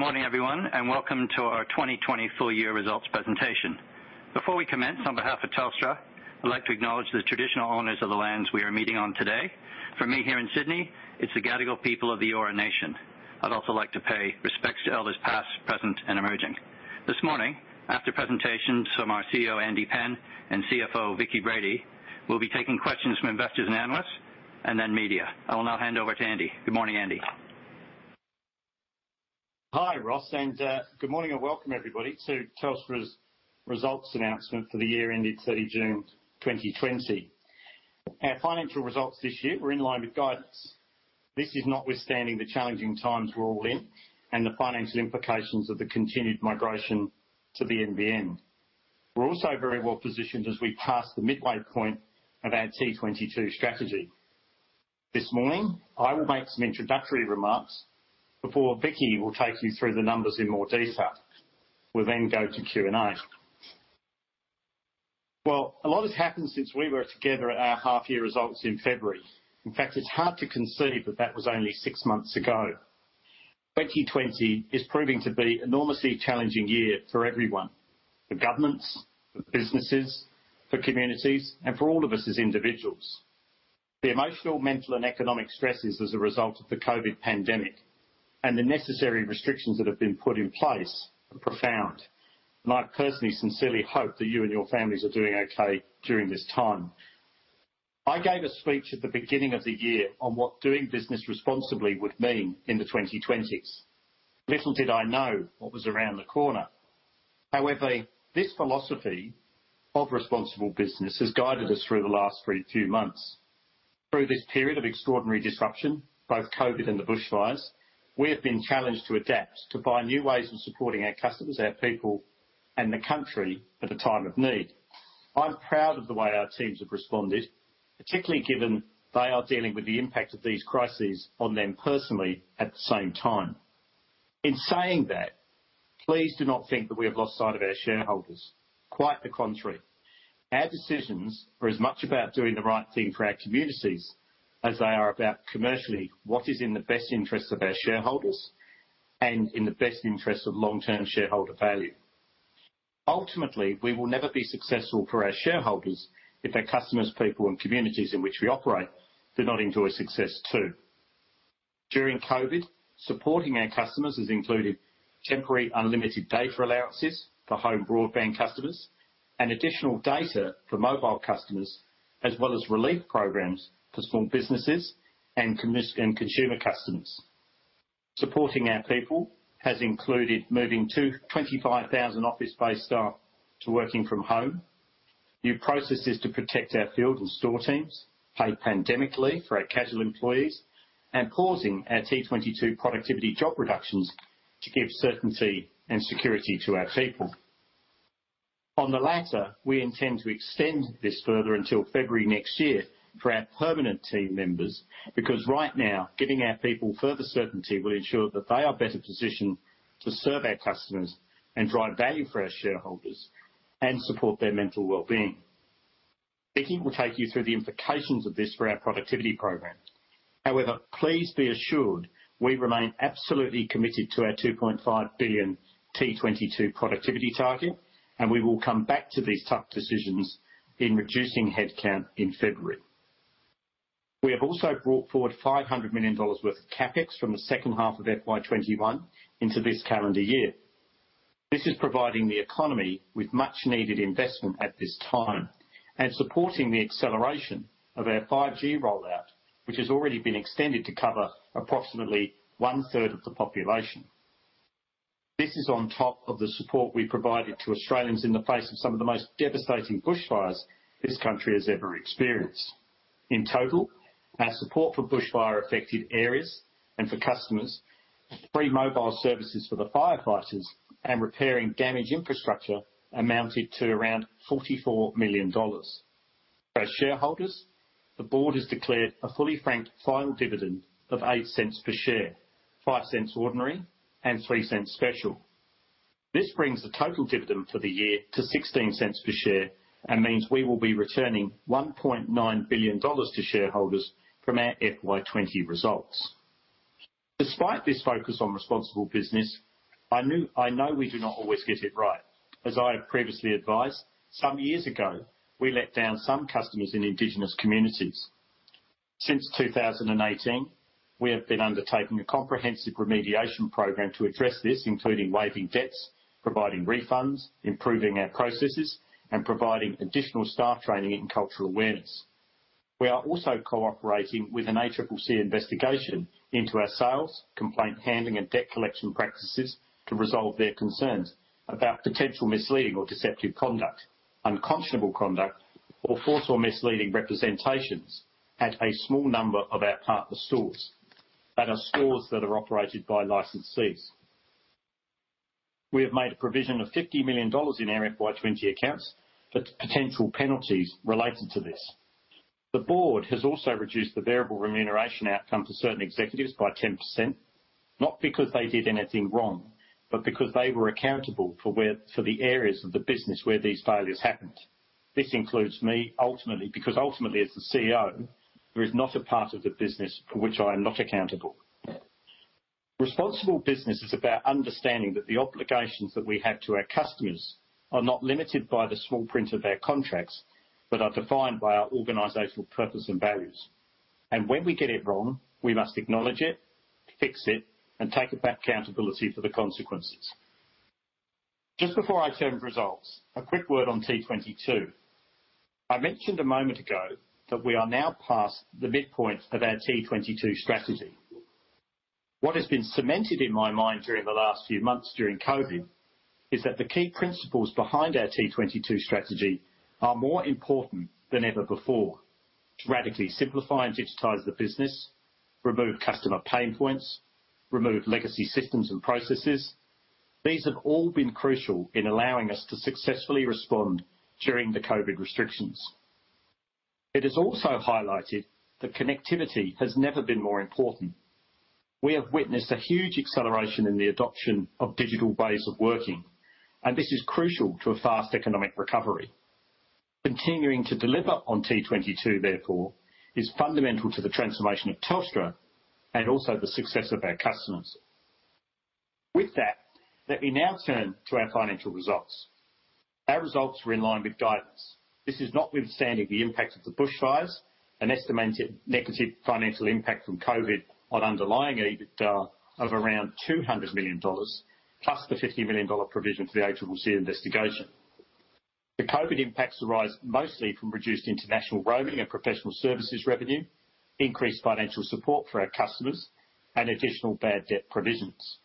Good morning, everyone, and welcome to our 2020 full year results presentation. Before we commence, on behalf of Telstra, I'd like to acknowledge the traditional owners of the lands we are meeting on today. For me, here in Sydney, it's the Gadigal people of the Eora nation. I'd also like to pay respects to elders past, present, and emerging. This morning, after presentations from our CEO, Andy Penn, and CFO, Vicki Brady, we'll be taking questions from investors and analysts, and then media. I will now hand over to Andy. Good morning, Andy. Hi, Ross, and good morning and welcome everybody to Telstra's results announcement for the year ending 30 June 2020. Our financial results this year were in line with guidance. This is notwithstanding the challenging times we're all in and the financial implications of the continued migration to the NBN. We're also very well positioned as we pass the midway point of our T22 strategy. This morning, I will make some introductory remarks before Vicki will take you through the numbers in more detail. We'll then go to Q&A. Well, a lot has happened since we were together at our half year results in February. In fact, it's hard to conceive that that was only six months ago. 2020 is proving to be enormously challenging year for everyone, for governments, for businesses, for communities, and for all of us as individuals. The emotional, mental, and economic stresses as a result of the COVID pandemic and the necessary restrictions that have been put in place are profound, and I personally, sincerely hope that you and your families are doing okay during this time. I gave a speech at the beginning of the year on what doing business responsibly would mean in the 2020s. Little did I know what was around the corner. However, this philosophy of responsible business has guided us through the last few months. Through this period of extraordinary disruption, both COVID and the bushfires, we have been challenged to adapt, to find new ways of supporting our customers, our people, and the country at a time of need. I'm proud of the way our teams have responded, particularly given they are dealing with the impact of these crises on them personally at the same time. In saying that, please do not think that we have lost sight of our shareholders. Quite the contrary. Our decisions are as much about doing the right thing for our communities as they are about commercially, what is in the best interest of our shareholders and in the best interest of long-term shareholder value. Ultimately, we will never be successful for our shareholders if our customers, people, and communities in which we operate do not enjoy success, too. During COVID, supporting our customers has included temporary, unlimited data allowances for home broadband customers and additional data for mobile customers, as well as relief programs for small businesses and commercial and consumer customers. Supporting our people has included moving 25,000 office-based staff to working from home, new processes to protect our field and store teams, pandemic pay for our casual employees, and pausing our T22 productivity job reductions to give certainty and security to our people. On the latter, we intend to extend this further until February next year for our permanent team members, because right now, giving our people further certainty will ensure that they are better positioned to serve our customers and drive value for our shareholders and support their mental wellbeing. Vicki will take you through the implications of this for our productivity program. However, please be assured, we remain absolutely committed to our 2.5 billion T22 productivity target, and we will come back to these tough decisions in reducing headcount in February. We have also brought forward AUD 500 million worth of CapEx from the second half of FY21 into this calendar year. This is providing the economy with much needed investment at this time and supporting the acceleration of our 5G rollout, which has already been extended to cover approximately one third of the population. This is on top of the support we provided to Australians in the face of some of the most devastating bushfires this country has ever experienced. In total, our support for bushfire-affected areas and for customers, free mobile services for the firefighters, and repairing damaged infrastructure amounted to around 44 million dollars. For our shareholders, the board has declared a fully franked final dividend of 0.08 per share, 0.05 ordinary and 0.03 special. This brings the total dividend for the year to 0.16 per share, and means we will be returning 1.9 billion dollars to shareholders from our FY20 results. Despite this focus on responsible business, I know we do not always get it right. As I have previously advised, some years ago, we let down some customers in Indigenous communities. Since 2018, we have been undertaking a comprehensive remediation program to address this, including waiving debts, providing refunds, improving our processes, and providing additional staff training and cultural awareness. We are also cooperating with an ACCC investigation into our sales, complaint handling, and debt collection practices to resolve their concerns about potential misleading or deceptive conduct, unconscionable conduct, or false or misleading representations at a small number of our partner stores, that are stores that are operated by licensees. We have made a provision of 50 million dollars in our FY20 accounts for potential penalties related to this. The board has also reduced the variable remuneration outcome for certain executives by 10%, not because they did anything wrong, but because they were accountable for the areas of the business where these failures happened. This includes me, ultimately, because ultimately, as the CEO, there is not a part of the business for which I am not accountable. Responsible business is about understanding that the obligations that we have to our customers are not limited by the small print of our contracts, but are defined by our organizational purpose and values. When we get it wrong, we must acknowledge it, fix it, and take back accountability for the consequences. Just before I turn to results, a quick word on T22. I mentioned a moment ago that we are now past the midpoint of our T22 strategy. What has been cemented in my mind during the last few months during COVID, is that the key principles behind our T22 strategy are more important than ever before. To radically simplify and digitize the business, remove customer pain points, remove legacy systems and processes. These have all been crucial in allowing us to successfully respond during the COVID restrictions. It has also highlighted that connectivity has never been more important. We have witnessed a huge acceleration in the adoption of digital ways of working, and this is crucial to a fast economic recovery. Continuing to deliver on T22, therefore, is fundamental to the transformation of Telstra and also the success of our customers. With that, let me now turn to our financial results. Our results were in line with guidance. This is notwithstanding the impact of the bushfires, an estimated negative financial impact from COVID on underlying EBITDA of around 200 million dollars, plus the 50 million dollar provision for the ACCC investigation. The COVID impacts arise mostly from reduced international roaming and professional services revenue, increased financial support for our customers, and additional bad debt provisions.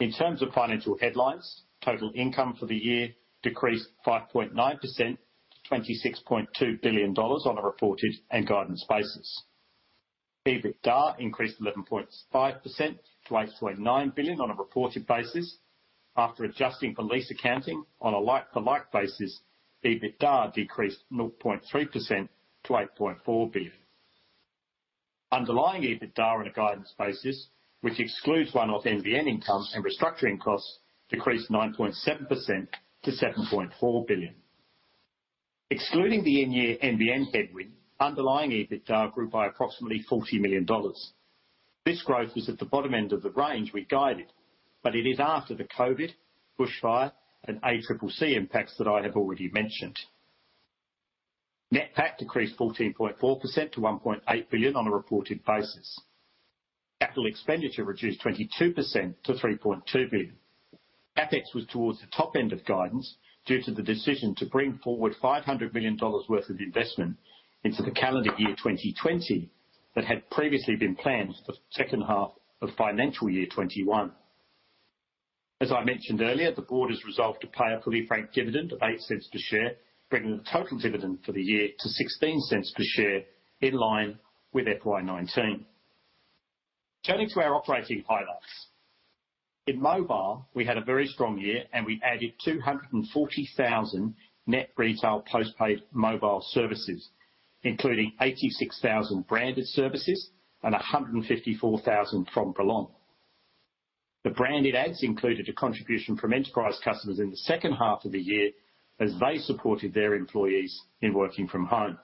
In terms of financial headlines, total income for the year decreased 5.9% to 26.2 billion dollars on a reported and guidance basis. EBITDA increased 11.5% to 8.9 billion on a reported basis. After adjusting for lease accounting on a like-to-like basis, EBITDA decreased 0.3% to 8.4 billion. Underlying EBITDA on a guidance basis, which excludes one-off NBN income and restructuring costs, decreased 9.7% to AUD 7.4 billion. Excluding the in-year NBN headwind, underlying EBITDA grew by approximately 40 million dollars. This growth was at the bottom end of the range we guided, but it is after the COVID, bushfire, and ACCC impacts that I have already mentioned. Net PAT decreased 14.4% to 1.8 billion on a reported basis. Capital expenditure reduced 22% to 3.2 billion. CapEx was towards the top end of guidance, due to the decision to bring forward 500 million dollars worth of investment into the calendar year 2020, that had previously been planned for the second half of financial year 2021. As I mentioned earlier, the board has resolved to pay a fully franked dividend of 0.08 per share, bringing the total dividend for the year to 0.16 per share, in line with FY19. Turning to our operating highlights. In Mobile, we had a very strong year, and we added 240,000 net retail postpaid mobile services, including 86,000 branded services and 154,000 from Belong. The branded adds included a contribution from enterprise customers in the second half of the year, as they supported their employees in working from home.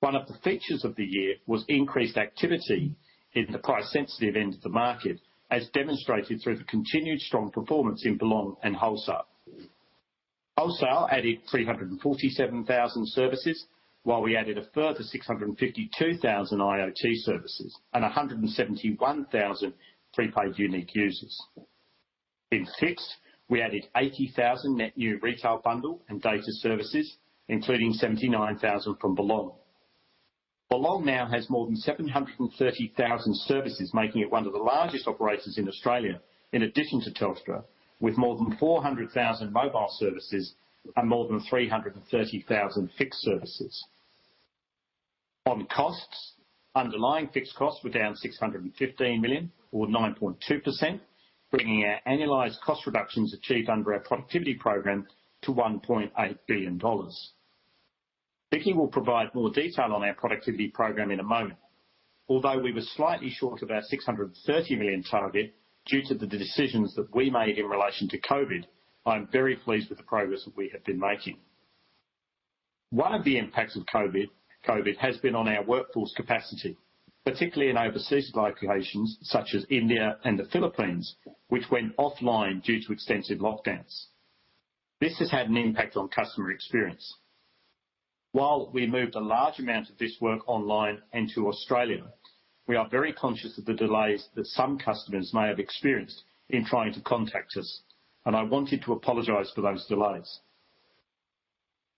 One of the features of the year was increased activity in the price-sensitive end of the market, as demonstrated through the continued strong performance in Belong and Wholesale. Wholesale added 347,000 services, while we added a further 652,000 IoT services and 171,000 prepaid unique users. In Fixed, we added 80,000 net new retail bundle and data services, including 79,000 from Belong. Belong now has more than 730,000 services, making it one of the largest operators in Australia, in addition to Telstra, with more than 400,000 mobile services and more than 330,000 fixed services. On costs, underlying fixed costs were down 615 million, or 9.2%, bringing our annualized cost reductions achieved under our productivity program to AUD 1.8 billion. Vicki will provide more detail on our productivity program in a moment. Although we were slightly short of our 630 million target due to the decisions that we made in relation to COVID, I'm very pleased with the progress that we have been making. One of the impacts of COVID has been on our workforce capacity, particularly in overseas locations such as India and the Philippines, which went offline due to extensive lockdowns. This has had an impact on customer experience. While we moved a large amount of this work online and to Australia, we are very conscious of the delays that some customers may have experienced in trying to contact us, and I wanted to apologize for those delays.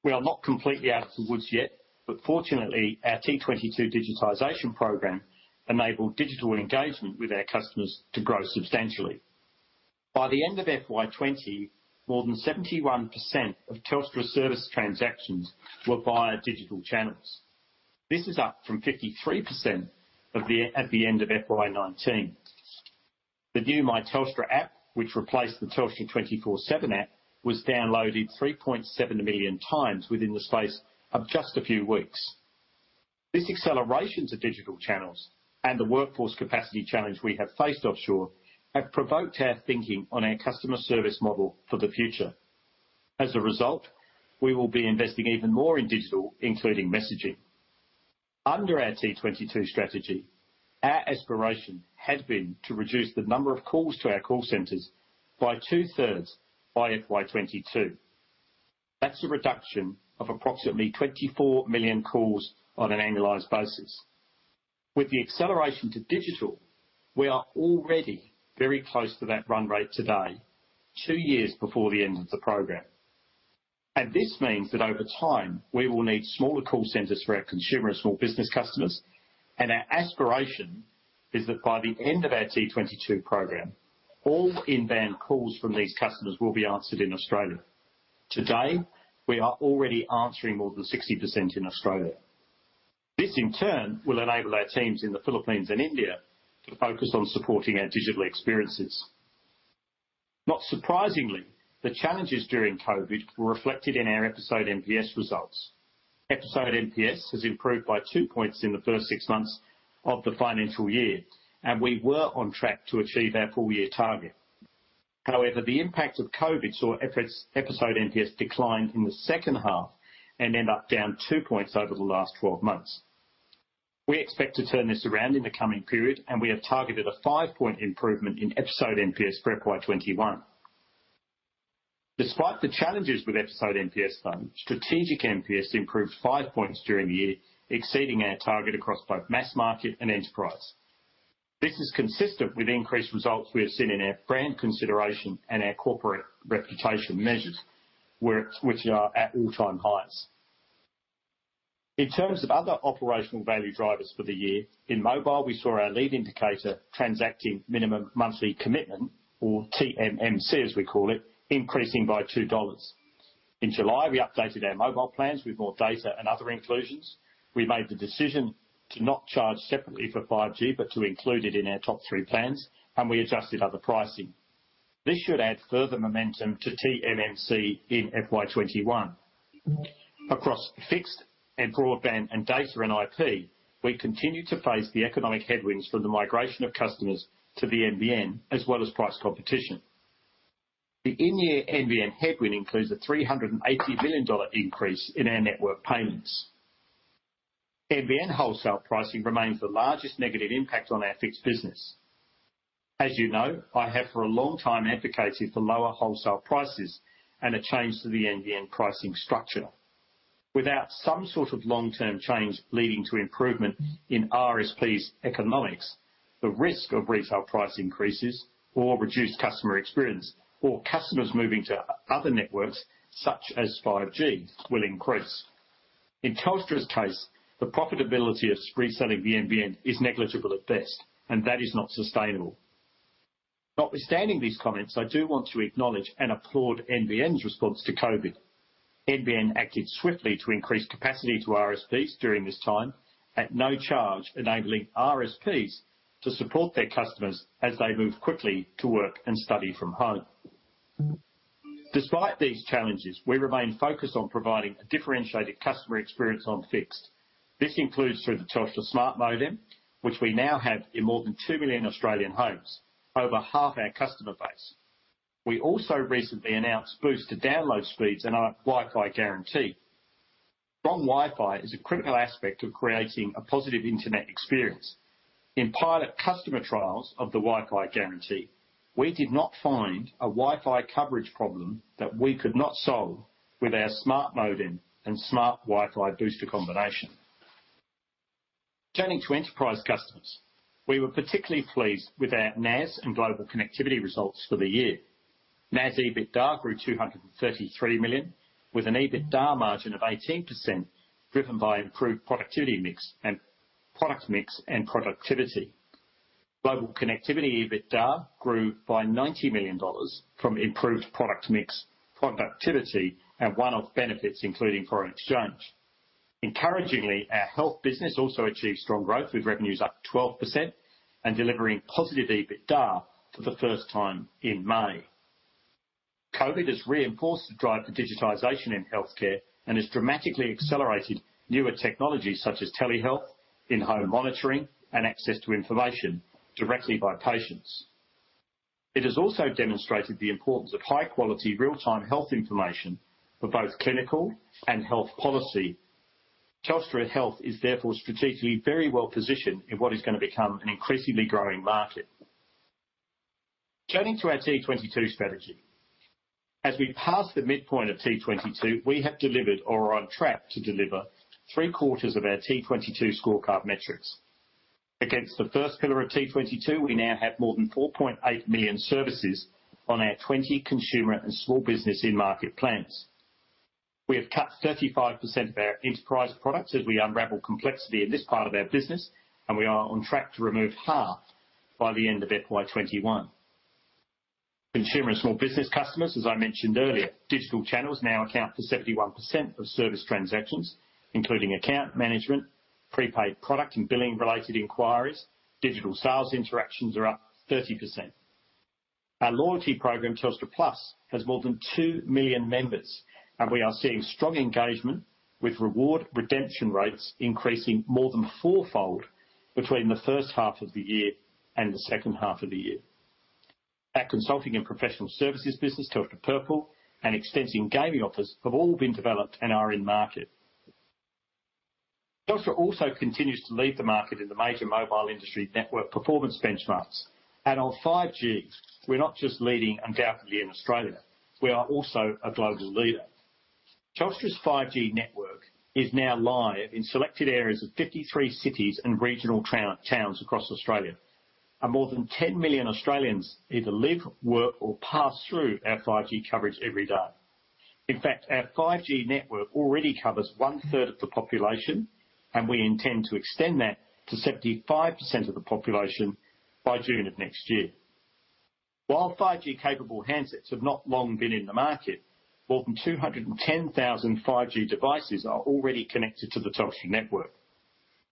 We are not completely out of the woods yet, but fortunately, our T22 digitization program enabled digital engagement with our customers to grow substantially. By the end of FY20, more than 71% of Telstra service transactions were via digital channels. This is up from 53% at the end of FY19. The new My Telstra app, which replaced the Telstra 24x7 app, was downloaded 3.7 million times within the space of just a few weeks. This acceleration of digital channels and the workforce capacity challenge we have faced offshore have provoked our thinking on our customer service model for the future. As a result, we will be investing even more in digital, including messaging. Under our T22 strategy, our aspiration had been to reduce the number of calls to our call centers by two-thirds by FY22. That's a reduction of approximately 24 million calls on an annualized basis. With the acceleration to digital, we are already very close to that run rate today, 2 years before the end of the program. This means that over time, we will need smaller call centers for our consumer and small business customers, and our aspiration is that by the end of our T22 program, all inbound calls from these customers will be answered in Australia. Today, we are already answering more than 60% in Australia. This, in turn, will enable our teams in the Philippines and India to focus on supporting our digital experiences. Not surprisingly, the challenges during COVID were reflected in our episode NPS results. Episode NPS has improved by two points in the first six months of the financial year, and we were on track to achieve our full year target. However, the impact of COVID saw episode NPS decline in the second half and end up down two points over the last 12 months. We expect to turn this around in the coming period, and we have targeted a five-point improvement in episode NPS for FY21. Despite the challenges with episode NPS, though, strategic NPS improved five points during the year, exceeding our target across both mass market and enterprise. This is consistent with increased results we have seen in our brand consideration and our corporate reputation measures, where, which are at all-time highs. In terms of other operational value drivers for the year, in mobile, we saw our lead indicator, transacting minimum monthly commitment, or TMMC, as we call it, increasing by 2 dollars. In July, we updated our mobile plans with more data and other inclusions. We made the decision to not charge separately for 5G, but to include it in our top three plans, and we adjusted other pricing. This should add further momentum to TMMC in FY21. Across fixed and broadband and data and IP, we continue to face the economic headwinds from the migration of customers to the NBN, as well as price competition. The in-year NBN headwind includes an AUD 380 million increase in our network payments. NBN wholesale pricing remains the largest negative impact on our fixed business. As you know, I have, for a long time, advocated for lower wholesale prices and a change to the NBN pricing structure. Without some sort of long-term change leading to improvement in RSPs economics, the risk of retail price increases or reduced customer experience, or customers moving to other networks, such as 5G, will increase. In Telstra's case, the profitability of reselling the NBN is negligible at best, and that is not sustainable. Notwithstanding these comments, I do want to acknowledge and applaud NBN's response to COVID. NBN acted swiftly to increase capacity to RSPs during this time at no charge, enabling RSPs to support their customers as they move quickly to work and study from home. Despite these challenges, we remain focused on providing a differentiated customer experience on fixed. This includes through the Telstra Smart Modem, which we now have in more than 2 million Australian homes, over 1/2 our customer base. We also recently announced boosts to download speeds and our Wi-Fi Guarantee. Strong Wi-Fi is a critical aspect of creating a positive internet experience. In pilot customer trials of the Wi-Fi Guarantee, we did not find a Wi-Fi coverage problem that we could not solve with our Smart Modem and Smart Wi-Fi Booster combination. Turning to enterprise customers, we were particularly pleased with our NAS and global connectivity results for the year. NAS EBITDA grew 233 million, with an EBITDA margin of 18%, driven by improved productivity mix and product mix and productivity. Global connectivity EBITDA grew by 90 million dollars from improved product mix, productivity, and one-off benefits, including foreign exchange. Encouragingly, our health business also achieved strong growth, with revenues up 12% and delivering positive EBITDA for the first time in May. COVID has reinforced the drive to digitization in healthcare and has dramatically accelerated newer technologies such as telehealth, in-home monitoring, and access to information directly by patients. It has also demonstrated the importance of high-quality, real-time health information for both clinical and health policy. Telstra Health is therefore strategically very well positioned in what is going to become an increasingly growing market. Turning to our T22 strategy. As we pass the midpoint of T22, we have delivered or are on track to deliver three quarters of our T22 scorecard metrics. Against the first pillar of T22, we now have more than 4.8 million services on our 20 consumer and small business in-market plans. We have cut 35% of our enterprise products as we unravel complexity in this part of our business, and we are on track to remove 1/2 by the end of FY21. Consumer and small business customers, as I mentioned earlier, digital channels now account for 71% of service transactions, including account management, prepaid product and billing-related inquiries. Digital sales interactions are up 30%. Our loyalty program, Telstra Plus, has more than 2 million members, and we are seeing strong engagement with reward redemption rates increasing more than fourfold between the first half of the year and the second half of the year. Our consulting and professional services business, Telstra Purple, and extensive gaming offers have all been developed and are in market. Telstra also continues to lead the market in the major mobile industry network performance benchmarks. On 5G, we're not just leading undoubtedly in Australia, we are also a global leader. Telstra's 5G network is now live in selected areas of 53 cities and regional towns across Australia, and more than 10 million Australians either live, work, or pass through our 5G coverage every day. In fact, our 5G network already covers one third of the population, and we intend to extend that to 75% of the population by June of next year. While 5G-capable handsets have not long been in the market, more than 210,000 5G devices are already connected to the Telstra network.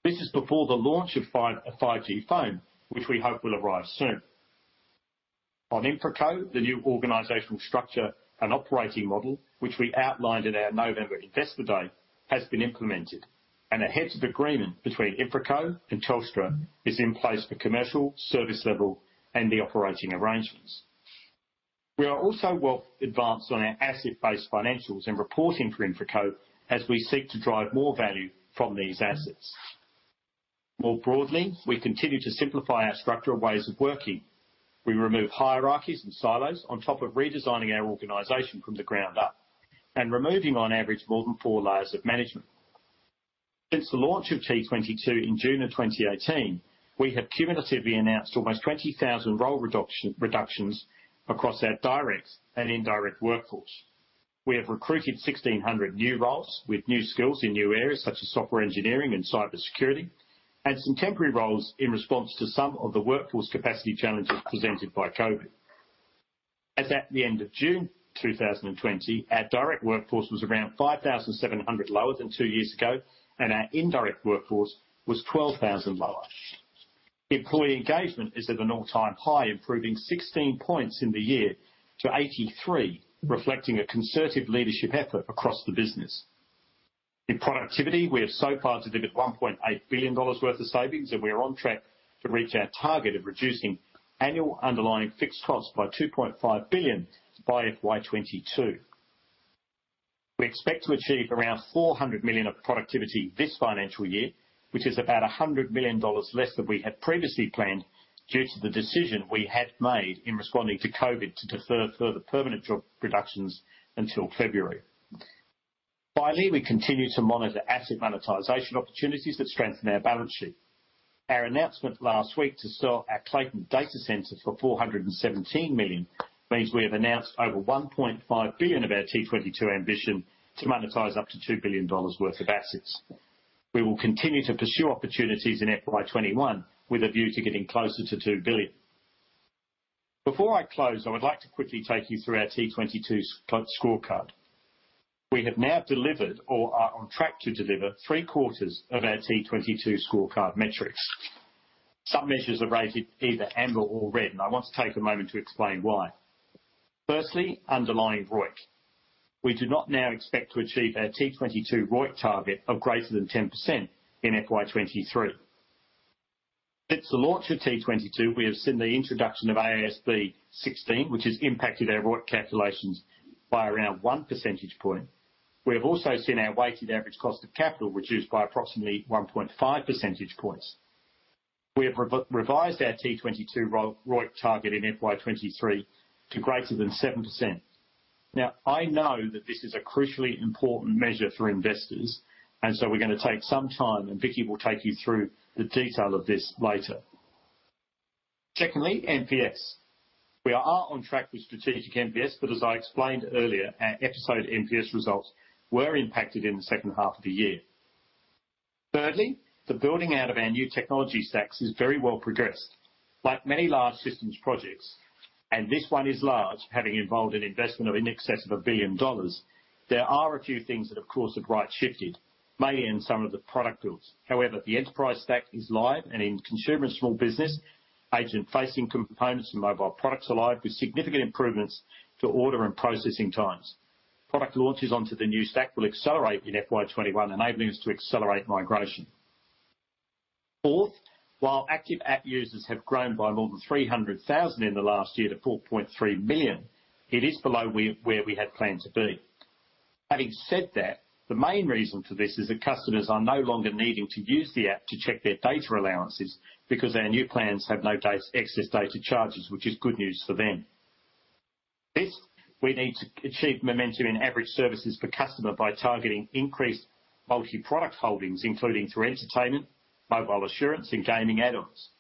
This is before the launch of the iPhone, a 5G phone, which we hope will arrive soon. On InfraCo, the new organizational structure and operating model, which we outlined in our November investor day, has been implemented, and a heads of agreement between InfraCo and Telstra is in place for commercial, service level, and the operating arrangements. We are also well advanced on our asset-based financials and reporting for InfraCo as we seek to drive more value from these assets. More broadly, we continue to simplify our structure and ways of working. We remove hierarchies and silos on top of redesigning our organization from the ground up and removing, on average, more than four layers of management. Since the launch of T22 in June 2018, we have cumulatively announced almost 20,000 role reductions across our direct and indirect workforce. We have recruited 1,600 new roles with new skills in new areas such as software engineering and cybersecurity, and some temporary roles in response to some of the workforce capacity challenges presented by Covid. As at the end of June 2020, our direct workforce was around 5,700 lower than two years ago, and our indirect workforce was 12,000 lower. Employee engagement is at an all-time high, improving 16 points in the year to 83, reflecting a concerted leadership effort across the business. In productivity, we have so far delivered 1.8 billion dollars worth of savings, and we are on track to reach our target of reducing annual underlying fixed costs by 2.5 billion by FY22. We expect to achieve around 400 million of productivity this financial year, which is about 100 million dollars less than we had previously planned due to the decision we had made in responding to COVID to defer further permanent job reductions until February. Finally, we continue to monitor asset monetization opportunities that strengthen our balance sheet. Our announcement last week to sell our Clayton data center for 417 million means we have announced over 1.5 billion of our T22 ambition to monetize up to 2 billion dollars worth of assets. We will continue to pursue opportunities in FY21, with a view to getting closer to 2 billion. Before I close, I would like to quickly take you through our T22 scorecard. We have now delivered or are on track to deliver three quarters of our T22 scorecard metrics. Some measures are rated either amber or red, and I want to take a moment to explain why. Firstly, underlying ROIC. We do not now expect to achieve our T22 ROIC target of greater than 10% in FY23. Since the launch of T22, we have seen the introduction of AASB 16, which has impacted our ROIC calculations by around 1 percentage point. We have also seen our weighted average cost of capital reduced by approximately 1.5 percentage points. We have revised our T22 ROIC target in FY23 to greater than 7%. Now, I know that this is a crucially important measure for investors, and so we're gonna take some time, and Vicki will take you through the detail of this later. Secondly, NPS. We are on track with strategic NPS, but as I explained earlier, our episode NPS results were impacted in the second half of the year. Thirdly, the building out of our new technology stacks is very well progressed. Like many large systems projects, and this one is large, having involved an investment of in excess of 1 billion dollars, there are a few things that, of course, have right-shifted, mainly in some of the product builds. However, the enterprise stack is live, and in consumer and small business, agent-facing components and mobile products are live with significant improvements to order and processing times. Product launches onto the new stack will accelerate in FY21, enabling us to accelerate migration. Fourth, while active app users have grown by more than 300,000 in the last year to 4.3 million, it is below where we had planned to be. Having said that, the main reason for this is that customers are no longer needing to use the app to check their data allowances because our new plans have no excess data charges, which is good news for them. Fifth, we need to achieve momentum in average services per customer by targeting increased multi-product holdings, including through entertainment, mobile assurance, and gaming add-ons.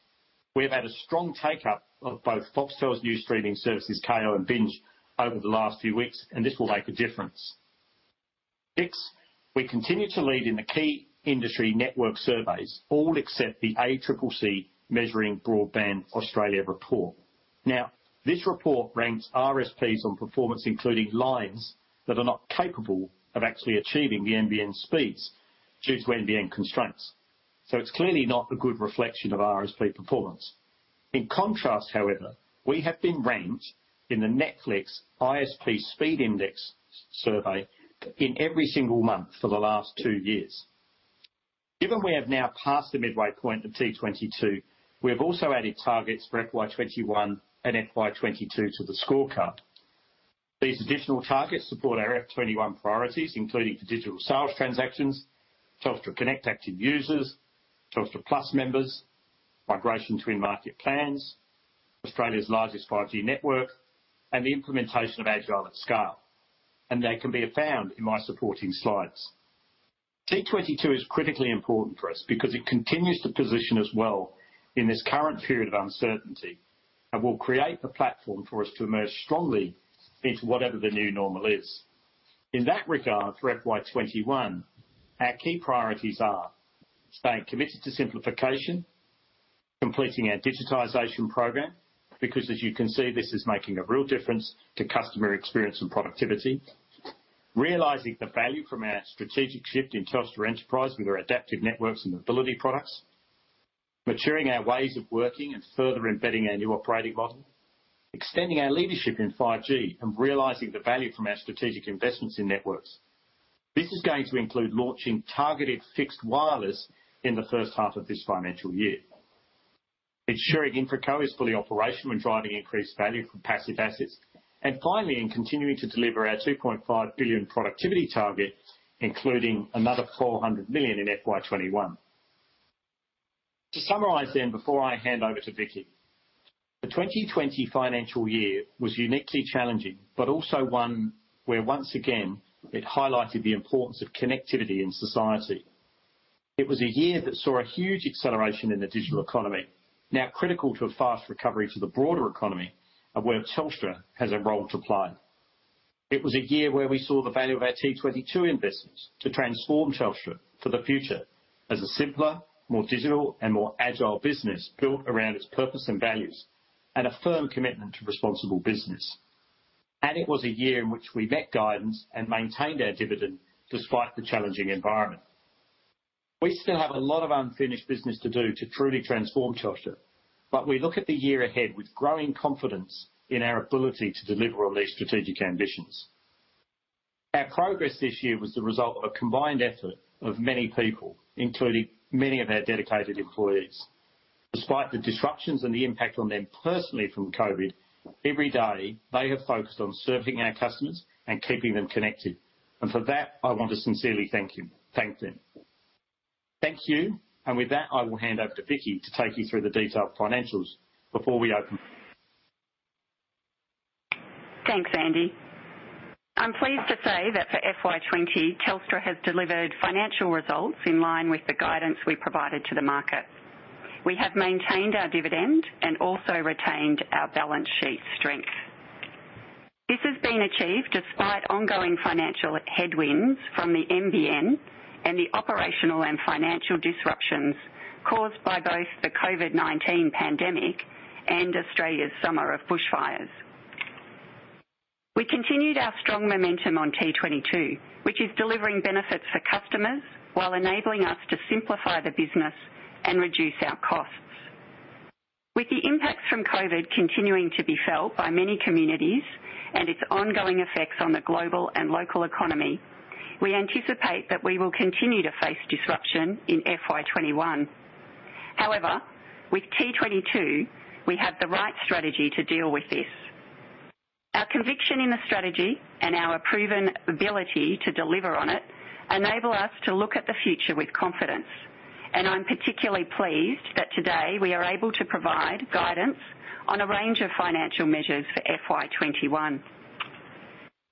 We have had a strong take-up of both Foxtel's new streaming services, Kayo and Binge, over the last few weeks, and this will make a difference. Six, we continue to lead in the key industry network surveys, all except the ACCC Measuring Broadband Australia report. Now, this report ranks ISPs on performance, including lines that are not capable of actually achieving the NBN speeds due to NBN constraints. So it's clearly not a good reflection of our ISP performance. In contrast, however, we have been ranked in the Netflix ISP Speed Index Survey in every single month for the last two years. Given we have now passed the midway point of T22, we have also added targets for FY21 and FY22 to the scorecard. These additional targets support our FY21 priorities, including the digital sales transactions, Telstra Connect active users, Telstra Plus members, migration to in-market plans, Australia's largest 5G network, and the implementation of agile at scale, and they can be found in my supporting slides. T22 is critically important for us because it continues to position us well in this current period of uncertainty, and will create the platform for us to emerge strongly into whatever the new normal is. In that regard, for FY21, our key priorities are staying committed to simplification, completing our digitization program, because as you can see, this is making a real difference to customer experience and productivity. Realizing the value from our strategic shift in Telstra Enterprise with our adaptive networks and mobility products. Maturing our ways of working and further embedding our new operating model. Extending our leadership in 5G and realizing the value from our strategic investments in networks. This is going to include launching targeted fixed wireless in the first half of this financial year. Ensuring InfraCo is fully operational and driving increased value from passive assets. And finally, in continuing to deliver our 2.5 billion productivity target, including another 400 million in FY21. To summarize then, before I hand over to Vicki, the 2020 financial year was uniquely challenging, but also one where once again, it highlighted the importance of connectivity in society. It was a year that saw a huge acceleration in the digital economy, now critical to a fast recovery to the broader economy, and where Telstra has a role to play. It was a year where we saw the value of our T22 investments to transform Telstra for the future as a simpler, more digital, and more agile business, built around its purpose and values, and a firm commitment to responsible business. It was a year in which we met guidance and maintained our dividend despite the challenging environment. We still have a lot of unfinished business to do to truly transform Telstra, but we look at the year ahead with growing confidence in our ability to deliver on these strategic ambitions. Our progress this year was the result of a combined effort of many people, including many of our dedicated employees. Despite the disruptions and the impact on them personally from COVID, every day, they have focused on serving our customers and keeping them connected, and for that, I want to sincerely thank them. Thank you, and with that, I will hand over to Vicki to take you through the detailed financials before we open. Thanks, Andy. I'm pleased to say that for FY20, Telstra has delivered financial results in line with the guidance we provided to the market. We have maintained our dividend and also retained our balance sheet strength. This has been achieved despite ongoing financial headwinds from the NBN and the operational and financial disruptions caused by both the COVID-19 pandemic and Australia's summer of bushfires. We continued our strong momentum on T22, which is delivering benefits for customers while enabling us to simplify the business and reduce our costs. With the impacts from COVID continuing to be felt by many communities and its ongoing effects on the global and local economy, we anticipate that we will continue to face disruption in FY21. However, with T22, we have the right strategy to deal with this. Our conviction in the strategy and our proven ability to deliver on it enable us to look at the future with confidence. I'm particularly pleased that today we are able to provide guidance on a range of financial measures for FY21.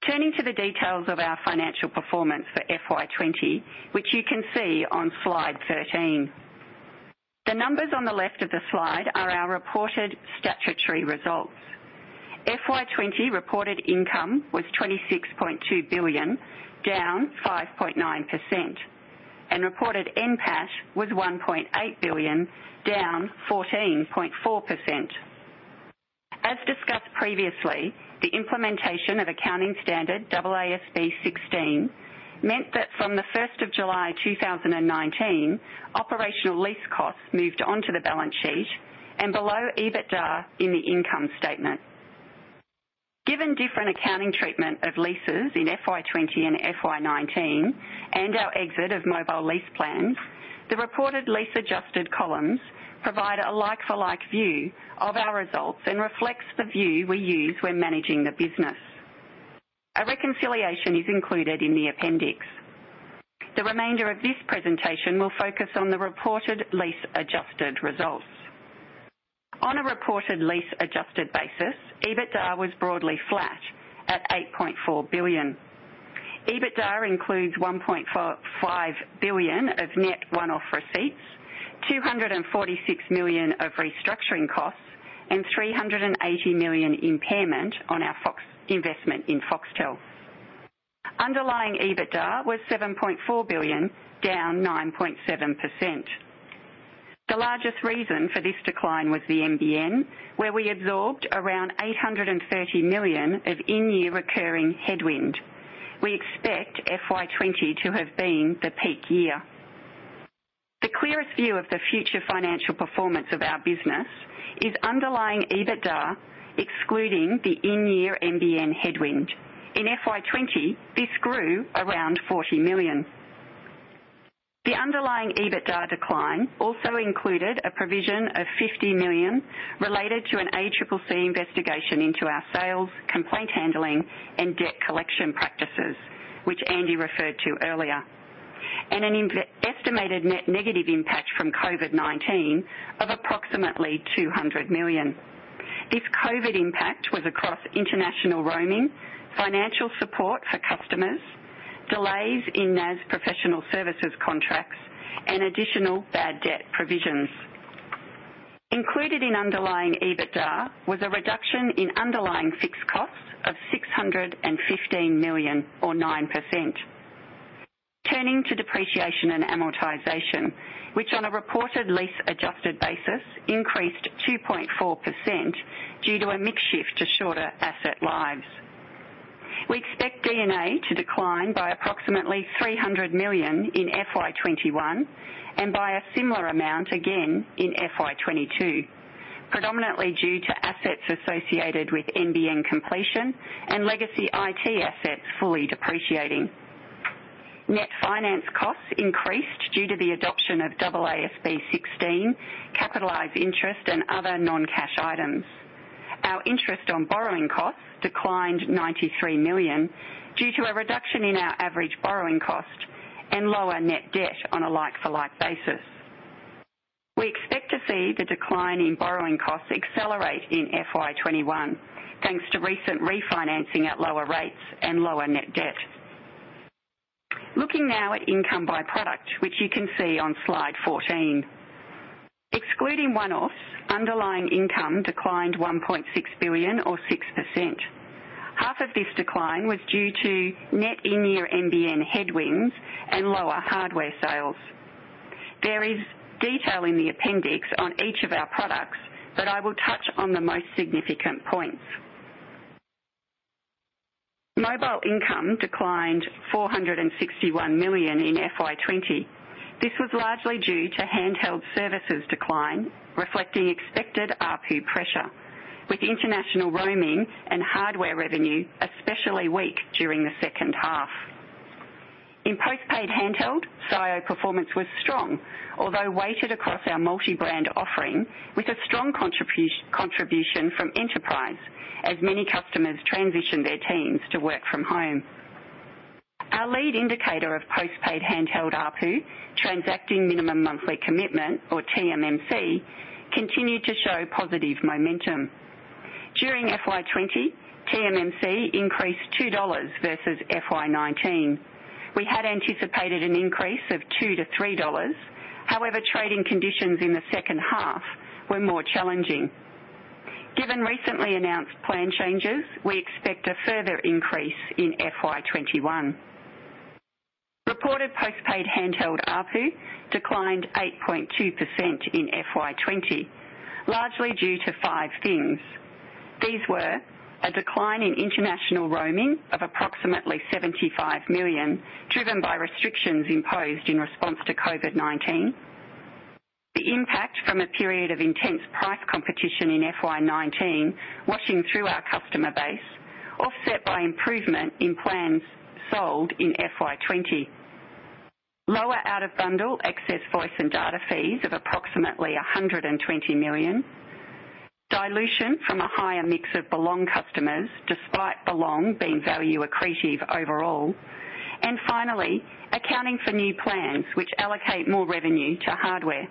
Turning to the details of our financial performance for FY20, which you can see on slide 13. The numbers on the left of the slide are our reported statutory results. FY20 reported income was 26.2 billion, down 5.9%, and reported NPAT was 1.8 billion, down 14.4%. As discussed previously, the implementation of accounting standard AASB 16 meant that from July 1, 2019, operational lease costs moved onto the balance sheet and below EBITDA in the income statement. Given different accounting treatment of leases in FY20 and FY19, and our exit of mobile lease plans, the reported lease-adjusted columns provide a like-for-like view of our results and reflects the view we use when managing the business. A reconciliation is included in the appendix. The remainder of this presentation will focus on the reported lease-adjusted results. On a reported lease-adjusted basis, EBITDA was broadly flat at 8.4 billion. EBITDA includes 1.5 billion of net one-off receipts, 246 million of restructuring costs, and 380 million impairment on our investment in Foxtel. Underlying EBITDA was 7.4 billion, down 9.7%. The largest reason for this decline was the NBN, where we absorbed around 830 million of in-year recurring headwind. We expect FY20 to have been the peak year. The clearest view of the future financial performance of our business is underlying EBITDA, excluding the in-year NBN headwind. In FY20, this grew around 40 million. The underlying EBITDA decline also included a provision of 50 million related to an ACCC investigation into our sales, complaint handling, and debt collection practices, which Andy referred to earlier, and an estimated net negative impact from COVID-19 of approximately 200 million. This COVID impact was across international roaming, financial support for customers, delays in NAS professional services contracts, and additional bad debt provisions. Included in underlying EBITDA was a reduction in underlying fixed costs of 615 million, or 9%. Turning to depreciation and amortization, which on a reported lease-adjusted basis, increased 2.4% due to a mix shift to shorter asset lives. We expect D&A to decline by approximately 300 million in FY21, and by a similar amount again in FY22, predominantly due to assets associated with NBN completion and legacy IT assets fully depreciating. Net finance costs increased due to the adoption of AASB 16, capitalized interest, and other non-cash items. Our interest on borrowing costs declined 93 million due to a reduction in our average borrowing cost and lower net debt on a like-for-like basis. We expect to see the decline in borrowing costs accelerate in FY21, thanks to recent refinancing at lower rates and lower net debt. Looking now at income by product, which you can see on slide 14. Excluding one-offs, underlying income declined 1.6 billion or 6%. Half of this decline was due to net in-year NBN headwinds and lower hardware sales. There is detail in the appendix on each of our products, but I will touch on the most significant points. Mobile income declined 461 million in FY20. This was largely due to handheld services decline, reflecting expected ARPU pressure, with international roaming and hardware revenue, especially weak during the second half. In postpaid handheld, SIO performance was strong, although weighted across our multi-brand offering, with a strong contribution from enterprise, as many customers transitioned their teams to work from home. Our lead indicator of postpaid handheld ARPU, Transacting Minimum Monthly Commitment, or TMMC, continued to show positive momentum. During20, TMMC increased 2 dollars versus FY 2019. We had anticipated an increase of 2-3 dollars. However, trading conditions in the second half were more challenging. Given recently announced plan changes, we expect a further increase in FY21. Reported postpaid handheld ARPU declined 8.2% in FY20, largely due to five things. These were a decline in international roaming of approximately 75 million, driven by restrictions imposed in response to COVID-19. The impact from a period of intense price competition in FY19, washing through our customer base, offset by improvement in plans sold in FY20. Lower out-of-bundle excess voice and data fees of approximately 120 million. Dilution from a higher mix of Belong customers, despite Belong being value accretive overall. And finally, accounting for new plans which allocate more revenue to hardware.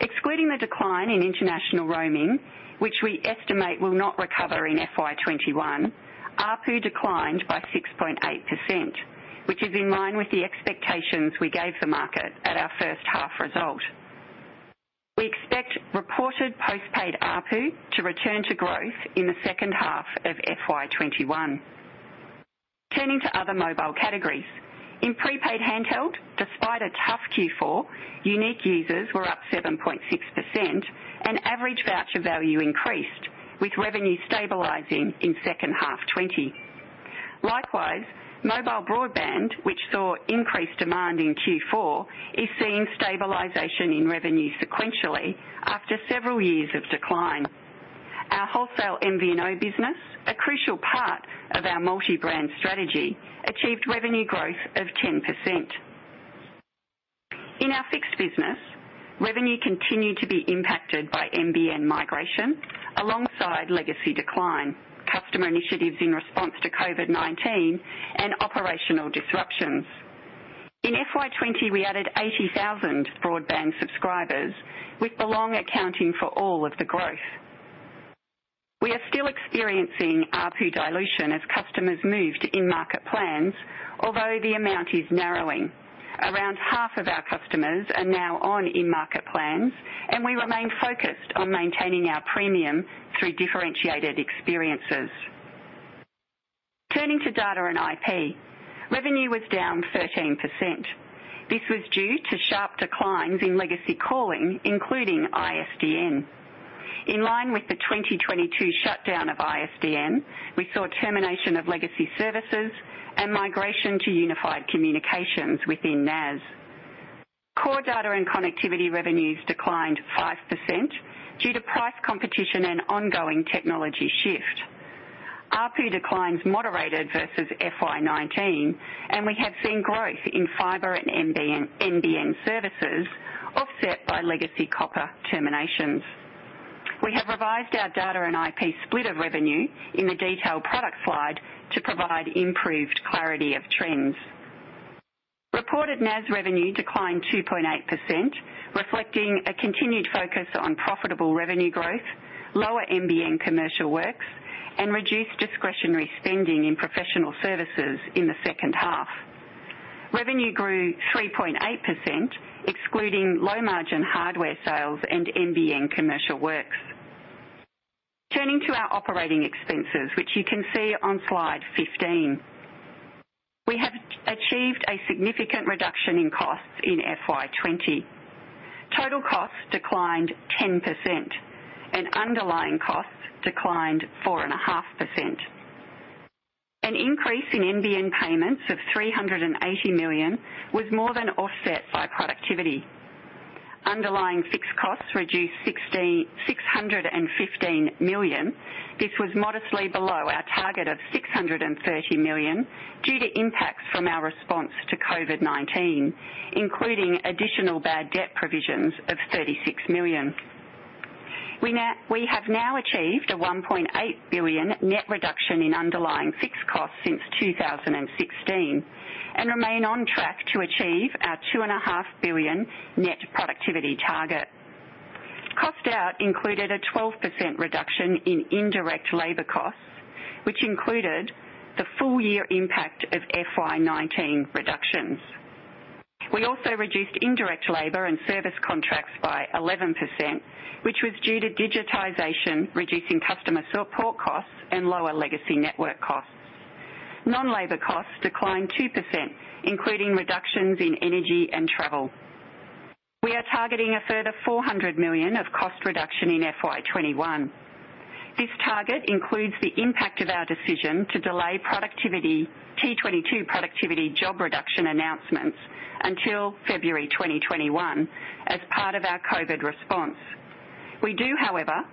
Excluding the decline in international roaming, which we estimate will not recover in FY21, ARPU declined by 6.8%, which is in line with the expectations we gave the market at our first half result. We expect reported postpaid ARPU to return to growth in the second half of FY21. Turning to other mobile categories. In prepaid handheld, despite a tough Q4, unique users were up 7.6%, and average voucher value increased, with revenue stabilizing in second half 2020. Likewise, mobile broadband, which saw increased demand in Q4, is seeing stabilization in revenue sequentially after several years of decline. Our wholesale MVNO business, a crucial part of our multi-brand strategy, achieved revenue growth of 10%. In our fixed business, revenue continued to be impacted by NBN migration alongside legacy decline, customer initiatives in response to COVID-19, and operational disruptions. In FY20, we added 80,000 broadband subscribers, with Belong accounting for all of the growth. We are still experiencing ARPU dilution as customers move to in-market plans, although the amount is narrowing. Around half of our customers are now on in-market plans, and we remain focused on maintaining our premium through differentiated experiences. Turning to data and IP, revenue was down 13%. This was due to sharp declines in legacy calling, including ISDN. In line with the 2022 shutdown of ISDN, we saw termination of legacy services and migration to unified communications within NAS. Core data and connectivity revenues declined 5% due to price competition and ongoing technology shift. ARPU declines moderated versus FY19, and we have seen growth in fibre and NBN, NBN services offset by legacy copper terminations. We have revised our data and IP split of revenue in the detailed product slide to provide improved clarity of trends. Reported NAS revenue declined 2.8%, reflecting a continued focus on profitable revenue growth, lower NBN commercial works, and reduced discretionary spending in professional services in the second half. Revenue grew 3.8%, excluding low margin hardware sales and NBN commercial works. Turning to our operating expenses, which you can see on slide 15. We have achieved a significant reduction in costs in FY20. Total costs declined 10%, and underlying costs declined 4.5%. An increase in NBN payments of 380 million was more than offset by productivity. Underlying fixed costs reduced 615 million. This was modestly below our target of 630 million due to impacts from our response to COVID-19, including additional bad debt provisions of 36 million. We have now achieved an 1.8 billion net reduction in underlying fixed costs since 2016, and remain on track to achieve our 2.5 billion net productivity target. Cost out included a 12% reduction in indirect labor costs, which included the full year impact of FY19 reductions. We also reduced indirect labor and service contracts by 11%, which was due to digitization, reducing customer support costs, and lower legacy network costs. Non-labor costs declined 2%, including reductions in energy and travel. We are targeting a further 400 million of cost reduction in FY21. This target includes the impact of our decision to delay productivity, T22 productivity job reduction announcements until February 2021, as part of our COVID response. We do, however,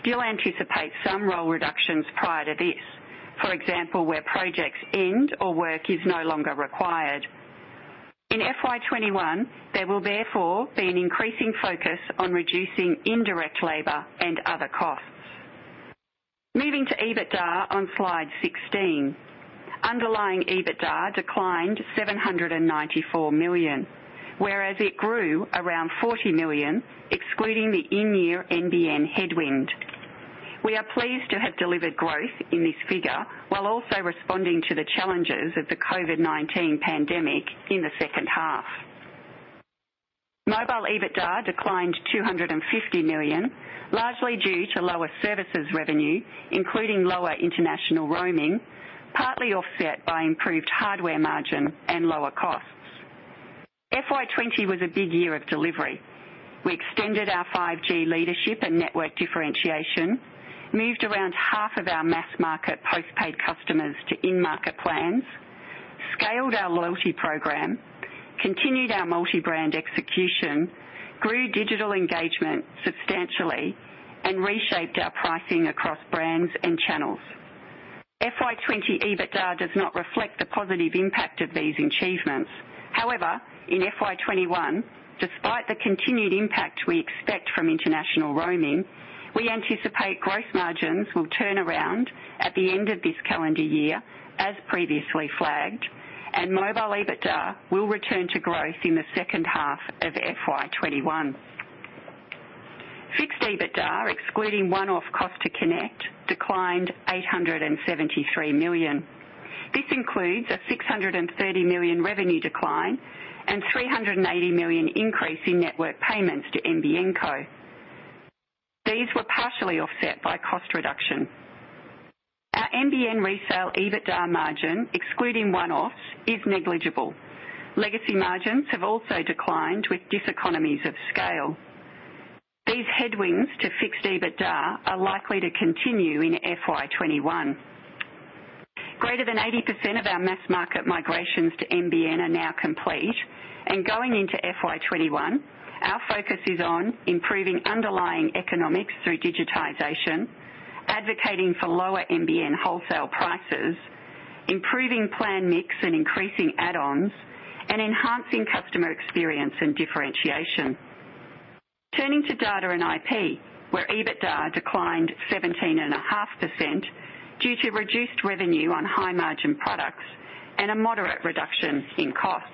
still anticipate some role reductions prior to this. For example, where projects end or work is no longer required. In FY21, there will therefore be an increasing focus on reducing indirect labor and other costs. Moving to EBITDA on slide 16. Underlying EBITDA declined 794 million, whereas it grew around 40 million, excluding the in-year NBN headwind. We are pleased to have delivered growth in this figure, while also responding to the challenges of the COVID-19 pandemic in the second half. Mobile EBITDA declined 250 million, largely due to lower services revenue, including lower international roaming, partly offset by improved hardware margin and lower costs. FY20 was a big year of delivery. We extended our 5G leadership and network differentiation, moved around 1/2 of our mass market post-paid customers to in-market plans, scaled our loyalty program, continued our multi-brand execution, grew digital engagement substantially, and reshaped our pricing across brands and channels. FY20 EBITDA does not reflect the positive impact of these achievements. However, in FY21, despite the continued impact we expect from international roaming, we anticipate growth margins will turn around at the end of this calendar year, as previously flagged, and mobile EBITDA will return to growth in the second half of FY21. Fixed EBITDA, excluding one-off cost to connect, declined 873 million. This includes a 630 million revenue decline and 380 million increase in network payments to NBN Co. These were partially offset by cost reduction. Our NBN resale EBITDA margin, excluding one-offs, is negligible. Legacy margins have also declined with diseconomies of scale. These headwinds to fixed EBITDA are likely to continue in FY21. Greater than 80% of our mass market migrations to NBN are now complete, and going into FY21, our focus is on improving underlying economics through digitization, advocating for lower NBN wholesale prices, improving plan mix and increasing add-ons, and enhancing customer experience and differentiation. Turning to data and IP, where EBITDA declined 17.5% due to reduced revenue on high-margin products and a moderate reduction in costs.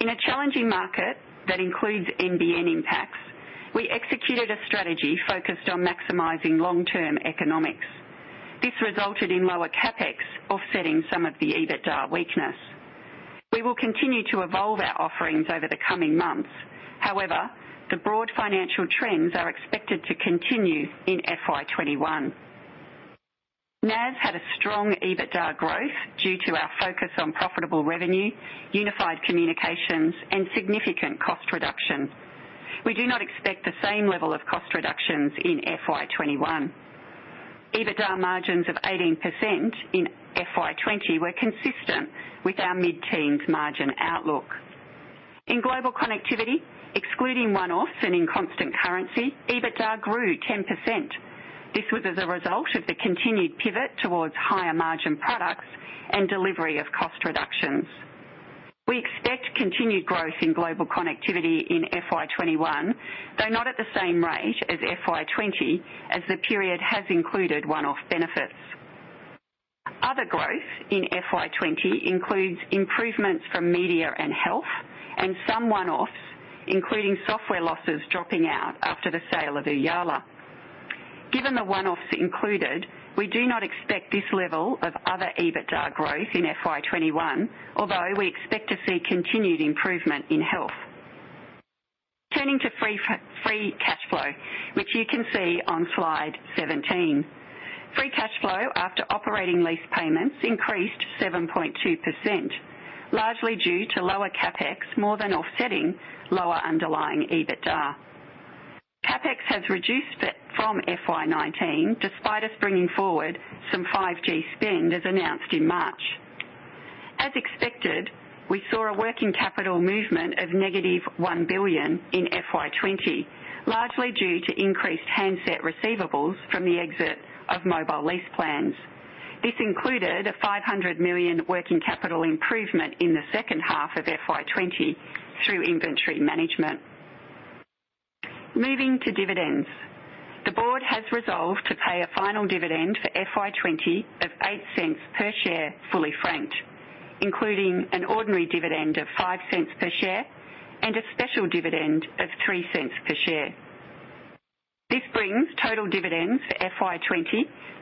In a challenging market that includes NBN impacts, we executed a strategy focused on maximizing long-term economics. This resulted in lower CapEx, offsetting some of the EBITDA weakness. We will continue to evolve our offerings over the coming months. However, the broad financial trends are expected to continue in FY21. NAS had a strong EBITDA growth due to our focus on profitable revenue, unified communications, and significant cost reduction. We do not expect the same level of cost reductions in FY21. EBITDA margins of 18% in FY20 were consistent with our mid-teens margin outlook. In Global Connectivity, excluding one-offs and in constant currency, EBITDA grew 10%. This was as a result of the continued pivot towards higher margin products and delivery of cost reductions. We expect continued growth in Global Connectivity in FY21, though not at the same rate as FY20, as the period has included one-off benefits. Other growth in FY20 includes improvements from media and health, and some one-offs, including software losses dropping out after the sale of Ooyala. Given the one-offs included, we do not expect this level of other EBITDA growth in FY21, although we expect to see continued improvement in health. Turning to free cash flow, which you can see on slide 17. Free cash flow after operating lease payments increased 7.2%, largely due to lower CapEx, more than offsetting lower underlying EBITDA. CapEx has reduced it from FY19, despite us bringing forward some 5G spend, as announced in March. As expected, we saw a working capital movement of -1 billion in FY20, largely due to increased handset receivables from the exit of mobile lease plans. This included a 500 million working capital improvement in the second half of FY20 through inventory management. Moving to dividends. The board has resolved to pay a final dividend for FY20 of 0.08 per share, fully franked, including an ordinary dividend of 0.05 per share and a special dividend of 0.03 per share. This brings total dividends for FY20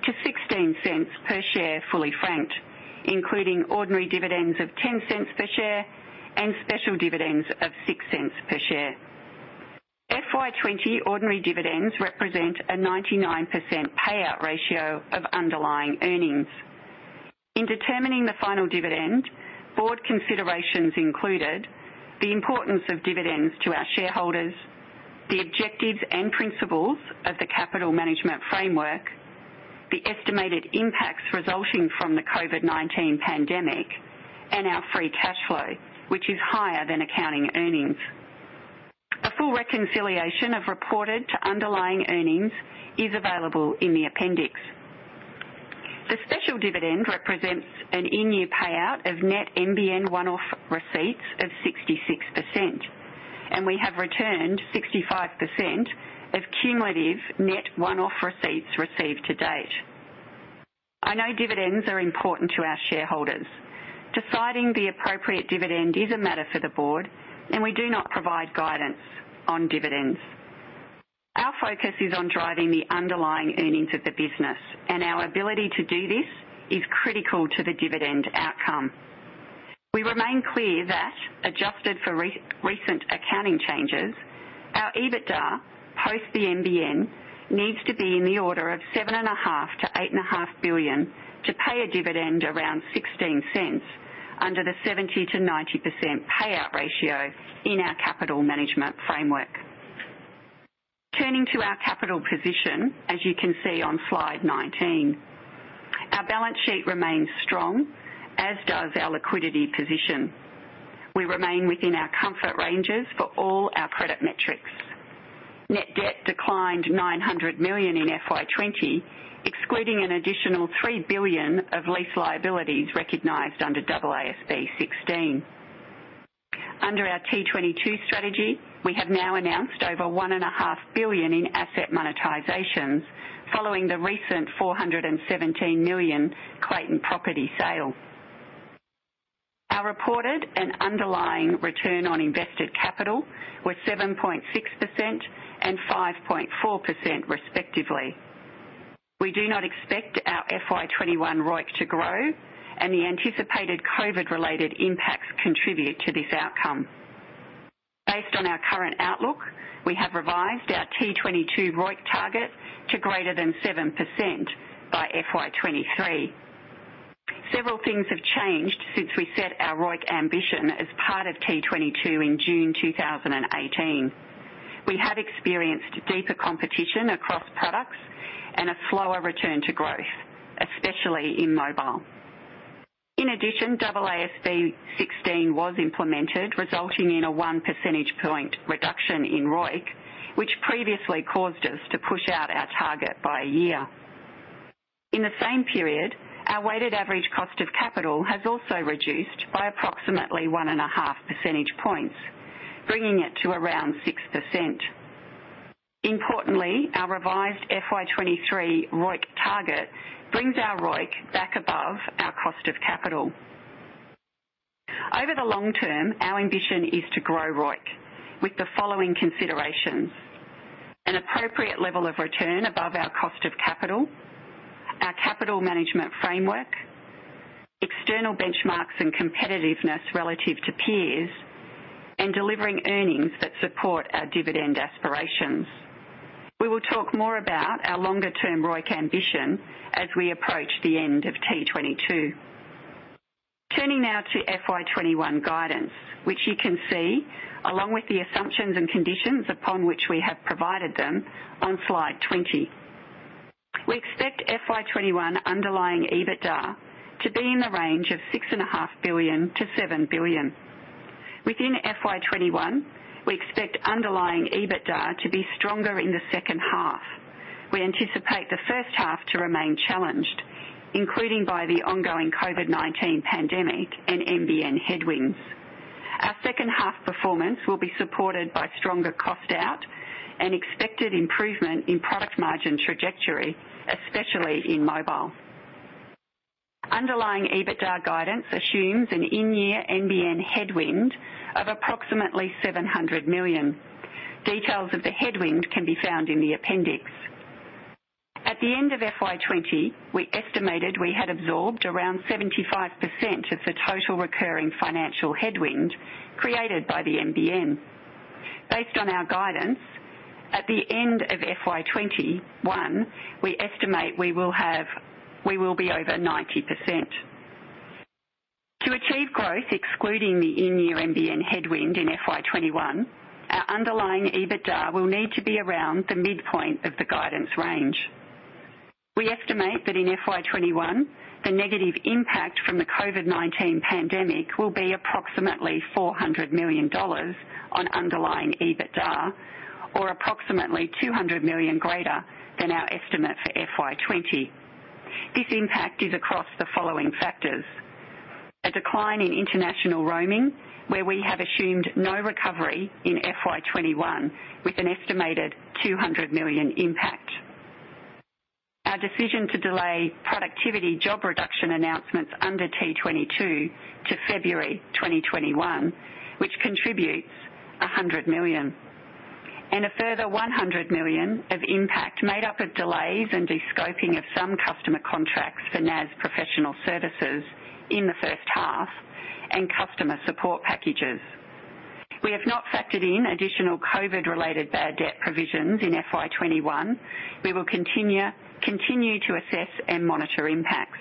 to 0.16 per share, fully franked, including ordinary dividends of 0.10 per share and special dividends of 0.06 per share. FY20 ordinary dividends represent a 99% payout ratio of underlying earnings. In determining the final dividend, board considerations included the importance of dividends to our shareholders, the objectives and principles of the capital management framework, the estimated impacts resulting from the COVID-19 pandemic, and our free cash flow, which is higher than accounting earnings. A full reconciliation of reported to underlying earnings is available in the appendix. The special dividend represents an in-year payout of net NBN one-off receipts of 66%, and we have returned 65% of cumulative net one-off receipts received to date. I know dividends are important to our shareholders. Deciding the appropriate dividend is a matter for the board, and we do not provide guidance on dividends. Our focus is on driving the underlying earnings of the business, and our ability to do this is critical to the dividend outcome. We remain clear that, adjusted for recent accounting changes, our EBITDA, post the NBN, needs to be in the order of 7.5 billion-8.5 billion to pay a dividend around 0.16 under the 70%-90% payout ratio in our capital management framework. Turning to our capital position, as you can see on slide 19. Our balance sheet remains strong, as does our liquidity position. We remain within our comfort ranges for all our credit metrics. Net debt declined 900 million in FY20, excluding an additional 3 billion of lease liabilities recognized under AASB 16. Under our T22 strategy, we have now announced over 1.5 billion in asset monetizations following the recent 417 million Clayton property sale. Our reported and underlying return on invested capital were 7.6% and 5.4%, respectively. We do not expect our FY21 ROIC to grow, and the anticipated COVID-related impacts contribute to this outcome. Based on our current outlook, we have revised our T22 ROIC target to greater than 7% by FY23. Several things have changed since we set our ROIC ambition as part of T22 in June 2018. We have experienced deeper competition across products and a slower return to growth, especially in mobile. In addition, AASB 16 was implemented, resulting in a one percentage point reduction in ROIC, which previously caused us to push out our target by a year. In the same period, our weighted average cost of capital has also reduced by approximately 1.5 percentage points, bringing it to around 6%. Importantly, our revised FY23 ROIC target brings our ROIC back above our cost of capital. Over the long term, our ambition is to grow ROIC with the following considerations: An appropriate level of return above our cost of capital.... capital management framework, external benchmarks and competitiveness relative to peers, and delivering earnings that support our dividend aspirations. We will talk more about our longer-term ROIC ambition as we approach the end of T22. Turning now to FY21 guidance, which you can see along with the assumptions and conditions upon which we have provided them on slide 20. We expect FY21 underlying EBITDA to be in the range of 6.5 billion-7 billion. Within FY21, we expect underlying EBITDA to be stronger in the second half. We anticipate the first half to remain challenged, including by the ongoing COVID-19 pandemic and NBN headwinds. Our second half performance will be supported by stronger cost out and expected improvement in product margin trajectory, especially in mobile. Underlying EBITDA guidance assumes an in-year NBN headwind of approximately 700 million. Details of the headwind can be found in the appendix. At the end of FY20, we estimated we had absorbed around 75% of the total recurring financial headwind created by the NBN. Based on our guidance, at the end of FY21, we estimate we will be over 90%. To achieve growth, excluding the in-year NBN headwind in FY21, our underlying EBITDA will need to be around the midpoint of the guidance range. We estimate that in FY21, the negative impact from the COVID-19 pandemic will be approximately 400 million dollars on underlying EBITDA, or approximately 200 million greater than our estimate for FY20. This impact is across the following factors: A decline in international roaming, where we have assumed no recovery in FY21, with an estimated 200 million impact. Our decision to delay productivity job reduction announcements under T22 to February 2021, which contributes 100 million. A further 100 million of impact made up of delays and de-scoping of some customer contracts for NAS professional services in the first half and customer support packages. We have not factored in additional COVID-related bad debt provisions in FY21. We will continue to assess and monitor impacts.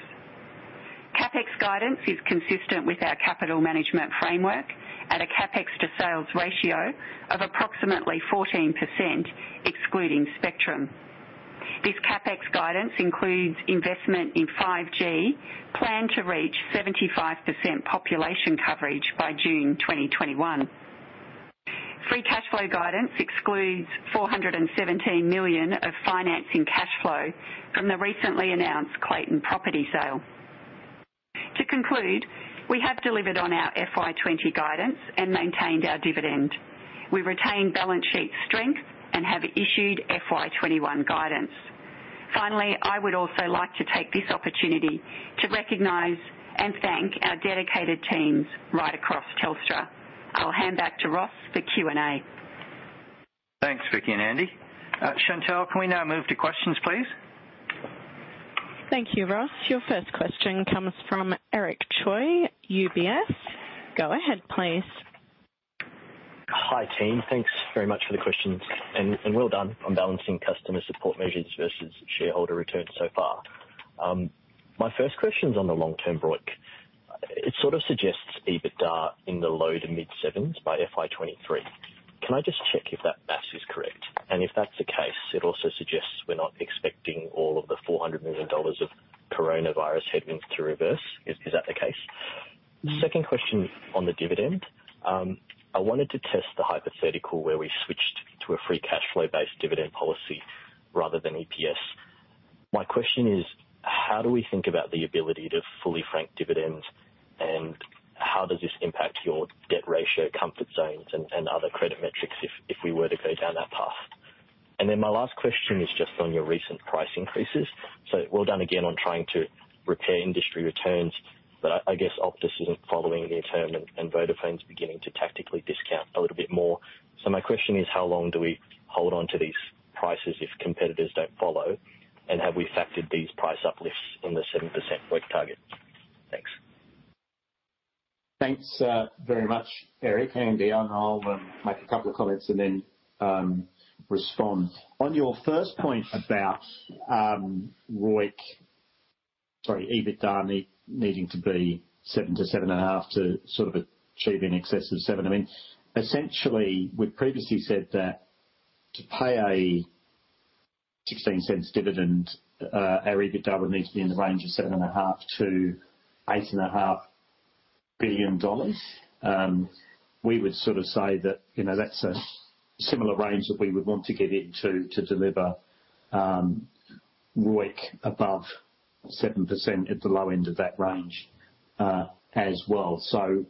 CapEx guidance is consistent with our capital management framework at a CapEx to sales ratio of approximately 14%, excluding spectrum. This CapEx guidance includes investment in 5G, planned to reach 75% population coverage by June 2021. Free cash flow guidance excludes 417 million of financing cash flow from the recently announced Clayton property sale. To conclude, we have delivered on our FY20 guidance and maintained our dividend. We've retained balance sheet strength and have issued FY21 guidance. Finally, I would also like to take this opportunity to recognize and thank our dedicated teams right across Telstra. I'll hand back to Ross for Q&A. Thanks, Vicki and Andy. Chantelle, can we now move to questions, please? Thank you, Ross. Your first question comes from Eric Choi, UBS. Go ahead, please. Hi, team. Thanks very much for the questions and well done on balancing customer support measures versus shareholder returns so far. My first question is on the long-term ROIC. It sort of suggests EBITDA in the low to mid-sevens by FY2023. Can I just check if that math is correct? And if that's the case, it also suggests we're not expecting all of the 400 million dollars of coronavirus headwinds to reverse. Is that the case? Second question on the dividend. I wanted to test the hypothetical where we switched to a free cash flow-based dividend policy rather than EPS. My question is: How do we think about the ability to fully frank dividends, and how does this impact your debt ratio, comfort zones, and other credit metrics, if we were to go down that path? And then my last question is just on your recent price increases. So well done again on trying to repair industry returns, but I, I guess Optus isn't following the term and, and Vodafone is beginning to tactically discount a little bit more. So my question is: How long do we hold on to these prices if competitors don't follow? And have we factored these price uplifts in the 7% ROIC target? Thanks. Thanks, very much, Eric. Hang on, I'll make a couple of comments and then respond. On your first point about ROIC, sorry, EBITDA needing to be 7-7.5 to sort of achieve in excess of 7. I mean, essentially, we've previously said that to pay a 16-cent dividend, our EBITDA would need to be in the range of 7.5 billion-8.5 billion dollars. We would sort of say that, you know, that's a similar range that we would want to get into to deliver ROIC above 7% at the low end of that range, as well. So,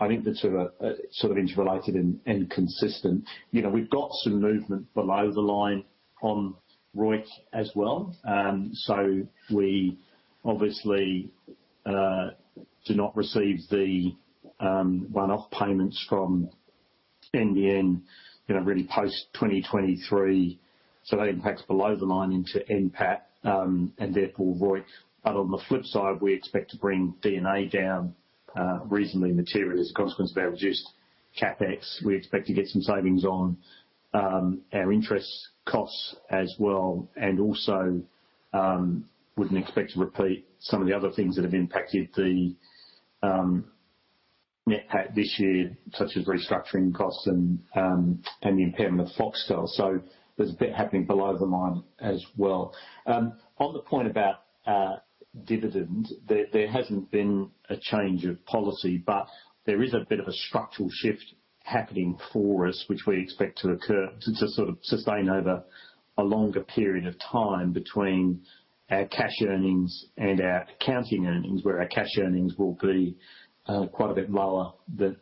I think the two are sort of interrelated and consistent. You know, we've got some movement below the line on ROIC as well. So we obviously do not receive the one-off payments from NBN, you know, really post 2023, so that impacts below the line into NPAT, and therefore, ROIC. But on the flip side, we expect to bring D&A down reasonably materially as a consequence of our reduced CapEx. We expect to get some savings on our interest costs as well, and also, wouldn't expect to repeat some of the other things that have impacted the net PAT this year, such as restructuring costs and the impairment of Foxtel. So there's a bit happening below the line as well. On the point about dividend, there hasn't been a change of policy, but there is a bit of a structural shift happening for us, which we expect to sort of sustain over a longer period of time between our cash earnings and our accounting earnings, where our cash earnings will be quite a bit lower than.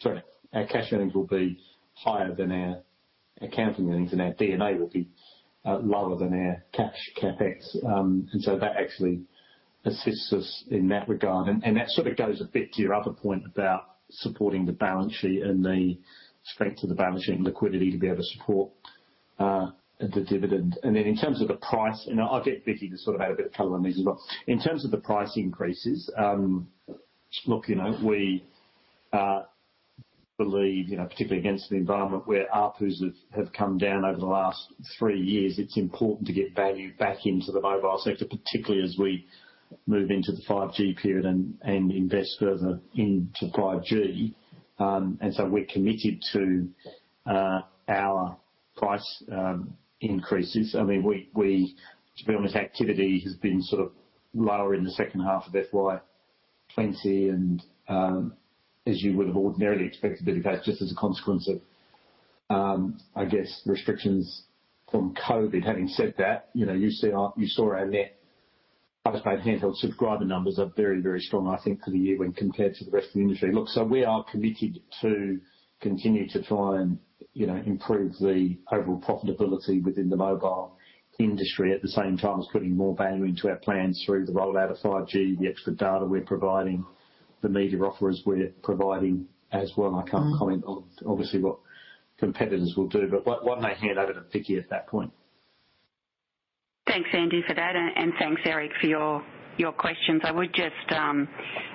Sorry, our cash earnings will be higher than our accounting earnings, and our D&A will be lower than our cash CapEx. And so that actually assists us in that regard. And that sort of goes a bit to your other point about supporting the balance sheet and the strength of the balance sheet and liquidity to be able to support the dividend. And then in terms of the price, and I'll get Vicki to sort of add a bit of color on this as well. In terms of the price increases, look, you know, we believe, you know, particularly against the environment where ARPU have come down over the last three years, it's important to get value back into the mobile sector, particularly as we move into the 5G period and invest further into 5G. And so we're committed to our price increases. I mean, we, to be honest, activity has been sort of lower in the second half of FY20, as you would have ordinarily expected to be the case, just as a consequence of, I guess, restrictions from COVID. Having said that, you know, you see our-- you saw our net post-paid handheld subscriber numbers are very, very strong, I think, for the year when compared to the rest of the industry. Look, so we are committed to continue to try and, you know, improve the overall profitability within the mobile industry, at the same time as putting more value into our plans through the rollout of 5G, the extra data we're providing, the media offers we're providing as well. I can't comment on obviously what competitors will do, but what, why don't I hand over to Vicki at that point? Thanks, Andy, for that, and thanks, Eric, for your questions. I would just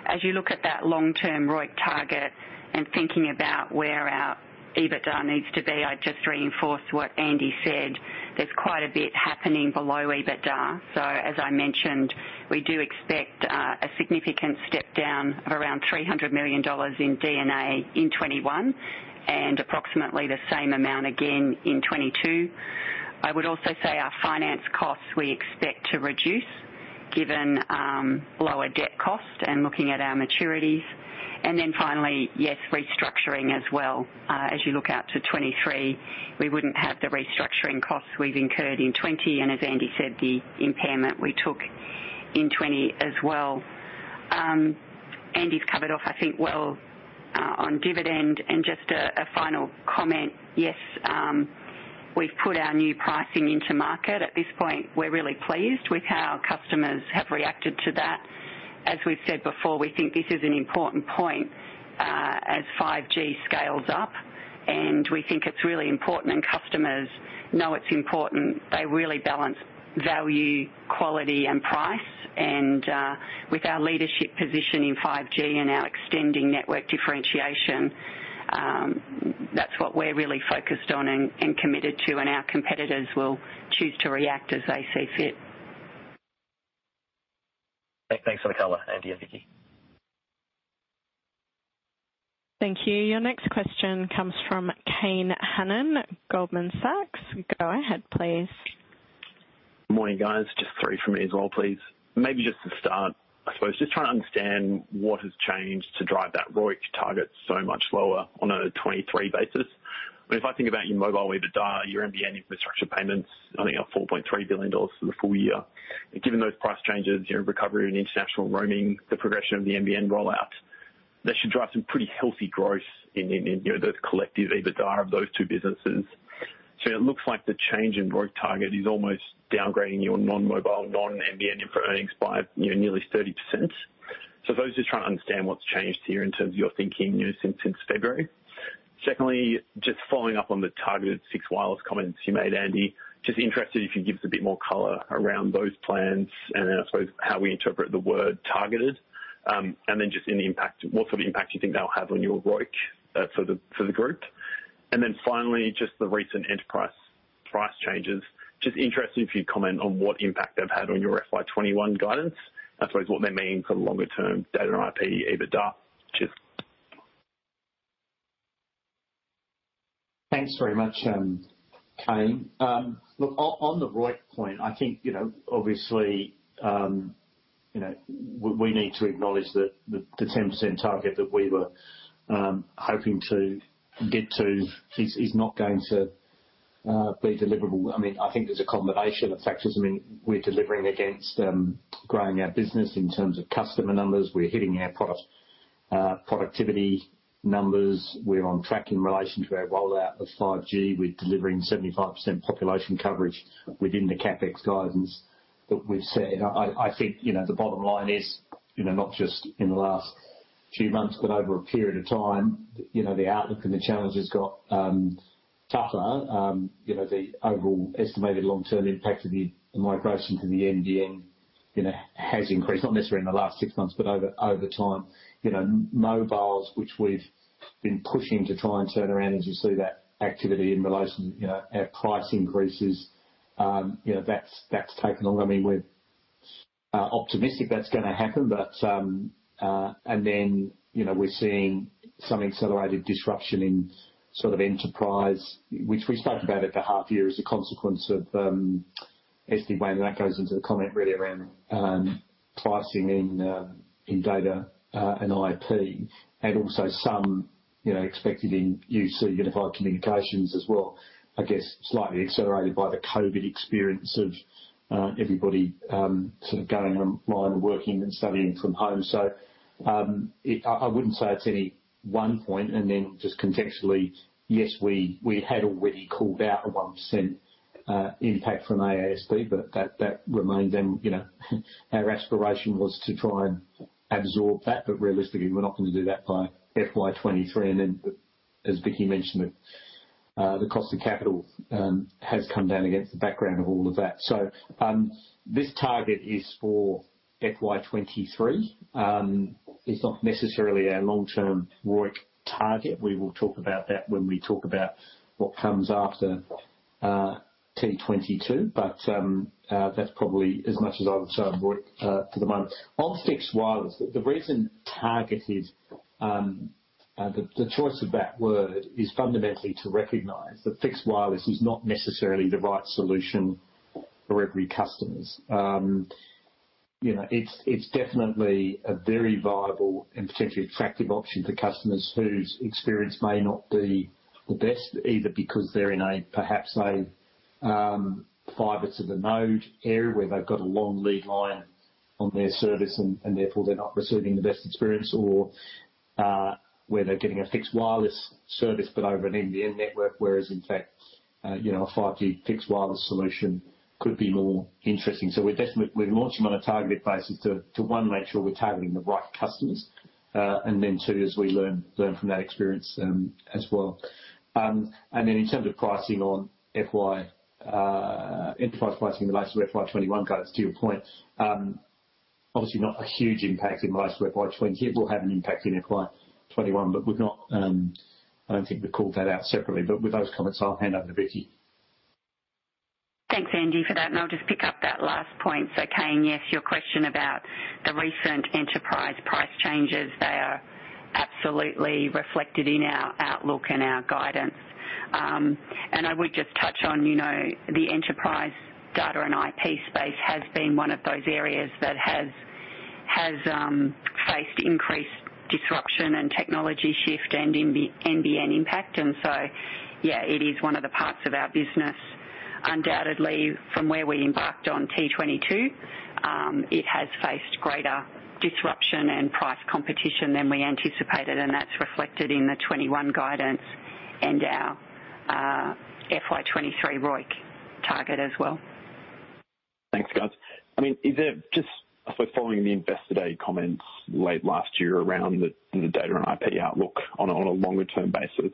as you look at that long-term ROIC target and thinking about where our EBITDA needs to be, I'd just reinforce what Andy said. There's quite a bit happening below EBITDA. So as I mentioned, we do expect a significant step down of around 300 million dollars in D&A in 2021, and approximately the same amount again in 2022. I would also say our finance costs, we expect to reduce given lower debt cost and looking at our maturities. And then finally, yes, restructuring as well. As you look out to 2023, we wouldn't have the restructuring costs we've incurred in 2020, and as Andy said, the impairment we took in 2020 as well. Andy's covered off, I think, well, on dividend. And just a final comment. Yes, we've put our new pricing into market. At this point, we're really pleased with how customers have reacted to that. As we've said before, we think this is an important point, as 5G scales up, and we think it's really important, and customers know it's important. They really balance value, quality, and price, and, with our leadership position in 5G and our extending network differentiation, that's what we're really focused on and, and committed to, and our competitors will choose to react as they see fit. Thanks for the color, Andy and Vicki. Thank you. Your next question comes from Kane Hannan, Goldman Sachs. Go ahead, please. Morning, guys. Just three from me as well, please. Maybe just to start, I suppose, just trying to understand what has changed to drive that ROIC target so much lower on a 2023 basis. But if I think about your mobile EBITDA, your NBN infrastructure payments, I think are 4.3 billion dollars for the full year. Given those price changes, your recovery in international roaming, the progression of the NBN rollout, that should drive some pretty healthy growth in, you know, those collective EBITDA of those two businesses. So it looks like the change in ROIC target is almost downgrading your non-mobile, non-NBN earnings by, you know, nearly 30%. So I suppose just trying to understand what's changed here in terms of your thinking, you know, since February. Secondly, just following up on the targeted fixed wireless comments you made, Andy, just interested if you could give us a bit more color around those plans and then I suppose how we interpret the word "targeted," and then just in the impact, what sort of impact do you think that'll have on your ROIC for the group? And then finally, just the recent enterprise price changes. Just interested if you'd comment on what impact they've had on your FY21 guidance, I suppose, what they mean for the longer-term data and IP EBITDA. Cheers. Thanks very much, Kane. Look, on the ROIC point, I think, you know, obviously, you know, we need to acknowledge that the 10% target that we were hoping to get to is not going to be deliverable. I mean, I think there's a combination of factors. I mean, we're delivering against growing our business in terms of customer numbers. We're hitting our product productivity numbers. We're on track in relation to our rollout of 5G. We're delivering 75% population coverage within the CapEx guidance that we've set. I think, you know, the bottom line is, you know, not just in the last two months, but over a period of time, you know, the outlook and the challenges got tougher. You know, the overall estimated long-term impact of the migration to the NBN, you know, has increased, not necessarily in the last six months, but over time. You know, mobiles, which we've been pushing to try and turn around, as you see that activity in relation, you know, our price increases, you know, that's taken longer. I mean, we're optimistic that's gonna happen, but... And then, you know, we're seeing some accelerated disruption in sort of enterprise, which we spoke about at the 1/2 year as a consequence of SD-WAN, and that goes into the comment really around pricing in data and IP, and also some, you know, expected in UC, unified communications as well. I guess, slightly accelerated by the COVID experience of everybody sort of going online and working and studying from home. So, it. I wouldn't say it's any one point, and then just contextually, yes, we had already called out a 1% impact from AISP, but that remained and, you know, our aspiration was to try and absorb that, but realistically, we're not going to do that by FY23. And then, as Vicki mentioned, that the cost of capital has come down against the background of all of that. So, this target is for FY23. It's not necessarily our long-term ROIC target. We will talk about that when we talk about what comes after T22, but that's probably as much as I would say on ROIC for the moment. On fixed wireless, the reason targeted, the choice of that word is fundamentally to recognize that fixed wireless is not necessarily the right solution for every customer. You know, it's, it's definitely a very viable and potentially attractive option for customers whose experience may not be the best, either because they're in a, perhaps a, fibre to the node area, where they've got a long lead line on their service and therefore, they're not receiving the best experience or, where they're getting a fixed wireless service but over an NBN network, whereas in fact, you know, a 5G fixed wireless solution could be more interesting. So we're definitely launching on a targeted basis to, one, make sure we're targeting the right customers. And then two, as we learn from that experience, as well. Then in terms of pricing on FY, enterprise pricing in relation to FY21 guidance, to your point, obviously not a huge impact in relation to FY20. It will have an impact in FY21, but we've not, I don't think we've called that out separately. With those comments, I'll hand over to Vicki. Thanks, Andy, for that, and I'll just pick up that last point. So, Kane, yes, your question about the recent enterprise price changes, they are absolutely reflected in our outlook and our guidance. And I would just touch on, you know, the enterprise data and IP space has been one of those areas that has faced increased disruption and technology shift and NBN impact. And so, yeah, it is one of the parts of our business, undoubtedly, from where we embarked on T22, it has faced greater disruption and price competition than we anticipated, and that's reflected in the 21 guidance and our FY23 ROIC target as well. Thanks, guys. I mean, is there just, if we're following the Investor Day comments late last year around the data and IP outlook on a longer term basis,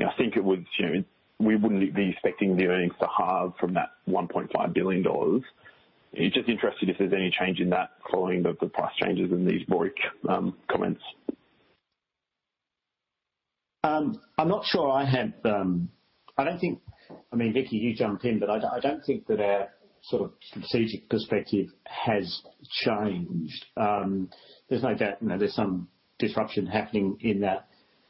I think it would, you know, we wouldn't be expecting the earnings to halve from that 1.5 billion dollars. Just interested if there's any change in that following the price changes in these ROIC comments. I'm not sure I have. I mean, Vicki, you jump in, but I don't think that our sort of strategic perspective has changed. There's no doubt, you know, there's some disruption happening in that,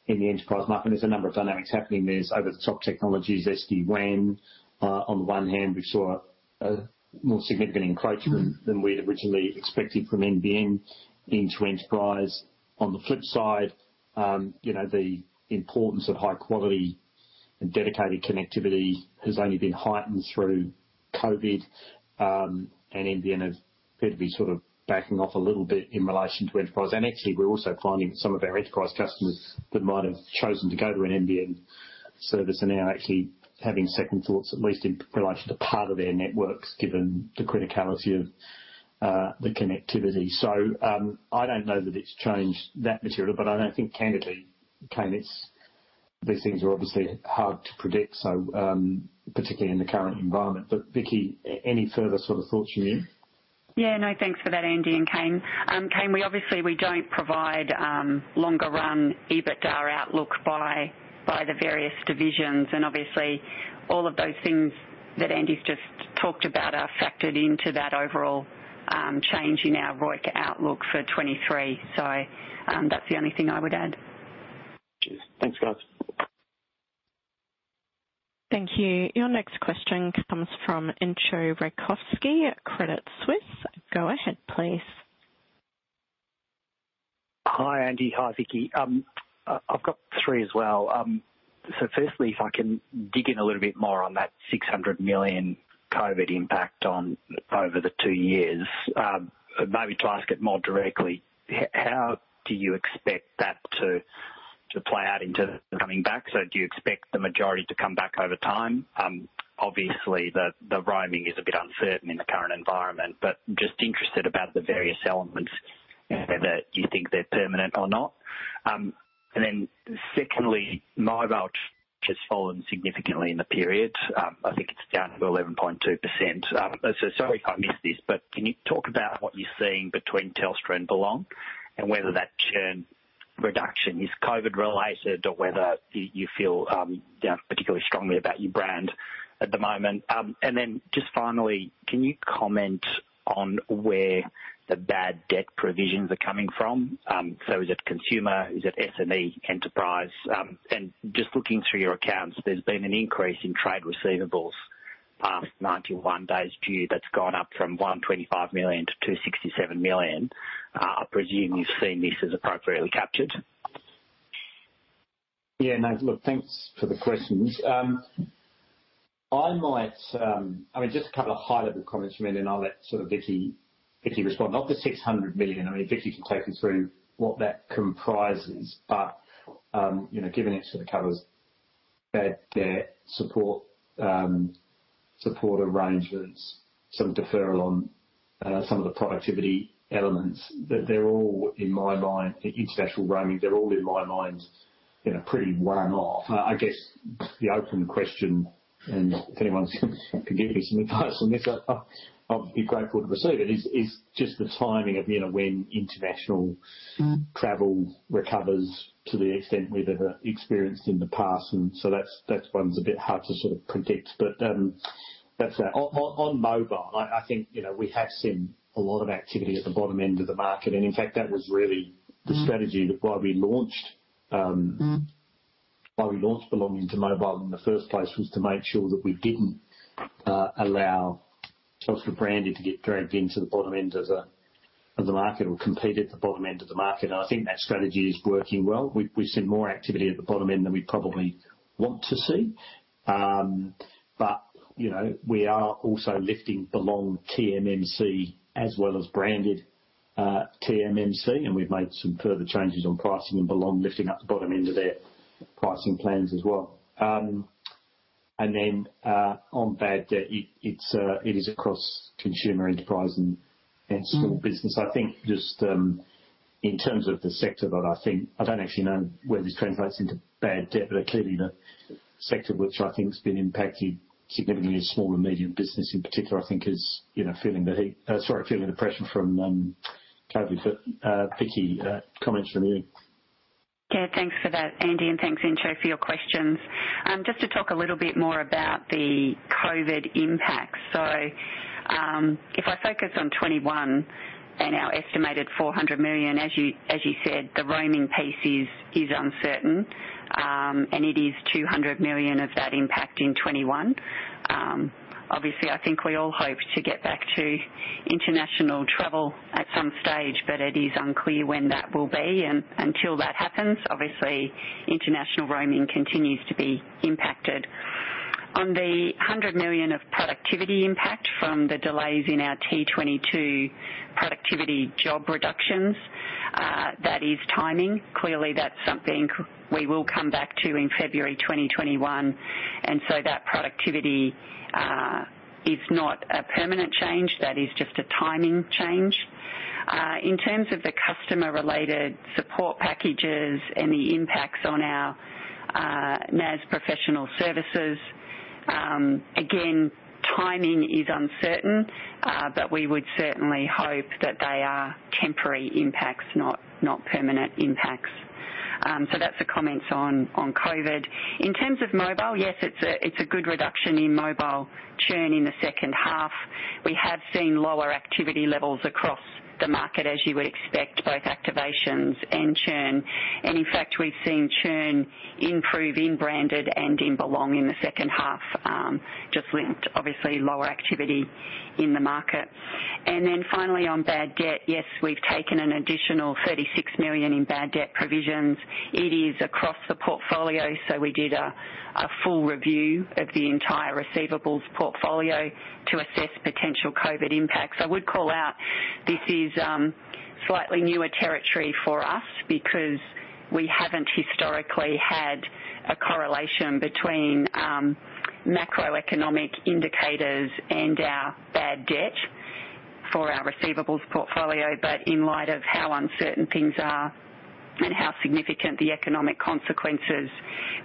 in the enterprise market, and there's a number of dynamics happening. There's over-the-top technologies, SD-WAN. On the one hand, we saw a more significant encroachment than we had originally expected from NBN into enterprise. On the flip side, you know, the importance of high quality and dedicated connectivity has only been heightened through COVID, and NBN have appeared to be sort of backing off a little bit in relation to enterprise. And actually, we're also finding some of our enterprise customers that might have chosen to go to an NBN service are now actually having second thoughts, at least in relation to part of their networks, given the criticality of the connectivity. So, I don't know that it's changed that material, but I don't think, candidly, Kane, it's... These things are obviously hard to predict, so, particularly in the current environment. But Vicki, any further sort of thoughts from you? Yeah. No, thanks for that, Andy and Kane. Kane, we obviously, we don't provide, longer run EBITDA outlook by, by the various divisions, and obviously, all of those things that Andy's just talked about are factored into that overall, change in our ROIC outlook for 2023. So, that's the only thing I would add. Cheers. Thanks, guys. Thank you. Your next question comes from Entcho Raykovski at Credit Suisse. Go ahead, please. Hi, Andy. Hi, Vicki. I've got three as well. So firstly, if I can dig in a little bit more on that 600 million COVID impact over the two years. Maybe to ask it more directly, how do you expect that to play out into coming back. So do you expect the majority to come back over time? Obviously, the roaming is a bit uncertain in the current environment, but just interested about the various elements, and whether you think they're permanent or not. And then secondly, mobile has fallen significantly in the period. I think it's down to 11.2%. So sorry if I missed this, but can you talk about what you're seeing between Telstra and Belong, and whether that churn reduction is COVID related or whether you, you feel, down particularly strongly about your brand at the moment? And then just finally, can you comment on where the bad debt provisions are coming from? So is it consumer? Is it SME enterprise? And just looking through your accounts, there's been an increase in trade receivables past 91 days due, that's gone up from 125 million to 267 million. I presume you've seen this as appropriately captured. Yeah, no, look, thanks for the questions. I might, I mean, just a couple of high-level comments from me, and then I'll let sort of Vicki, Vicki respond. Not the 600 million. I mean, Vicki can take you through what that comprises, but, you know, giving it to the covers, bad debt support, support arrangements, some deferral on, some of the productivity elements, that they're all, in my mind, international roaming. They're all, in my mind, you know, pretty one-off. I guess the open question, and if anyone can give me some advice on this, I, I'll be grateful to receive it, is, is just the timing of, you know, when international- Mm-hmm Travel recovers to the extent we've ever experienced in the past. And so that's, that one's a bit hard to sort of predict, but, that's that. On mobile, I think, you know, we have seen a lot of activity at the bottom end of the market, and in fact, that was really- Mm-hmm the strategy that why we launched Mm-hmm Why we launched Belong into mobile in the first place was to make sure that we didn't allow Telstra branded to get dragged into the bottom end of the market or compete at the bottom end of the market. And I think that strategy is working well. We've seen more activity at the bottom end than we'd probably want to see. But you know, we are also lifting Belong TMMC, as well as branded TMMC, and we've made some further changes on pricing, and Belong lifting up the bottom end of their pricing plans as well. And then on bad debt, it's it is across consumer enterprise and- Mm-hmm small business. I think just, in terms of the sector, but I think... I don't actually know whether this translates into bad debt, but clearly the sector, which I think has been impacted significantly is small and medium business in particular, I think is, you know, feeling the heat. Sorry, feeling the pressure from COVID. But, Vicki, comments from you. Yeah, thanks for that, Andy, and thanks, Andrew, for your questions. Just to talk a little bit more about the COVID impact. So, if I focus on 2021 and our estimated 400 million, as you said, the roaming piece is uncertain, and it is 200 million of that impact in 2021. Obviously, I think we all hope to get back to international travel at some stage, but it is unclear when that will be, and until that happens, obviously international roaming continues to be impacted. On the 100 million of productivity impact from the delays in our T22 productivity job reductions, that is timing. Clearly, that's something we will come back to in February 2021, and so that productivity is not a permanent change. That is just a timing change. In terms of the customer-related support packages and the impacts on our, NAS professional services, again, timing is uncertain, but we would certainly hope that they are temporary impacts, not, not permanent impacts. So that's the comments on, on COVID. In terms of mobile, yes, it's a, it's a good reduction in mobile churn in the second half. We have seen lower activity levels across the market, as you would expect, both activations and churn. And in fact, we've seen churn improve in branded and in Belong in the second half, just linked to obviously lower activity in the market. And then finally on bad debt, yes, we've taken an additional 36 million in bad debt provisions. It is across the portfolio, so we did a, a full review of the entire receivables portfolio to assess potential COVID impacts. I would call out this is slightly newer territory for us because we haven't historically had a correlation between macroeconomic indicators and our bad debt for our receivables portfolio. But in light of how uncertain things are and how significant the economic consequences,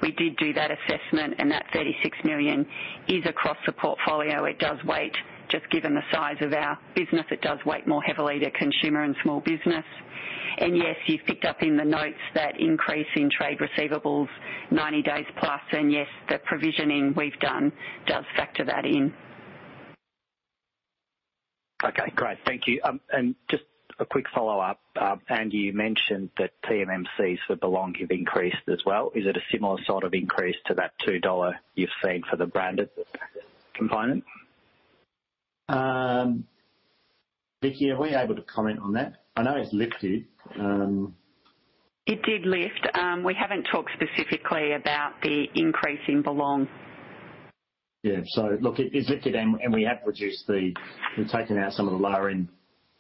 we did do that assessment, and that 36 million is across the portfolio. It does weigh. Just given the size of our business, it does weigh more heavily to consumer and small business. And yes, you've picked up in the notes that increase in trade receivables 90 days plus, and yes, the provisioning we've done does factor that in. Okay, great. Thank you. Just a quick follow-up. Andy, you mentioned that TMMCs for Belong have increased as well. Is it a similar sort of increase to that 2 dollar you've seen for the branded component? Vicki, are we able to comment on that? I know it's lifted. It did lift. We haven't talked specifically about the increase in Belong.... Yeah, so look, it lifted and we have reduced—we've taken out some of the lower-end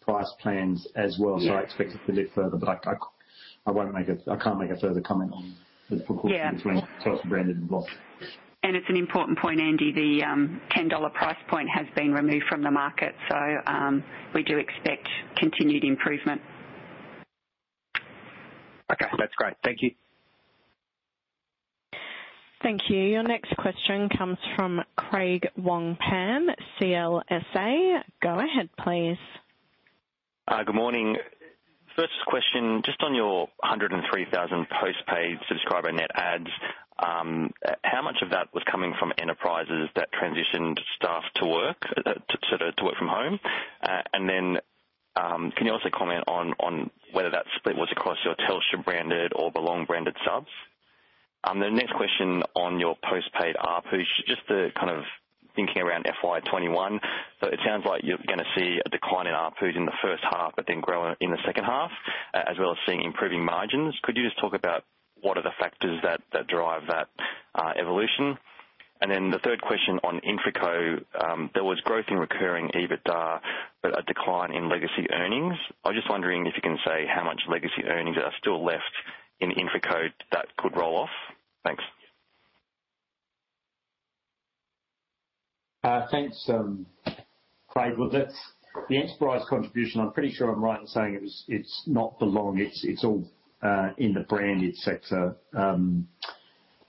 price plans as well. Yeah. So I expect it to lift further, but I can't make a further comment on the forecast- Yeah. Between Telstra branded and Belong. It's an important point, Andy, the 10 dollar price point has been removed from the market, so we do expect continued improvement. Okay, that's great. Thank you. Thank you. Your next question comes from Craig Wong-Pan, CLSA. Go ahead, please. Good morning. First question, just on your 103,000 postpaid subscriber net adds, how much of that was coming from enterprises that transitioned staff to work, to, sort of, to work from home? And then, can you also comment on, on whether that split was across your Telstra-branded or Belong-branded subs? The next question on your postpaid ARPU, just to kind of thinking around FY21, so it sounds like you're gonna see a decline in ARPU in the first half, but then grow in the second half, as well as seeing improving margins. Could you just talk about what are the factors that, that drive that, evolution? Then the third question on Infraco. There was growth in recurring EBITDA, but a decline in legacy earnings. I'm just wondering if you can say how much legacy earnings are still left in InfraCo that could roll off? Thanks. Thanks, Craig. Well, that's the enterprise contribution. I'm pretty sure I'm right in saying it was... It's not Belong, it's all in the branded sector,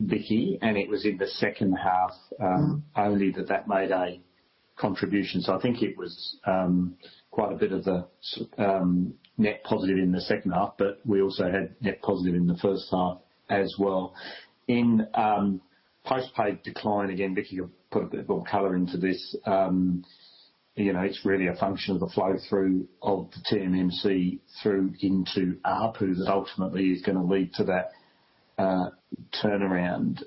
Vicki, and it was in the second half only that made a contribution. So I think it was quite a bit of the net positive in the second half, but we also had net positive in the first half as well. In postpaid decline, again, Vicki will put a bit more color into this. You know, it's really a function of the flow through of the TMMC through into ARPU that ultimately is gonna lead to that turnaround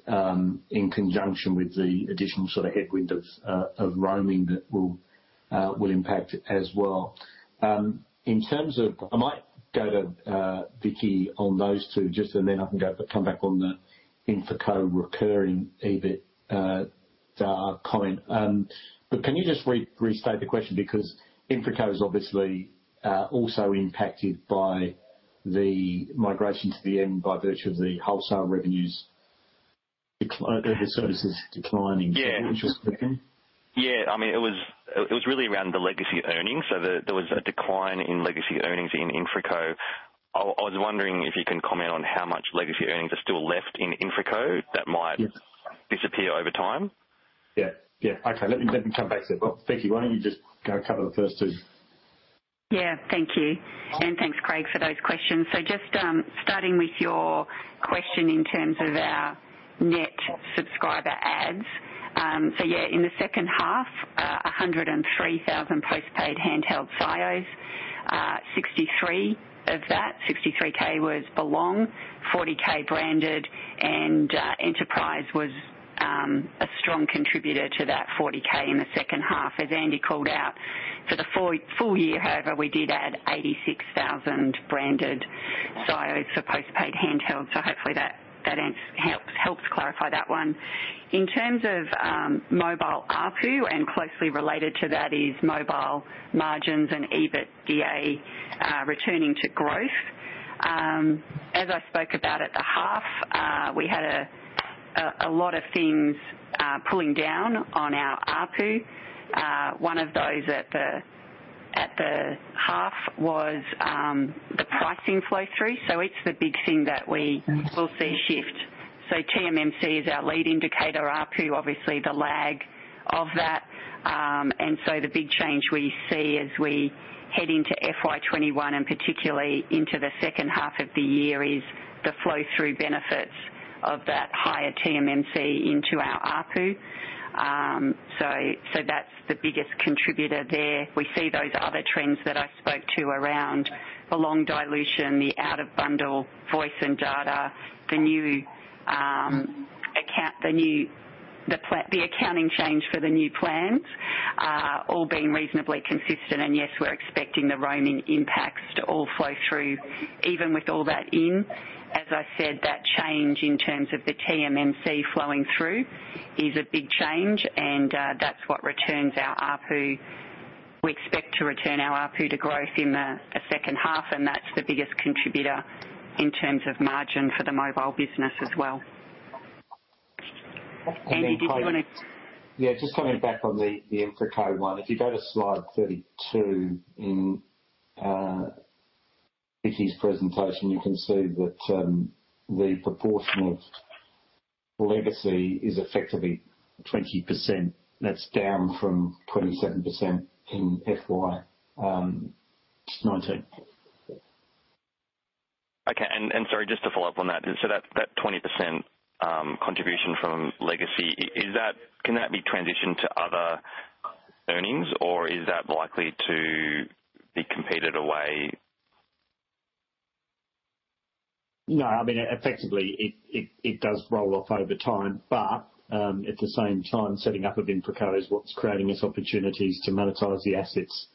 in conjunction with the additional sort of headwind of roaming that will impact as well. In terms of... I might go to Vicki on those two just so then I can go come back on the Infraco recurring EBITDA comment. But can you just restate the question? Because Infraco is obviously also impacted by the migration to the NBN by virtue of the wholesale revenues decline, the services declining. Yeah. Just again. Yeah. I mean, it was really around the legacy earnings. So there was a decline in legacy earnings in InfraCo. I was wondering if you can comment on how much legacy earnings are still left in InfraCo that might- Yes. disappear over time. Yeah, yeah. Okay, let me, let me come back to it. But Vicki, why don't you just go cover the first two? Yeah, thank you. And thanks, Craig, for those questions. So just starting with your question in terms of our net subscriber adds. So yeah, in the second half, 103,000 postpaid handheld SIOs, 63,000 of that, 63K was Belong, 40K branded, and Enterprise was a strong contributor to that 40K in the second half, as Andy called out. For the full year, however, we did add 86,000 branded SIOs for postpaid handheld, so hopefully that helps clarify that one. In terms of mobile ARPU, and closely related to that is mobile margins and EBITDA returning to growth. As I spoke about at the 1/2, we had a lot of things pulling down on our ARPU. One of those at the 1/2 was the pricing flow through, so it's the big thing that we will see shift. So TMMC is our lead indicator, ARPU, obviously the lag of that. And so the big change we see as we head into FY21, and particularly into the second half of the year, is the flow through benefits of that higher TMMC into our ARPU. So, so that's the biggest contributor there. We see those other trends that I spoke to around Belong dilution, the out-of-bundle voice and data, the accounting change for the new plans, all being reasonably consistent. And yes, we're expecting the roaming impacts to all flow through. Even with all that in, as I said, that change in terms of the TMMC flowing through is a big change and, that's what returns our ARPU. We expect to return our ARPU to growth in the second half, and that's the biggest contributor in terms of margin for the mobile business as well. And then- Andy, did you want to- Yeah, just coming back on the Infraco one. If you go to slide 32 in Vicki's presentation, you can see that the proportion of legacy is effectively 20%. That's down from 27% in FY19. Okay, and sorry, just to follow up on that. So that 20% contribution from legacy, can that be transitioned to other earnings, or is that likely to be competed away? No, I mean, effectively, it does roll off over time, but at the same time, setting up of InfraCo is what's creating us opportunities to monetize the assets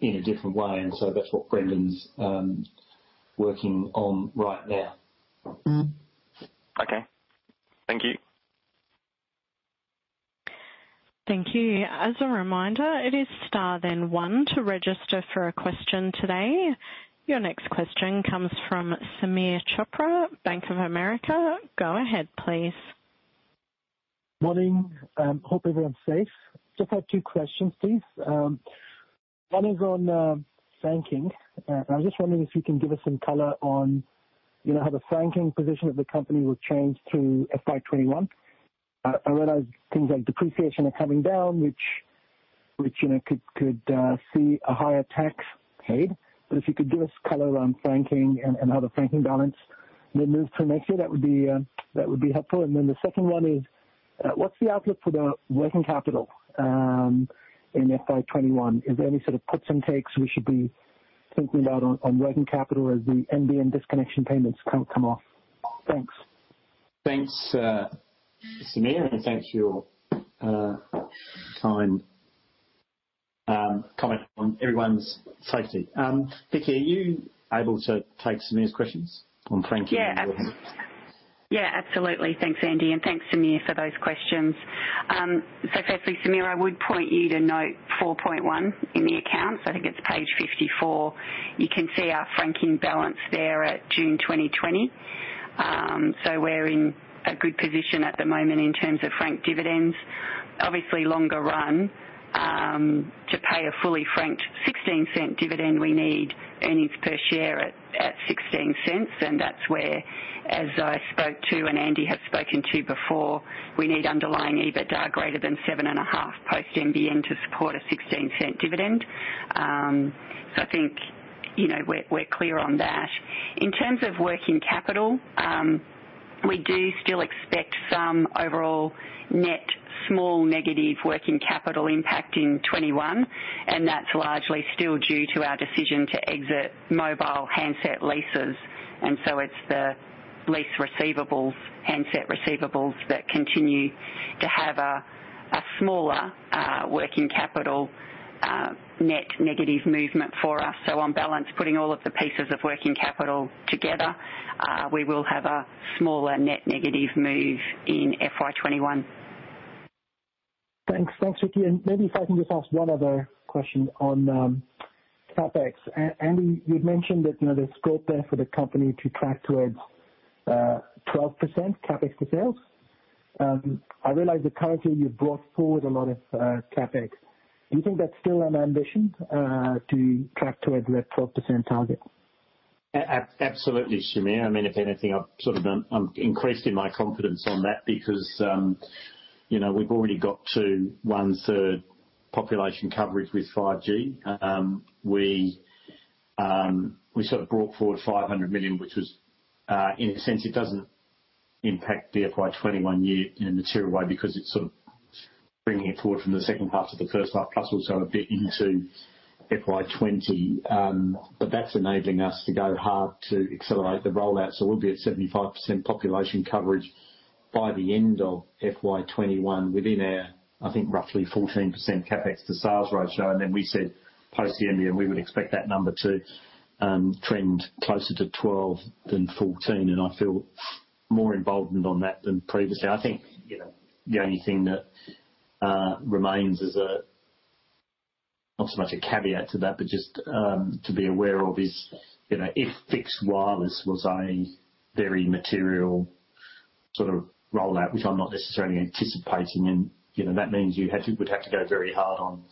in a different way, and so that's what Brendan's working on right now.... Okay, thank you. Thank you. As a reminder, it is star then one to register for a question today. Your next question comes from Sameer Chopra, Bank of America. Go ahead, please. Morning. Hope everyone's safe. Just have two questions, please. One is on franking. I'm just wondering if you can give us some color on, you know, how the franking position of the company will change through FY21. I realize things like depreciation are coming down, which, you know, could see a higher tax paid. But if you could give us color on franking and how the franking balance will move to next year, that would be helpful. And then the second one is, what's the outlook for the working capital in FY21? Is there any sort of puts and takes we should be thinking about on working capital as the NBN disconnection payments come off? Thanks. Thanks, Sameer, and thank you for kind comment on everyone's safety. Vicki, are you able to take Sameer's questions on franking? Yeah. Yeah, absolutely. Thanks, Andy, and thanks, Sameer, for those questions. So firstly, Sameer, I would point you to note 4.1 in the accounts. I think it's page 54. You can see our franking balance there at June 2020. So we're in a good position at the moment in terms of franked dividends. Obviously, longer run, to pay a fully franked 0.16 dividend, we need earnings per share at 0.16, and that's where, as I spoke to, and Andy has spoken to before, we need underlying EBITDA greater than 7.5 post NBN to support a 0.16 dividend. So I think, you know, we're clear on that. In terms of working capital, we do still expect some overall net small negative working capital impact in 2021, and that's largely still due to our decision to exit mobile handset leases. And so it's the lease receivables, handset receivables, that continue to have a smaller working capital net negative movement for us. So on balance, putting all of the pieces of working capital together, we will have a smaller net negative move in FY21. Thanks. Thanks, Vicki. And maybe if I can just ask one other question on CapEx. Andy, you've mentioned that, you know, there's scope there for the company to track towards 12% CapEx to sales. I realize that currently you've brought forward a lot of CapEx. Do you think that's still an ambition to track towards that 12% target? Absolutely, Sameer. I mean, if anything, I've sort of been—I'm increasing my confidence on that because, you know, we've already got to 1/3 population coverage with 5G. We sort of brought forward 500 million, which was, in a sense, it doesn't impact the FY21 year in a material way because it's sort of bringing it forward from the second half to the first half, plus also a bit into FY20. But that's enabling us to go hard to accelerate the rollout. So we'll be at 75% population coverage by the end of FY21 within our, I think, roughly 14% CapEx to sales ratio. And then we said post the NBN, we would expect that number to trend closer to 12 than 14, and I feel more involved on that than previously. I think, you know, the only thing that remains is a not so much a caveat to that, but just to be aware of is, you know, if fixed wireless was a very material sort of rollout, which I'm not necessarily anticipating, and, you know, that means would have to go very hard on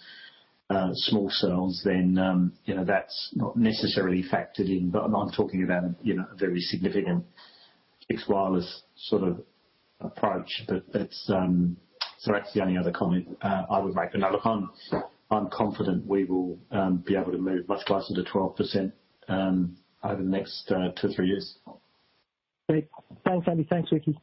small cells, then, you know, that's not necessarily factored in, but I'm talking about, you know, a very significant fixed wireless sort of approach. But that's, so that's the only other comment I would make. But no, look, I'm confident we will be able to move much closer to 12% over the next 2-3 years. Great. Thanks, Andy. Thanks, Vicki.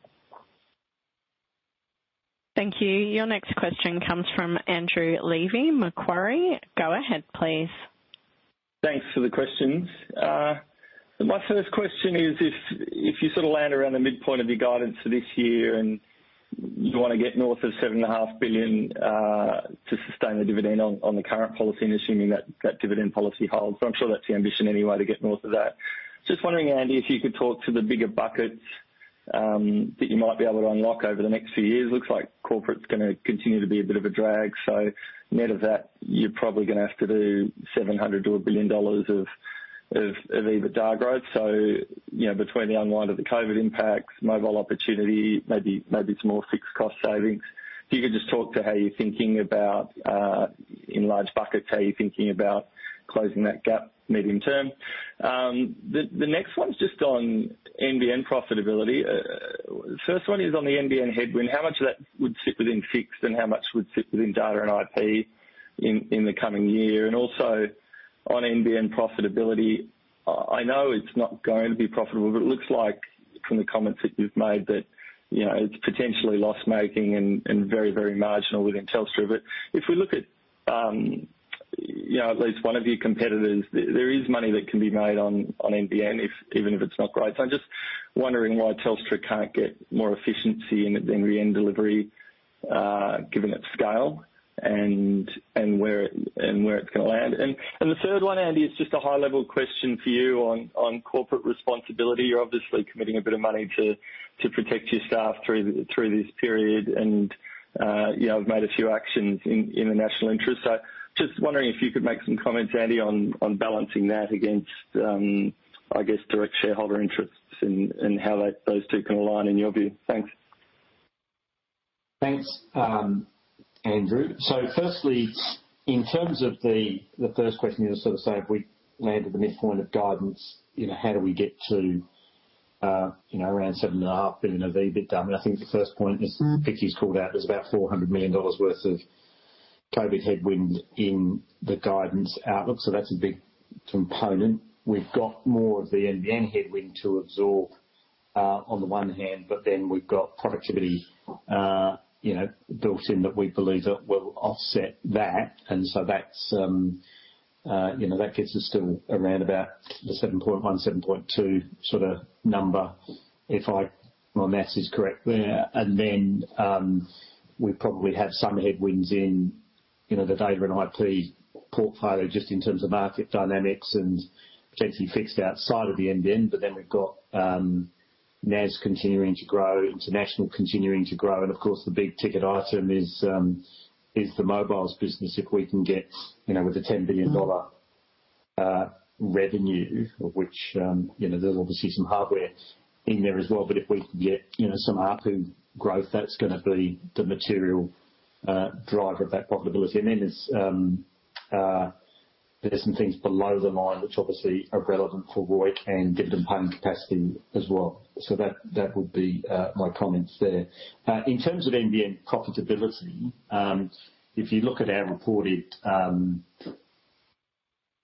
Thank you. Your next question comes from Andrew Levy, Macquarie. Go ahead, please. Thanks for the questions. My first question is, if you sort of land around the midpoint of your guidance for this year and you want to get north of 7.5 billion, to sustain the dividend on the current policy and assuming that dividend policy holds, I'm sure that's the ambition anyway, to get north of that. Just wondering, Andy, if you could talk to the bigger buckets that you might be able to unlock over the next few years. Looks like corporate's gonna continue to be a bit of a drag, so net of that, you're probably gonna have to do 700 million-1 billion dollars of EBITDA growth. So, you know, between the unwind of the COVID impacts, mobile opportunity, maybe some more fixed cost savings. If you could just talk to how you're thinking about, in large buckets, how you're thinking about closing that gap medium term. The next one's just on NBN profitability. First one is on the NBN headwind. How much of that would sit within fixed and how much would sit within data and IP in, in the coming year? And also on NBN profitability, I know it's not going to be profitable, but it looks like from the comments that you've made, that, you know, it's potentially loss-making and, and very, very marginal within Telstra. But if we look at, you know, at least one of your competitors, there, there is money that can be made on, on NBN if... even if it's not great. So I'm just wondering why Telstra can't get more efficiency in it than the end delivery? Given its scale and where it's gonna land. And the third one, Andy, is just a high level question for you on corporate responsibility. You're obviously committing a bit of money to protect your staff through this period and, you know, have made a few actions in the national interest. So just wondering if you could make some comments, Andy, on balancing that against, I guess, direct shareholder interests and how that, those two can align in your view. Thanks. Thanks, Andrew. So firstly, in terms of the first question, you sort of say, if we landed the midpoint of guidance, you know, how do we get to, you know, around 7.5 billion of EBITDA? I think the first point is, Vicki's called out, there's about 400 million dollars worth of COVID headwind in the guidance outlook, so that's a big component. We've got more of the NBN headwind to absorb, on the one hand, but then we've got productivity, you know, built in that we believe that will offset that. And so that's, you know, that gets us to around about the 7.1, 7.2 sort of number, if I-- my math is correct there. And then, we probably have some headwinds in, you know, the data and IP portfolio just in terms of market dynamics and potentially fixed outside of the NBN. But then we've got, NAS continuing to grow, international continuing to grow, and of course, the big ticket item is the mobiles business. If we can get, you know, with the 10 billion dollar revenue, of which, you know, there's obviously some hardware in there as well, but if we can get, you know, some ARPU growth, that's gonna be the material driver of that profitability. And then there are some things below the line which obviously are relevant for ROIC and dividend paying capacity as well. So that would be my comments there. In terms of NBN profitability, if you look at our reported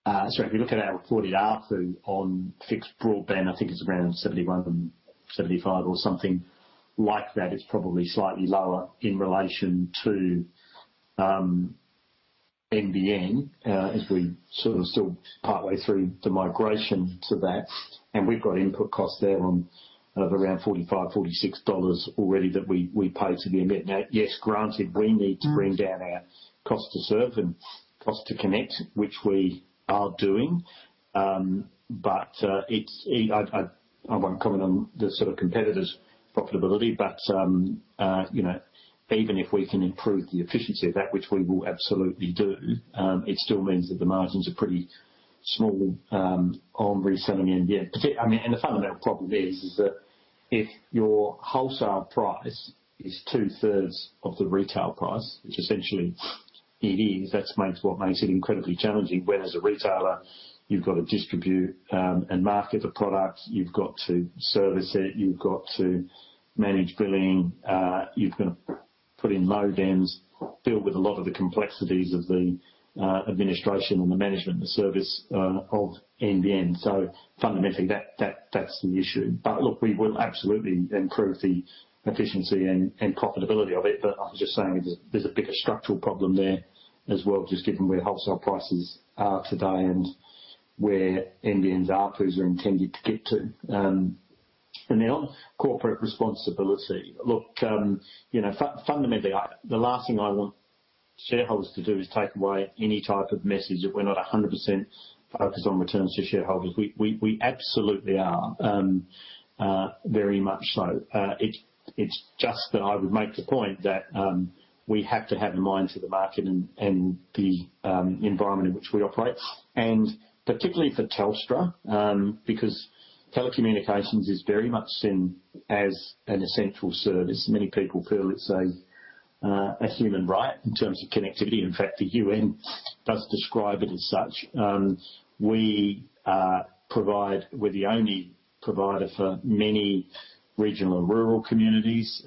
ARPU on fixed broadband, I think it's around 71-75 or something like that. It's probably slightly lower in relation to NBN, as we're sort of still partway through the migration to that, and we've got input costs there of around 45-46 dollars already that we pay to the NBN. Now, yes, granted, we need to bring down our cost to serve and cost to connect, which we are doing. But I won't comment on the sort of competitors' profitability, but you know, even if we can improve the efficiency of that, which we will absolutely do, it still means that the margins are pretty small on reselling NBN. I mean, and the fundamental problem is that if your wholesale price is 2/3 of the retail price, which essentially it is, that makes it incredibly challenging, whereas as a retailer, you've got to distribute and market the product, you've got to service it, you've got to manage billing, you've got to put in modems, deal with a lot of the complexities of the administration and the management, the service of NBN. So fundamentally, that that's the issue. But look, we will absolutely improve the efficiency and profitability of it, but I was just saying there's a bigger structural problem there as well, just given where wholesale prices are today and where NBN's ARPUs are intended to get to. And then on corporate responsibility. Look, you know, fundamentally, the last thing I want shareholders to do is take away any type of message that we're not 100% focused on returns to shareholders. We absolutely are, very much so. It's just that I would make the point that we have to have in mind for the market and the environment in which we operate, and particularly for Telstra, because telecommunications is very much seen as an essential service. Many people feel it's a human right in terms of connectivity. In fact, the UN does describe it as such. We provide-- we're the only provider for many regional and rural communities.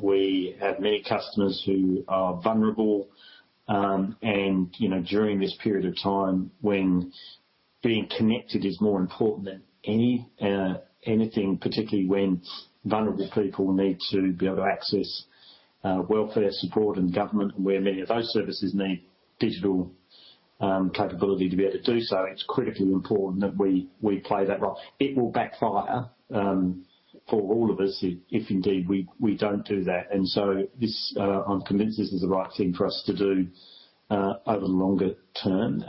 We have many customers who are vulnerable. You know, during this period of time when being connected is more important than anything, particularly when vulnerable people need to be able to access welfare support and government, where many of those services need digital capability to be able to do so, it's critically important that we play that role. It will backfire for all of us if indeed we don't do that. And so this, I'm convinced this is the right thing for us to do over the longer term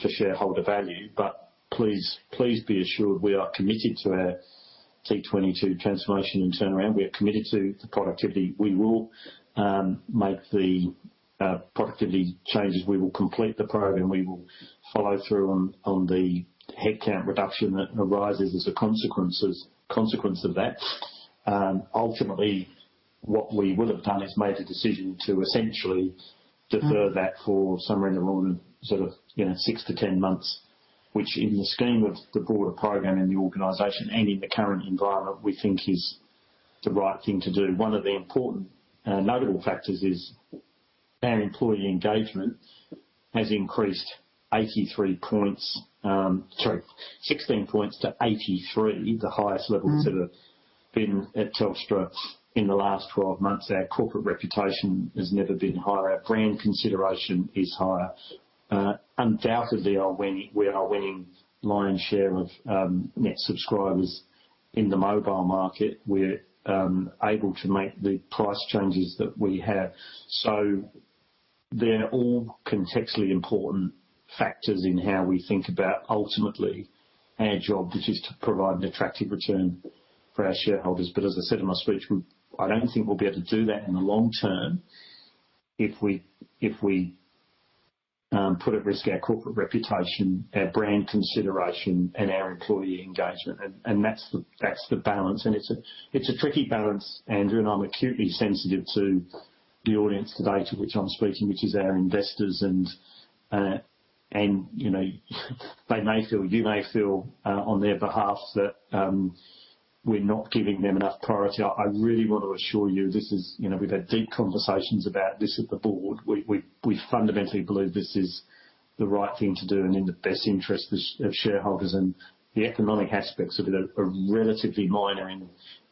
for shareholder value. But please, please be assured we are committed to our T22 transformation and turnaround. We are committed to the productivity. We will make the productivity changes. We will complete the program. We will follow through on the headcount reduction that arises as a consequence of that. Ultimately, what we will have done is made a decision to essentially defer that for somewhere in the region of, sort of, you know, 6-10 months, which in the scheme of the broader program in the organization and in the current environment, we think is the right thing to do. One of the important, notable factors is our employee engagement has increased 16 points to 83, the highest levels that have been at Telstra in the last 12 months. Our corporate reputation has never been higher. Our brand consideration is higher. Undoubtedly, we are winning lion's share of net subscribers in the mobile market. We're able to make the price changes that we have. So-... They're all contextually important factors in how we think about ultimately our job, which is to provide an attractive return for our shareholders. But as I said in my speech, we—I don't think we'll be able to do that in the long term if we put at risk our corporate reputation, our brand consideration, and our employee engagement. And that's the balance, and it's a tricky balance, Andrew, and I'm acutely sensitive to the audience today to which I'm speaking, which is our investors and, and, you know, they may feel, you may feel, on their behalf that we're not giving them enough priority. I really want to assure you this is, you know, we've had deep conversations about this as a board. We fundamentally believe this is the right thing to do and in the best interest of shareholders, and the economic aspects of it are relatively minor,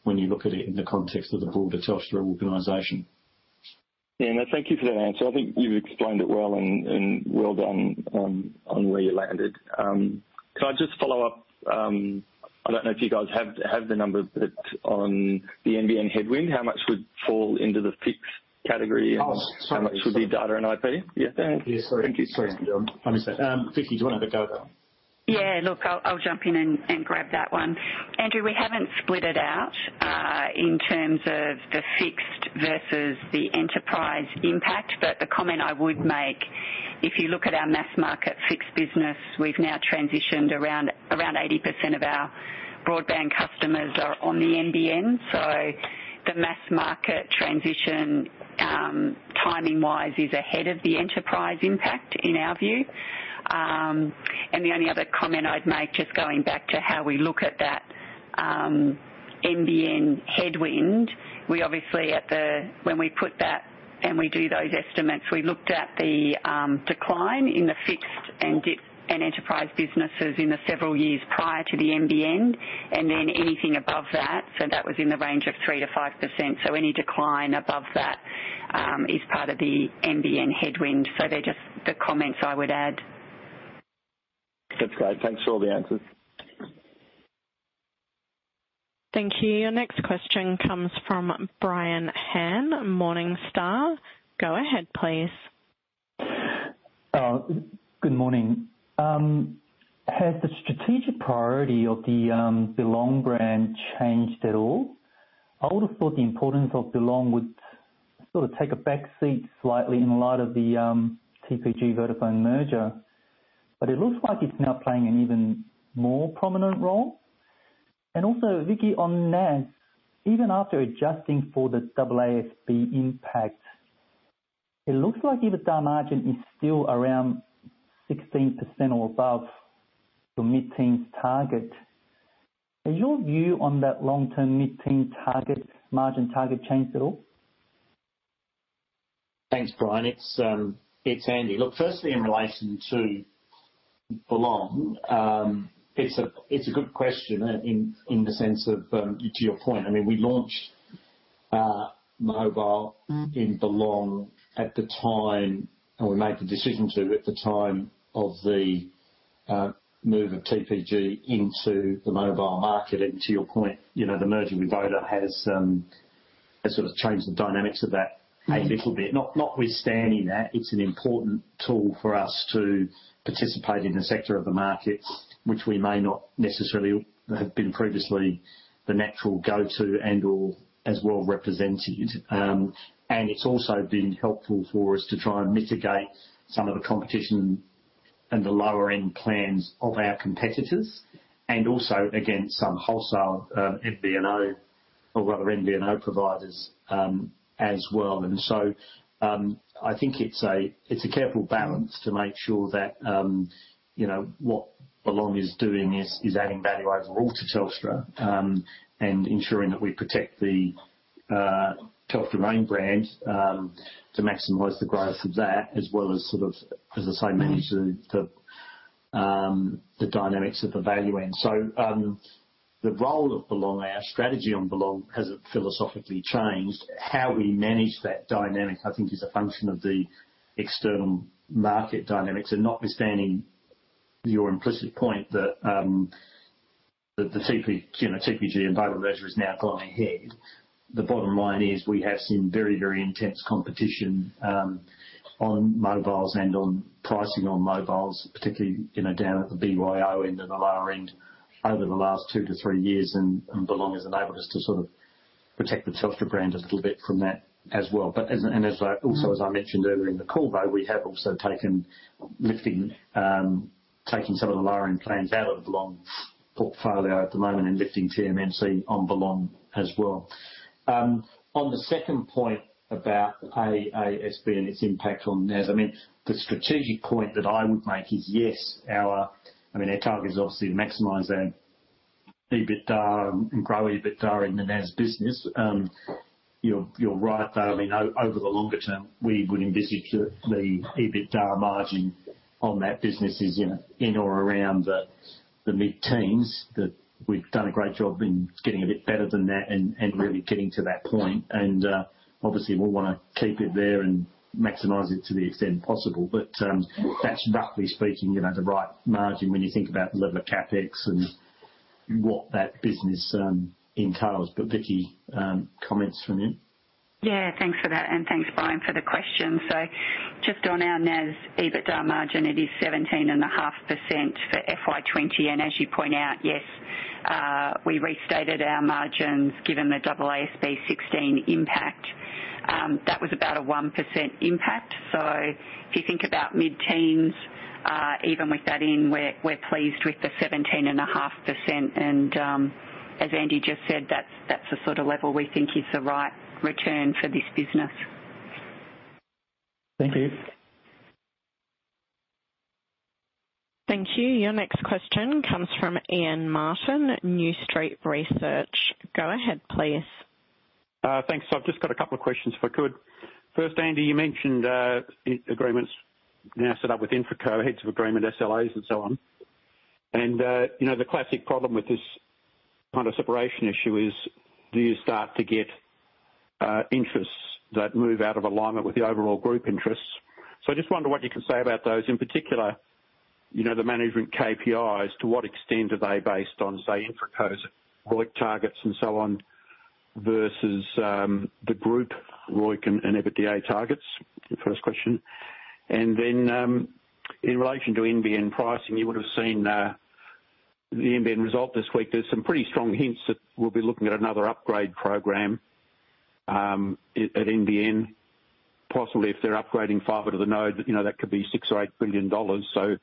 when you look at it in the context of the broader Telstra organization. Yeah, no, thank you for that answer. I think you explained it well, and well done on where you landed. Can I just follow up? I don't know if you guys have the number, but on the NBN headwind, how much would fall into the fixed category- Oh, sorry. How much would be data and IP? Yeah. Yeah, sorry. Thank you. Sorry, John. I missed that. Vicki, do you want to have a go at that? Yeah, look, I'll jump in and grab that one. Andrew, we haven't split it out in terms of the fixed versus the enterprise impact, but the comment I would make, if you look at our mass market fixed business, we've now transitioned around 80% of our broadband customers are on the NBN. So the mass market transition, timing-wise, is ahead of the enterprise impact, in our view. And the only other comment I'd make, just going back to how we look at that NBN headwind, we obviously at the when we put that and we do those estimates, we looked at the decline in the fixed and enterprise businesses in the several years prior to the NBN, and then anything above that, so that was in the range of 3%-5%. So any decline above that is part of the NBN headwind. So they're just the comments I would add. That's great. Thanks for all the answers. Thank you. Your next question comes from Brian Han, Morningstar. Go ahead, please. Good morning. Has the strategic priority of the Belong brand changed at all? I would've thought the importance of Belong would sort of take a backseat slightly in light of the TPG-Vodafone merger, but it looks like it's now playing an even more prominent role. And also, Vicki, on NAS, even after adjusting for the AASB impact, it looks like EBITDA margin is still around 16% or above the mid-teens target. Has your view on that long-term mid-teen target, margin target changed at all? Thanks, Brian. It's, it's Andy. Look, firstly, in relation to Belong, it's a, it's a good question in, in the sense of, to your point. I mean, we launched mobile- Mm-hmm. in Belong at the time, and we made the decision to, at the time of the move of TPG into the mobile market. And to your point, you know, the merger with Vodafone has sort of changed the dynamics of that a little bit. Mm-hmm. No, notwithstanding that, it's an important tool for us to participate in the sector of the market, which we may not necessarily have been previously the natural go-to and/or as well represented. It's also been helpful for us to try and mitigate some of the competition and the lower-end plans of our competitors, and also against some wholesale, MVNO or rather, MVNO providers, as well. So, I think it's a careful balance to make sure that, you know, what Belong is doing is adding value overall to Telstra, and ensuring that we protect the Telstra main brand, to maximize the growth of that, as well as sort of, as I say- Mm-hmm... manage the dynamics of the value end. So, the role of Belong, our strategy on Belong, hasn't philosophically changed. How we manage that dynamic, I think, is a function of the external market dynamics. And notwithstanding your implicit point that that the TPG, you know, TPG and Vodafone merger is now going ahead, the bottom line is we have seen very, very intense competition on mobiles and on pricing on mobiles, particularly, you know, down at the BYO end and the lower end over the last two to three years, and Belong has enabled us to sort of protect the Telstra brand a little bit from that as well. But as I- Mm-hmm. Also, as I mentioned earlier in the call, though, we have also taken lifting, taking some of the lower-end plans out of Belong's portfolio at the moment and lifting TMNC on Belong as well. On the second point about AASB and its impact on NAS, I mean, the strategic point that I would make is, yes, our... I mean, our target is obviously to maximize our EBITDA and grow EBITDA in the NAS business. You're, you're right, though, I mean, over the longer term, we would envisage that the EBITDA margin on that business is, you know, in or around the, the mid-teens, that we've done a great job in getting a bit better than that and really getting to that point. And, obviously, we'll wanna keep it there and maximize it to the extent possible. But, that's roughly speaking, you know, the right margin when you think about the level of CapEx and what that business entails. But Vicki, comments from you? Yeah, thanks for that, and thanks, Brian, for the question. So just on our NAS EBITDA margin, it is 17.5% for FY20, and as you point out, yes, we restated our margins, given the AASB 16 impact. That was about a 1% impact. So if you think about mid-teens, even with that in, we're pleased with the 17.5%. And, as Andy just said, that's the sort of level we think is the right return for this business. Thank you. Thank you. Your next question comes from Ian Martin at New Street Research. Go ahead, please. Thanks. I've just got a couple of questions if I could. First, Andy, you mentioned, agreements now set up with InfraCo, heads of agreement, SLAs, and so on. And, you know, the classic problem with this kind of separation issue is do you start to get, interests that move out of alignment with the overall group interests? So I just wonder what you can say about those, in particular, you know, the management KPIs, to what extent are they based on, say, InfraCo's ROIC targets and so on, versus, the group ROIC and EBITDA targets? The first question. And then, in relation to NBN pricing, you would've seen, the NBN result this week. There's some pretty strong hints that we'll be looking at another upgrade program, at NBN. Possibly if they're upgrading fibre to the node, you know, that could be 6 billion or 8 billion dollars. So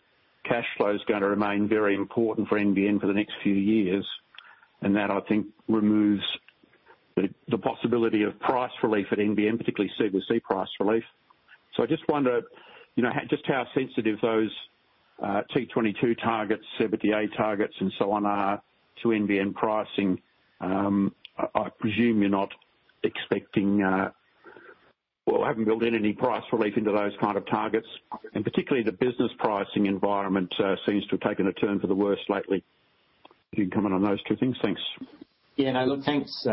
cash flow is gonna remain very important for NBN for the next few years, and that, I think, removes the possibility of price relief at NBN, particularly CVC price relief. So I just wonder, you know, just how sensitive those T22 targets, EBITDA targets, and so on are to NBN pricing. I presume you're not expecting. Well, haven't built in any price relief into those kind of targets, and particularly the business pricing environment seems to have taken a turn for the worse lately. If you can comment on those two things. Thanks. Yeah, no, look, thanks,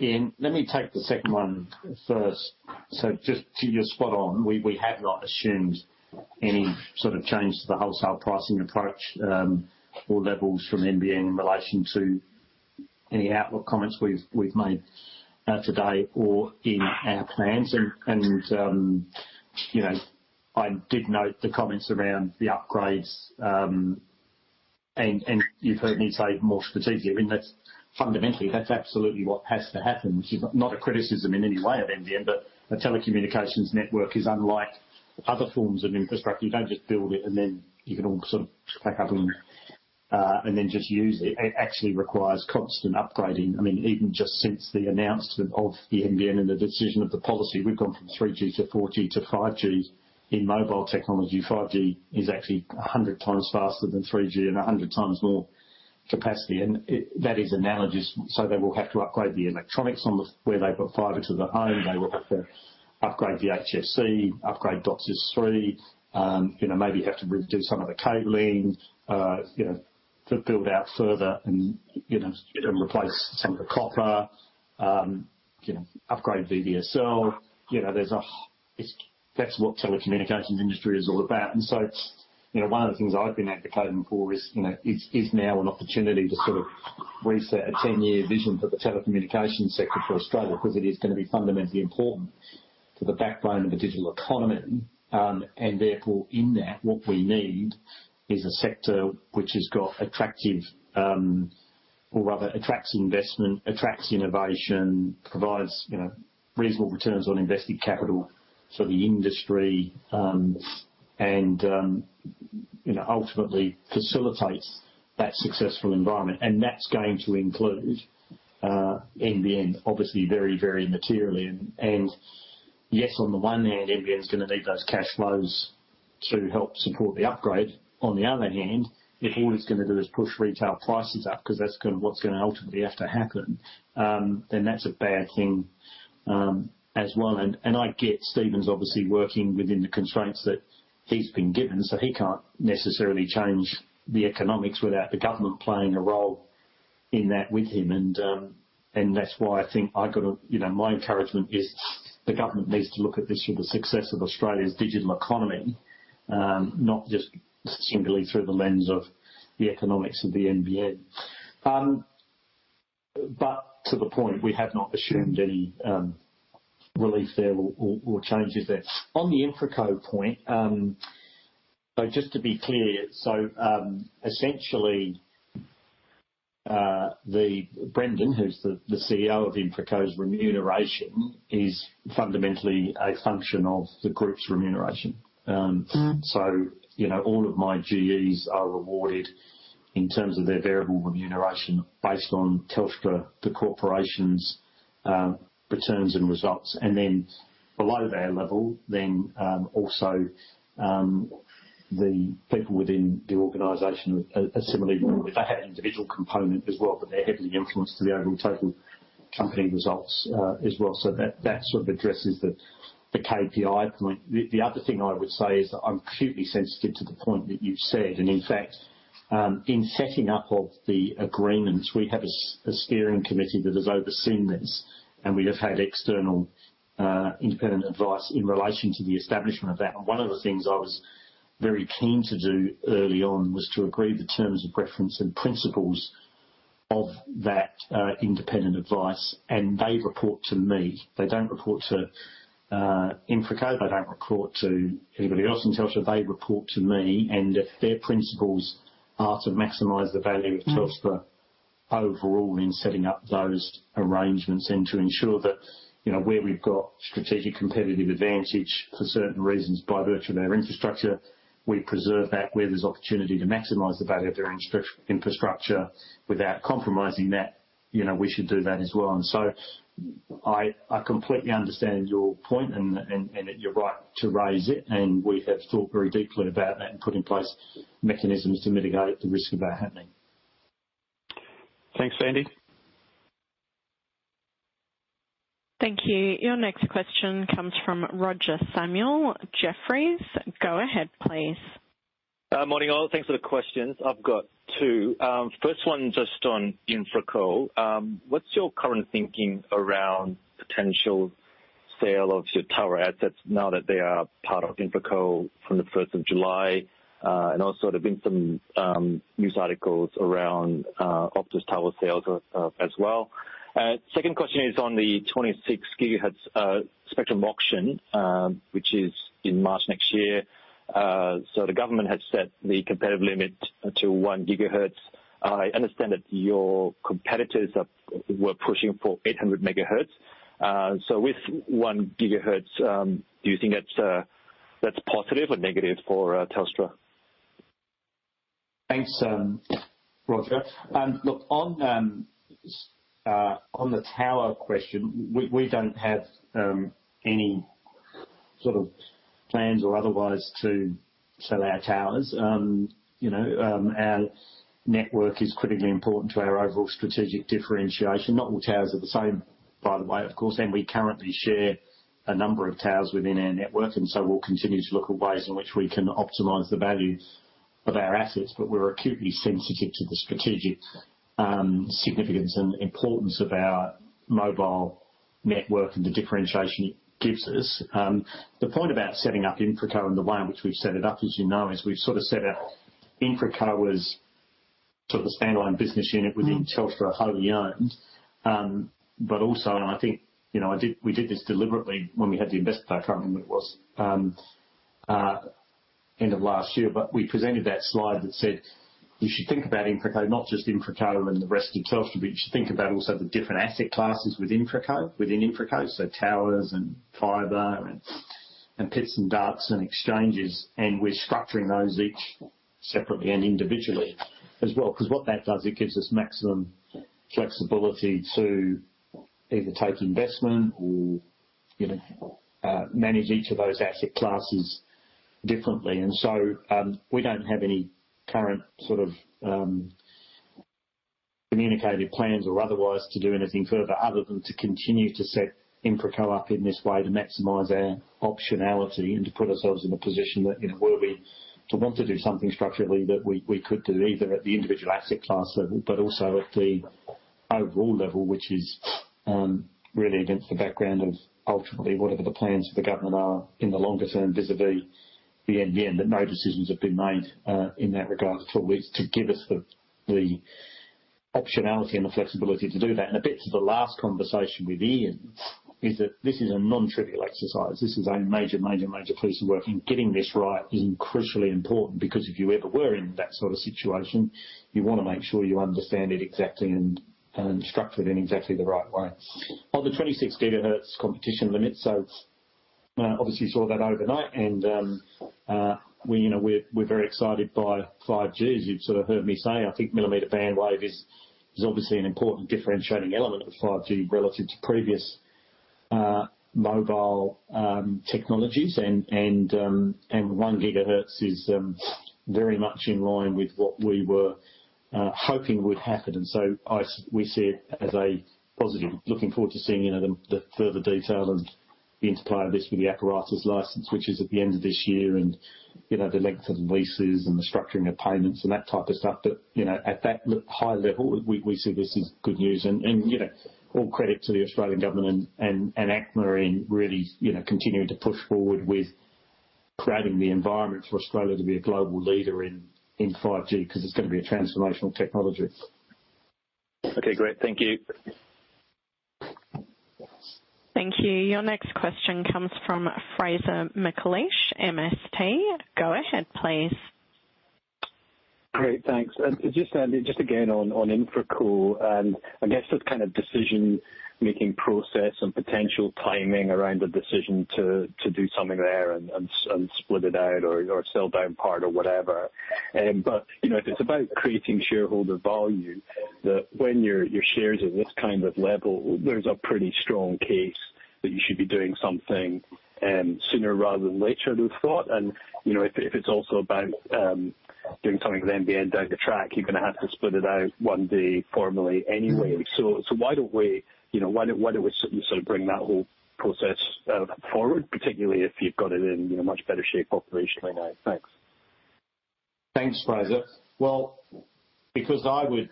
Ian. Let me take the second one first. So just to... You're spot on. We have not assumed any sort of change to the wholesale pricing approach, or levels from NBN in relation to any outlook comments we've made, today or in our plans. And, you know, I did note the comments around the upgrades, and you've heard me say more strategically, I mean, that's fundamentally, that's absolutely what has to happen. Which is not a criticism in any way of NBN, but a telecommunications network is unlike other forms of infrastructure. You don't just build it and then you can all sort of pack up and, and then just use it. It actually requires constant upgrading. I mean, even just since the announcement of the NBN and the decision of the policy, we've gone from 3G to 4G to 5G in mobile technology. 5G is actually 100x faster than 3G and 100 times more capacity, and it, that is analogous. So they will have to upgrade the electronics on the, where they've got fibre to the home. They will have to upgrade the HFC, upgrade DOCSIS 3.0, you know, maybe have to redo some of the cabling, you know, to build out further and, you know, and replace some of the copper, you know, upgrade the DSL. You know, That's what telecommunications industry is all about. And so, you know, one of the things I've been advocating for is, you know, it is now an opportunity to sort of reset a 10-year vision for the telecommunications sector for Australia, because it is gonna be fundamentally important for the backbone of the digital economy. And therefore, in that, what we need is a sector which has got attractive, or rather, attracts investment, attracts innovation, provides, you know, reasonable returns on invested capital for the industry, and, you know, ultimately facilitates that successful environment. And that's going to include, NBN, obviously very, very materially. And yes, on the one hand, NBN's gonna need those cash flows to help support the upgrade. On the other hand, if all it's gonna do is push retail prices up, 'cause that's kind of what's gonna ultimately have to happen, then that's a bad thing, as well. I get Steven's obviously working within the constraints that he's been given, so he can't necessarily change the economics without the government playing a role in that with him. That's why I think I've got to—you know, my encouragement is the government needs to look at this for the success of Australia's digital economy, not just singularly through the lens of the economics of the NBN. But to the point, we have not assumed any relief there or changes there. On the InfraCo point, so just to be clear, so, essentially, Brendan, who's the CEO of InfraCo's remuneration, is fundamentally a function of the group's remuneration. So, you know, all of my GEs are rewarded in terms of their variable remuneration based on Telstra, the corporation's, returns and results, and then below their level, also, the people within the organization are similarly. They have an individual component as well, but they're heavily influenced to the overall total company results, as well. So that sort of addresses the KPI point. The other thing I would say is that I'm acutely sensitive to the point that you've said, and in fact, in setting up of the agreements, we have a steering committee that has overseen this, and we have had external independent advice in relation to the establishment of that. And one of the things I was very keen to do early on was to agree the terms of reference and principles of that independent advice, and they report to me. They don't report to InfraCo, they don't report to anybody else in Telstra. They report to me, and their principles are to maximize the value of Telstra overall in setting up those arrangements and to ensure that, you know, where we've got strategic competitive advantage for certain reasons, by virtue of our infrastructure, we preserve that. Where there's opportunity to maximize the value of our infrastructure without compromising that, you know, we should do that as well. And so I completely understand your point and you're right to raise it, and we have thought very deeply about that and put in place mechanisms to mitigate the risk of that happening. Thanks, Andy. Thank you. Your next question comes from Roger Samuel, Jefferies. Go ahead, please. Morning, all. Thanks for the questions. I've got two. First one, just on Infraco. What's your current thinking around potential sale of your tower assets now that they are part of Infraco from the first of July? And also there's been some news articles around Optus tower sales, as well. Second question is on the 26 GHz spectrum auction, which is in March next year. So the government has set the competitive limit to 1 GHz. I understand that your competitors were pushing for 800 MHz. So with 1 GHz, do you think that's positive or negative for Telstra? Thanks, Roger. Look, on the tower question, we don't have any sort of plans or otherwise to sell our towers. You know, our network is critically important to our overall strategic differentiation. Not all towers are the same, by the way, of course, and we currently share a number of towers within our network, and so we'll continue to look at ways in which we can optimize the value of our assets, but we're acutely sensitive to the strategic significance and importance of our mobile network and the differentiation it gives us. The point about setting up Infraco and the way in which we've set it up, as you know, is we've sort of set out Infraco as sort of a stand-alone business unit within Telstra, wholly owned. But also, and I think, you know, I did... We did this deliberately when we had the investor call, and it was end of last year, but we presented that slide that said, "You should think about Infraco, not just Infraco and the rest of Telstra, but you should think about also the different asset classes with Infraco, within Infraco, so towers and fibre and pits and ducts and exchanges," and we're structuring those each separately and individually as well. 'Cause what that does, it gives us maximum flexibility to either take investment or, you know, manage each of those asset classes differently. And so, we don't have any current sort of, communicated plans or otherwise to do anything further other than to continue to set InfraCo up in this way to maximize our optionality and to put ourselves in a position that, you know, were we to want to do something structurally, that we, we could do, either at the individual asset class level, but also at the overall level, which is, really against the background of ultimately whatever the plans for the government are in the longer term, vis-a-vis the NBN, that no decisions have been made, in that regard at all. It's to give us the, the optionality and the flexibility to do that. And a bit to the last conversation with Ian, is that this is a non-trivial exercise. This is a major, major, major piece of work, and getting this right is crucially important, because if you ever were in that sort of situation, you wanna make sure you understand it exactly and structure it in exactly the right way. On the 26 GHz competition limit, so obviously you saw that overnight, and we, you know, we're very excited by 5G. As you've sort of heard me say, I think millimeter band wave is obviously an important differentiating element of 5G relative to previous mobile technologies. And one GHz is very much in line with what we were hoping would happen, and so we see it as a positive. Looking forward to seeing, you know, the further detail and the interplay of this with the Apparatus license, which is at the end of this year, and, you know, the length of the leases and the structuring of payments and that type of stuff. But, you know, at that high level, we see this as good news. And, you know, all credit to the Australian government and ACMA in really, you know, continuing to push forward with creating the environment for Australia to be a global leader in 5G, 'cause it's gonna be a transformational technology. Okay, great. Thank you. Thank you. Your next question comes from Fraser McLeish, MST. Go ahead, please. Great, thanks. Just again, on InfraCo, and I guess the kind of decision-making process and potential timing around the decision to do something there and split it out or sell down part or whatever. But, you know, if it's about creating shareholder value, that when your share's at this kind of level, there's a pretty strong case that you should be doing something sooner rather than later than thought. And, you know, if it's also about doing something with NBN down the track, you're gonna have to split it out one day formally anyway. So why don't we, you know, why don't we sort of bring that whole process forward, particularly if you've got it in a much better shape operationally now? Thanks. Thanks, Fraser. Well, because I would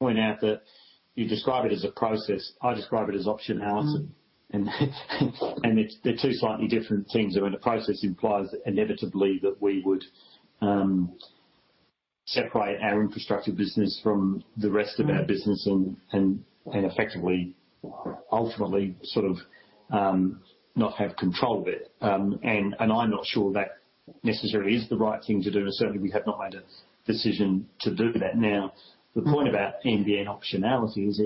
point out that you describe it as a process. I describe it as optionality. And it's, they're two slightly different things, and where the process implies inevitably that we would separate our infrastructure business from the rest of our business and effectively, ultimately sort of not have control of it. And I'm not sure that necessarily is the right thing to do, and certainly we have not made a decision to do that. Now, the point about NBN optionality is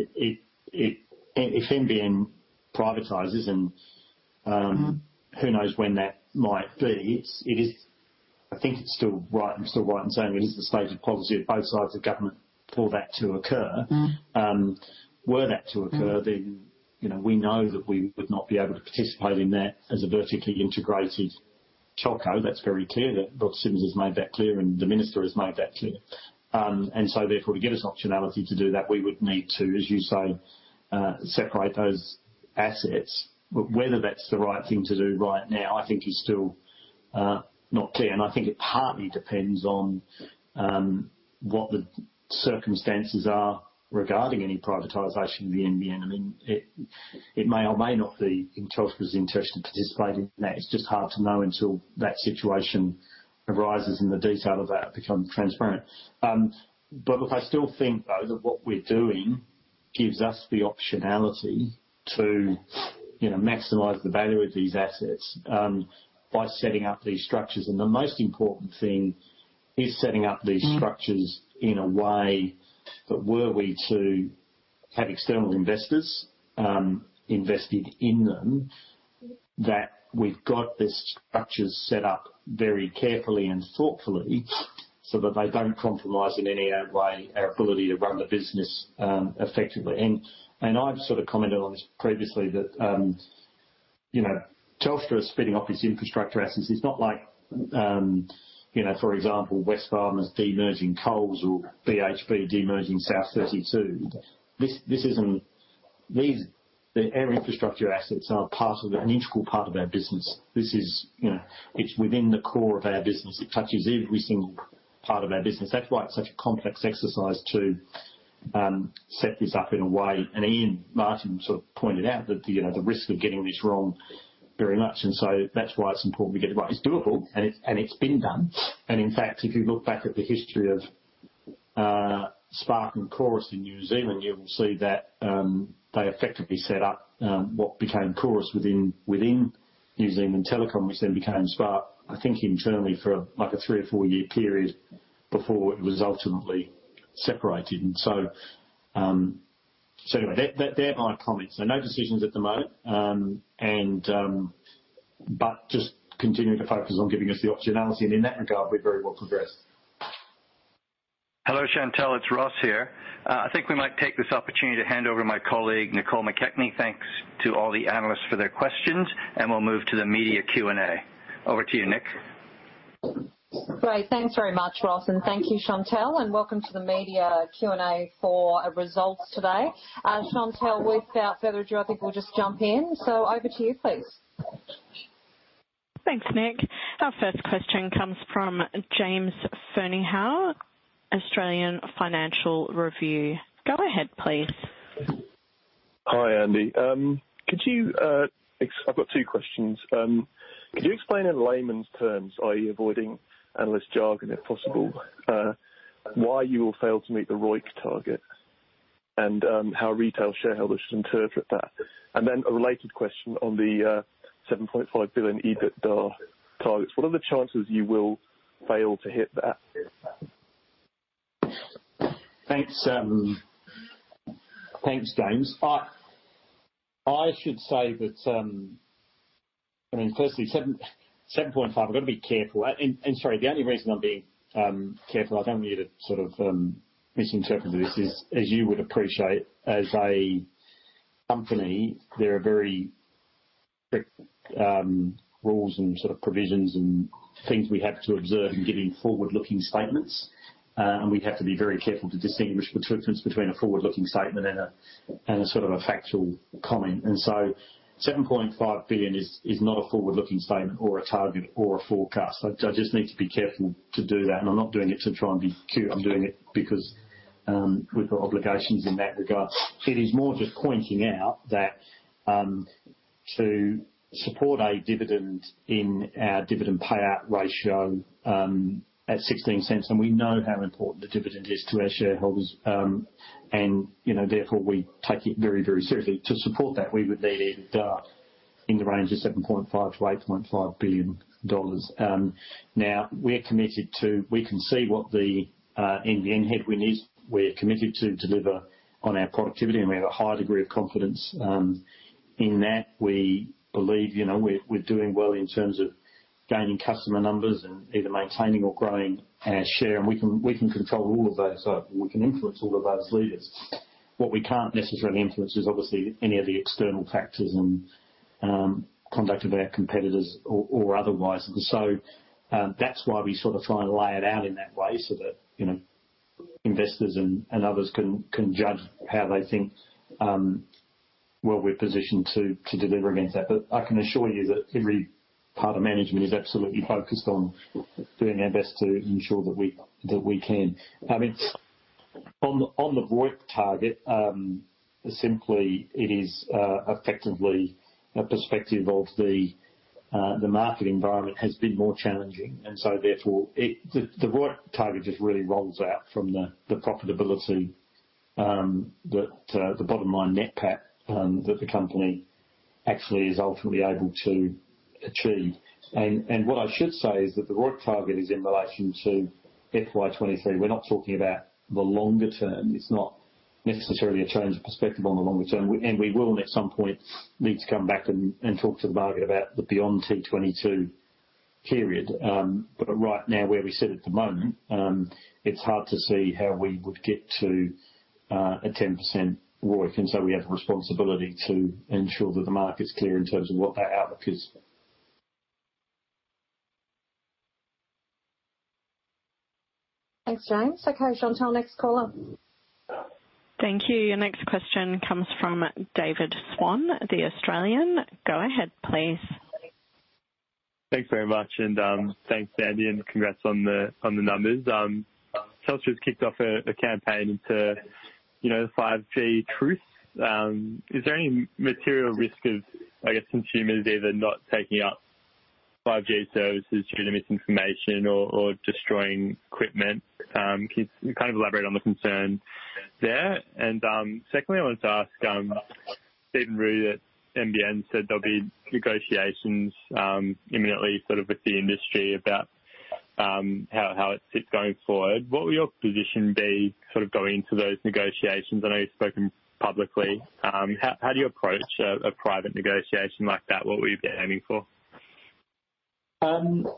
If NBN privatizes and, who knows when that might be? It is. I think it's still right, I'm still right in saying it is the stated policy of both sides of government for that to occur. Mm-hmm. Were that to occur- Mm-hmm. Then, you know, we know that we would not be able to participate in that as a vertically integrated telco. That's very clear, that Rod Sims has made that clear, and the minister has made that clear. And so therefore, to give us optionality to do that, we would need to, as you say, separate those assets. But whether that's the right thing to do right now, I think is still not clear. And I think it partly depends on what the circumstances are regarding any privatization of the NBN. I mean, it, it may or may not be in Telstra's interest to participate in that. It's just hard to know until that situation arises and the detail of that becomes transparent. But look, I still think, though, that what we're doing gives us the optionality to, you know, maximize the value of these assets, by setting up these structures. The most important thing is setting up these structures- Mm. in a way that were we to have external investors invested in them, that we've got the structures set up very carefully and thoughtfully, so that they don't compromise in any way our ability to run the business effectively. And I've sort of commented on this previously, that you know, Telstra spinning off its infrastructure assets is not like you know, for example, Wesfarmers demerging Coles or BHP demerging South32. This isn't. Our infrastructure assets are part of, an integral part of our business. This is, you know, it's within the core of our business. It touches every single part of our business. That's why it's such a complex exercise to set this up in a way. And Ian Martin sort of pointed out that, you know, the risk of getting this wrong very much, and so that's why it's important to get it right. It's doable, and it's, and it's been done. And in fact, if you look back at the history of Spark and Chorus in New Zealand, you will see that they effectively set up what became Chorus within New Zealand Telecom, which then became Spark, I think internally for like a 3- or 4-year period before it was ultimately separated. And so, so anyway, that they're my comments. So no decisions at the moment. And but just continuing to focus on giving us the optionality, and in that regard, we're very well progressed. Hello, Chantelle, it's Ross here. I think we might take this opportunity to hand over to my colleague, Nicole McKechnie. Thanks to all the analysts for their questions, and we'll move to the media Q&A. Over to you, Nic. Great. Thanks very much, Ross, and thank you, Chantelle, and welcome to the media Q&A for our results today. Chantelle, without further ado, I think we'll just jump in. Over to you, please. Thanks, Nic. Our first question comes from James Fernyhough, Australian Financial Review. Go ahead, please. Hi, Andy. I've got two questions. Could you explain in layman's terms, i.e., avoiding analyst jargon, if possible, why you all failed to meet the ROIC target and how retail shareholders should interpret that? And then a related question on the 7.5 billion EBITDA targets. What are the chances you will fail to hit that? Thanks, thanks, James. I should say that, I mean, firstly, 7.5, I've got to be careful. And sorry, the only reason I'm being careful, I don't want you to sort of misinterpret this, is as you would appreciate, as a company, there are very strict rules and sort of provisions and things we have to observe in giving forward-looking statements. And we have to be very careful to distinguish between a forward-looking statement and a sort of a factual comment. And so 7.5 billion is not a forward-looking statement, or a target, or a forecast. I just need to be careful to do that, and I'm not doing it to try and be cute. I'm doing it because we've got obligations in that regard. It is more just pointing out that, to support a dividend in our dividend payout ratio, at 0.16, and we know how important the dividend is to our shareholders, and, you know, therefore we take it very, very seriously. To support that, we would need EBITDA in the range of 7.5 billion-8.5 billion dollars. Now, we're committed to... We can see what the NBN headwind is. We're committed to deliver on our productivity, and we have a high degree of confidence, in that. We believe, you know, we're, we're doing well in terms of gaining customer numbers and either maintaining or growing our share, and we can, we can control all of those, so we can influence all of those levers. What we can't necessarily influence is obviously any of the external factors and, conduct of our competitors or otherwise. And so, that's why we sort of try and lay it out in that way, so that, you know, investors and others can judge how they think. Well, we're positioned to deliver against that. But I can assure you that every part of management is absolutely focused on doing our best to ensure that we can. I mean, on the ROIC target, simply it is effectively a perspective of the market environment has been more challenging. And so therefore, it, the ROIC target just really rolls out from the profitability that the bottom line net PAT that the company actually is ultimately able to achieve. What I should say is that the ROIC target is in relation to FY 2023. We're not talking about the longer term. It's not necessarily a change of perspective on the longer term, and we will, at some point, need to come back and talk to the market about the beyond T22 period. But right now, where we sit at the moment, it's hard to see how we would get to a 10% ROIC, and so we have a responsibility to ensure that the market's clear in terms of what that outlook is. Thanks, James. Okay, Chantelle, next caller. Thank you. Your next question comes from David Swan, The Australian. Go ahead, please. Thanks very much, and, thanks, Andy, and congrats on the numbers. Telstra's kicked off a campaign to, you know, the 5G truth. Is there any material risk of, I guess, consumers either not taking up 5G services due to misinformation or destroying equipment? Can you kind of elaborate on the concern there? And, secondly, I wanted to ask, Stephen Rue at NBN said there'll be negotiations, imminently, sort of with the industry about, how it fits going forward. What will your position be sort of going into those negotiations? I know you've spoken publicly. How do you approach a private negotiation like that? What will you be aiming for? Was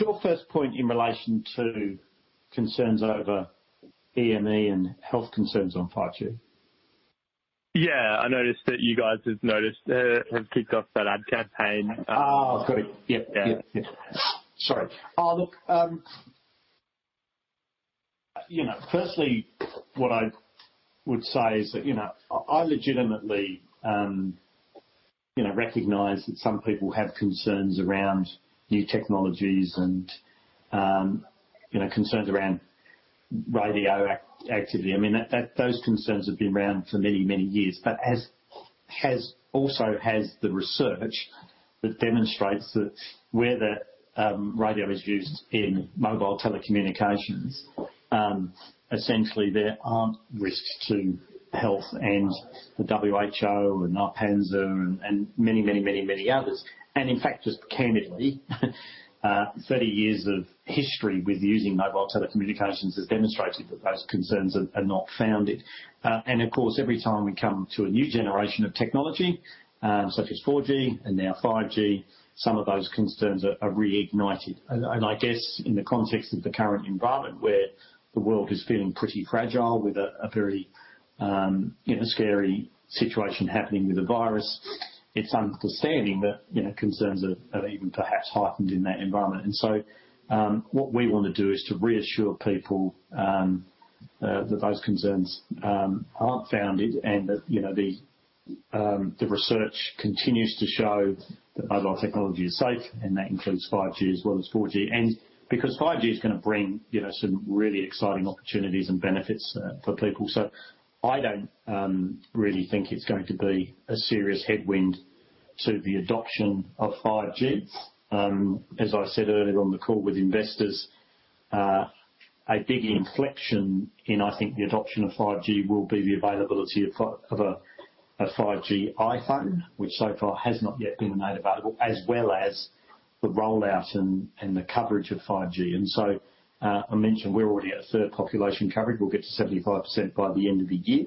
your first point in relation to concerns over EME and health concerns on 5G? Yeah. I noticed that you guys have noticed, have kicked off that ad campaign. Ah, got it. Yep. Yeah. Yeah. Sorry. Look, you know, firstly, what I would say is that, you know, I legitimately, you know, recognize that some people have concerns around new technologies and, you know, concerns around radioactivity. I mean, that those concerns have been around for many, many years, but as has also the research that demonstrates that where the radio is used in mobile telecommunications, essentially there aren't risks to health. And the WHO and ARPANSA and, and many, many, many, many others... And in fact, just candidly, 30 years of history with using mobile telecommunications has demonstrated that those concerns are not founded. And of course, every time we come to a new generation of technology, such as 4G and now 5G, some of those concerns are reignited. I guess in the context of the current environment, where the world is feeling pretty fragile with a very, you know, scary situation happening with the virus, it's understanding that, you know, concerns are even perhaps heightened in that environment. And so, what we want to do is to reassure people that those concerns aren't founded and that, you know, the research continues to show that mobile technology is safe, and that includes 5G as well as 4G. And because 5G is gonna bring, you know, some really exciting opportunities and benefits for people. So I don't really think it's going to be a serious headwind to the adoption of 5G. As I said earlier on in the call with investors, a big inflection in, I think, the adoption of 5G will be the availability of a 5G iPhone, which so far has not yet been made available, as well as the rollout and the coverage of 5G. And so, I mentioned we're already at a third population coverage. We'll get to 75% by the end of the year.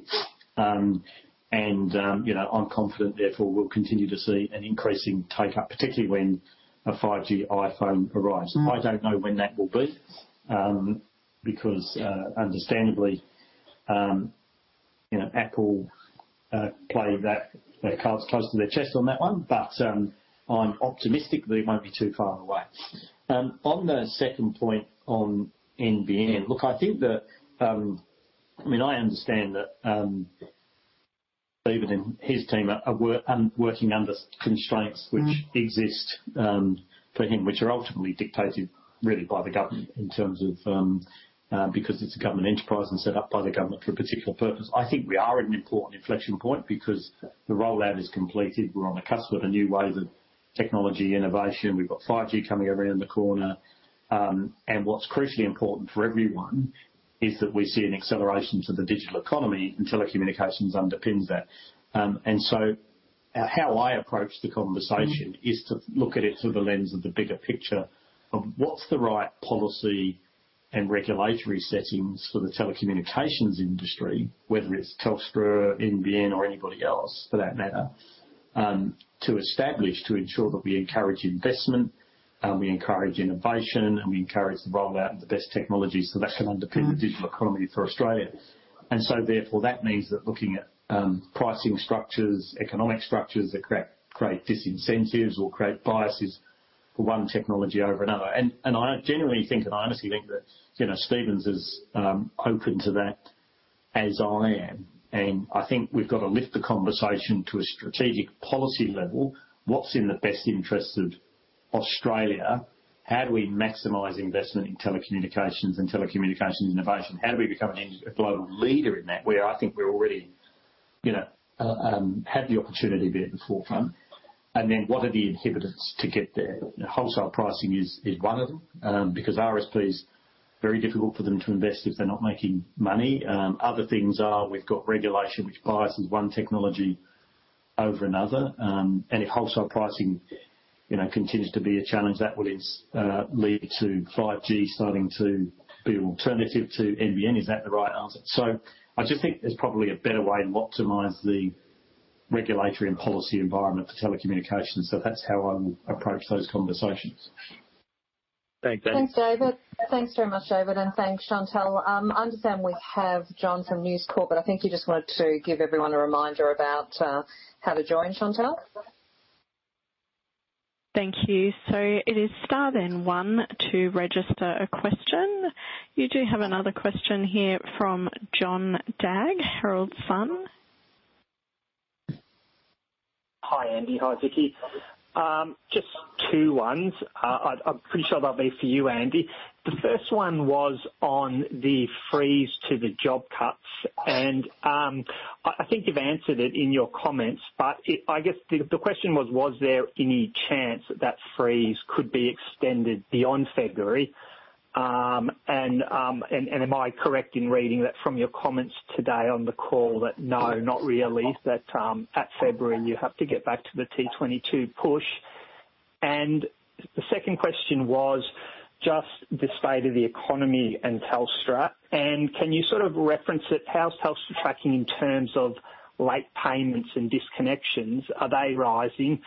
You know, I'm confident, therefore, we'll continue to see an increasing take-up, particularly when a 5G iPhone arrives. I don't know when that will be, because, understandably, you know, Apple plays their cards close to their chest on that one, but, I'm optimistic that it won't be too far away. On the second point on NBN, look, I think that, I mean, I understand that David and his team are working under constraints which exist for him, which are ultimately dictated really by the government in terms of because it's a government enterprise and set up by the government for a particular purpose. I think we are at an important inflection point because the rollout is completed. We're on the cusp of a new wave of technology innovation. We've got 5G coming around the corner. And what's crucially important for everyone is that we see an acceleration to the digital economy, and telecommunications underpins that. And so how I approach the conversation is to look at it through the lens of the bigger picture of what's the right policy and regulatory settings for the telecommunications industry, whether it's Telstra, NBN or anybody else for that matter, to establish, to ensure that we encourage investment, we encourage innovation, and we encourage the rollout of the best technology so that can underpin the digital economy for Australia. And so therefore, that means that looking at pricing structures, economic structures, that create disincentives or create biases for one technology over another. And I generally think, and I honestly think that, you know, Stevens is open to that as I am. And I think we've got to lift the conversation to a strategic policy level. What's in the best interest of Australia? How do we maximize investment in telecommunications and telecommunications innovation? How do we become a global leader in that, where I think we already, you know, have the opportunity to be at the forefront? And then what are the inhibitors to get there? Wholesale pricing is one of them, because RSPs, very difficult for them to invest if they're not making money. Other things are, we've got regulation which biases one technology over another. And if wholesale pricing, you know, continues to be a challenge, that will lead to 5G starting to be an alternative to NBN. Is that the right answer? So I just think there's probably a better way to optimize the regulatory and policy environment for telecommunications, so that's how I would approach those conversations. Thanks, David. Thanks very much, David, and thanks, Chantelle. I understand we have John from News Corp, but I think you just wanted to give everyone a reminder about how to join, Chantelle. Thank you. So it is star then one to register a question. You do have another question here from John Dagge, Herald Sun. Hi, Andy. Hi, Vicki. Just two ones. I'm pretty sure they'll be for you, Andy. The first one was on the freeze to the job cuts, and I think you've answered it in your comments, but I guess the question was: Was there any chance that that freeze could be extended beyond February? And am I correct in reading that from your comments today on the call that, no, not really, that at February, you have to get back to the T22 push. And the second question was just the state of the economy and Telstra, and can you sort of reference it, how's Telstra tracking in terms of late payments and disconnections? Are they rising?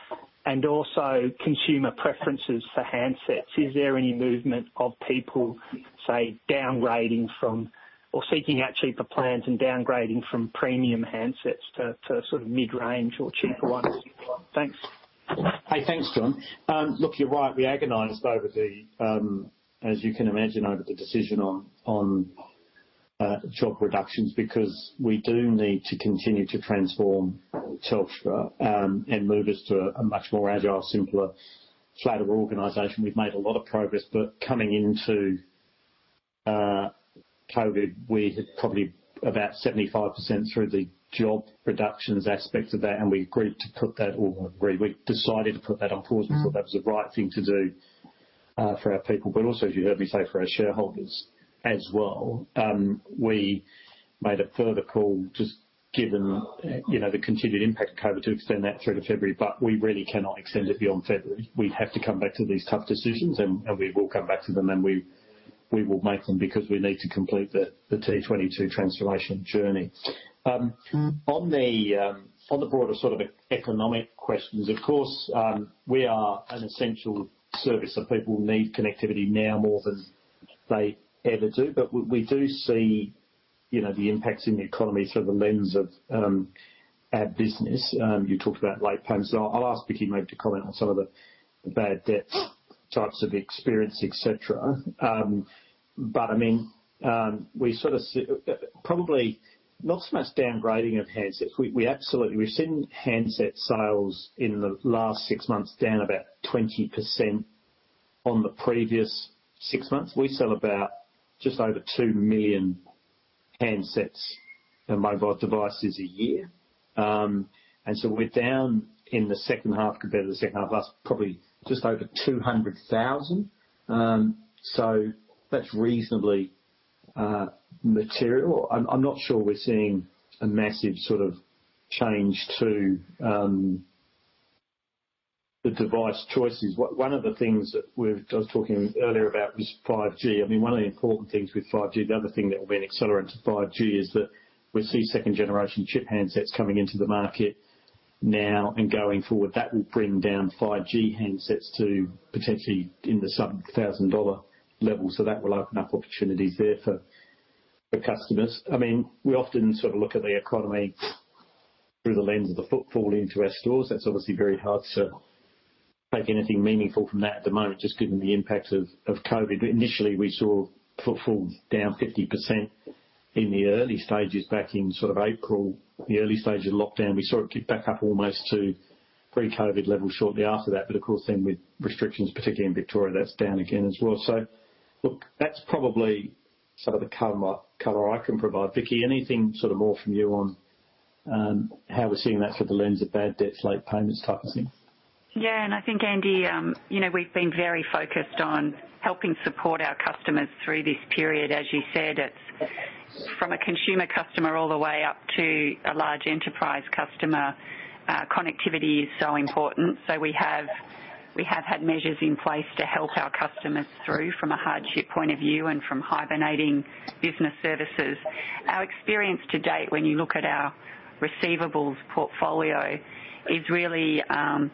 And also consumer preferences for handsets. Is there any movement of people, say, downgrading from or seeking out cheaper plans and downgrading from premium handsets to sort of mid-range or cheaper ones? Thanks. Hey, thanks, John. Look, you're right. We agonized over the, as you can imagine, over the decision on job reductions, because we do need to continue to transform Telstra and move us to a much more agile, simpler, flatter organization. We've made a lot of progress, but coming into COVID, we're probably about 75% through the job reductions aspects of that, and we agreed to put that on pause, or agreed, we decided to put that on pause. Mm-hmm. We thought that was the right thing to do for our people, but also, as you heard me say, for our shareholders as well. We made a further call, just given you know, the continued impact of COVID, to extend that through to February, but we really cannot extend it beyond February. We have to come back to these tough decisions, and we will come back to them, and we will make them because we need to complete the T22 transformation journey. On the broader sort of economic questions, of course, we are an essential service, so people need connectivity now more than they ever do. But we do see, you know, the impacts in the economy through the lens of our business. You talked about late payments. I'll ask Vicki maybe to comment on some of the bad debts, types of experience, et cetera. But I mean, we sort of probably not so much downgrading of handsets. We absolutely, we've seen handset sales in the last six months down about 20% on the previous six months. We sell about just over 2 million handsets and mobile devices a year. And so we're down in the second half, compared to the second half last, probably just over 200,000. So that's reasonably material. I'm not sure we're seeing a massive sort of change to the device choices. One of the things that we've I was talking earlier about was 5G. I mean, one of the important things with 5G, the other thing that will be an accelerant to 5G, is that we see second generation chip handsets coming into the market now and going forward. That will bring down 5G handsets to potentially in the sub-AUD 1,000 level. So that will open up opportunities there for, for customers. I mean, we often sort of look at the economy through the lens of the footfall into our stores. That's obviously very hard to take anything meaningful from that at the moment, just given the impact of, of COVID. But initially, we saw footfall down 50% in the early stages, back in sort of April, the early stages of lockdown. We saw it kick back up almost to pre-COVID levels shortly after that. But of course, then with restrictions, particularly in Victoria, that's down again as well. So look, that's probably some of the color I can provide. Vicki, anything sort of more from you on how we're seeing that through the lens of bad debts, late payments type of thing? Yeah, and I think, Andy, you know, we've been very focused on helping support our customers through this period. As you said, it's from a consumer customer all the way up to a large enterprise customer, connectivity is so important. So we have, we have had measures in place to help our customers through from a hardship point of view and from hibernating business services. Our experience to date, when you look at our receivables portfolio, is really,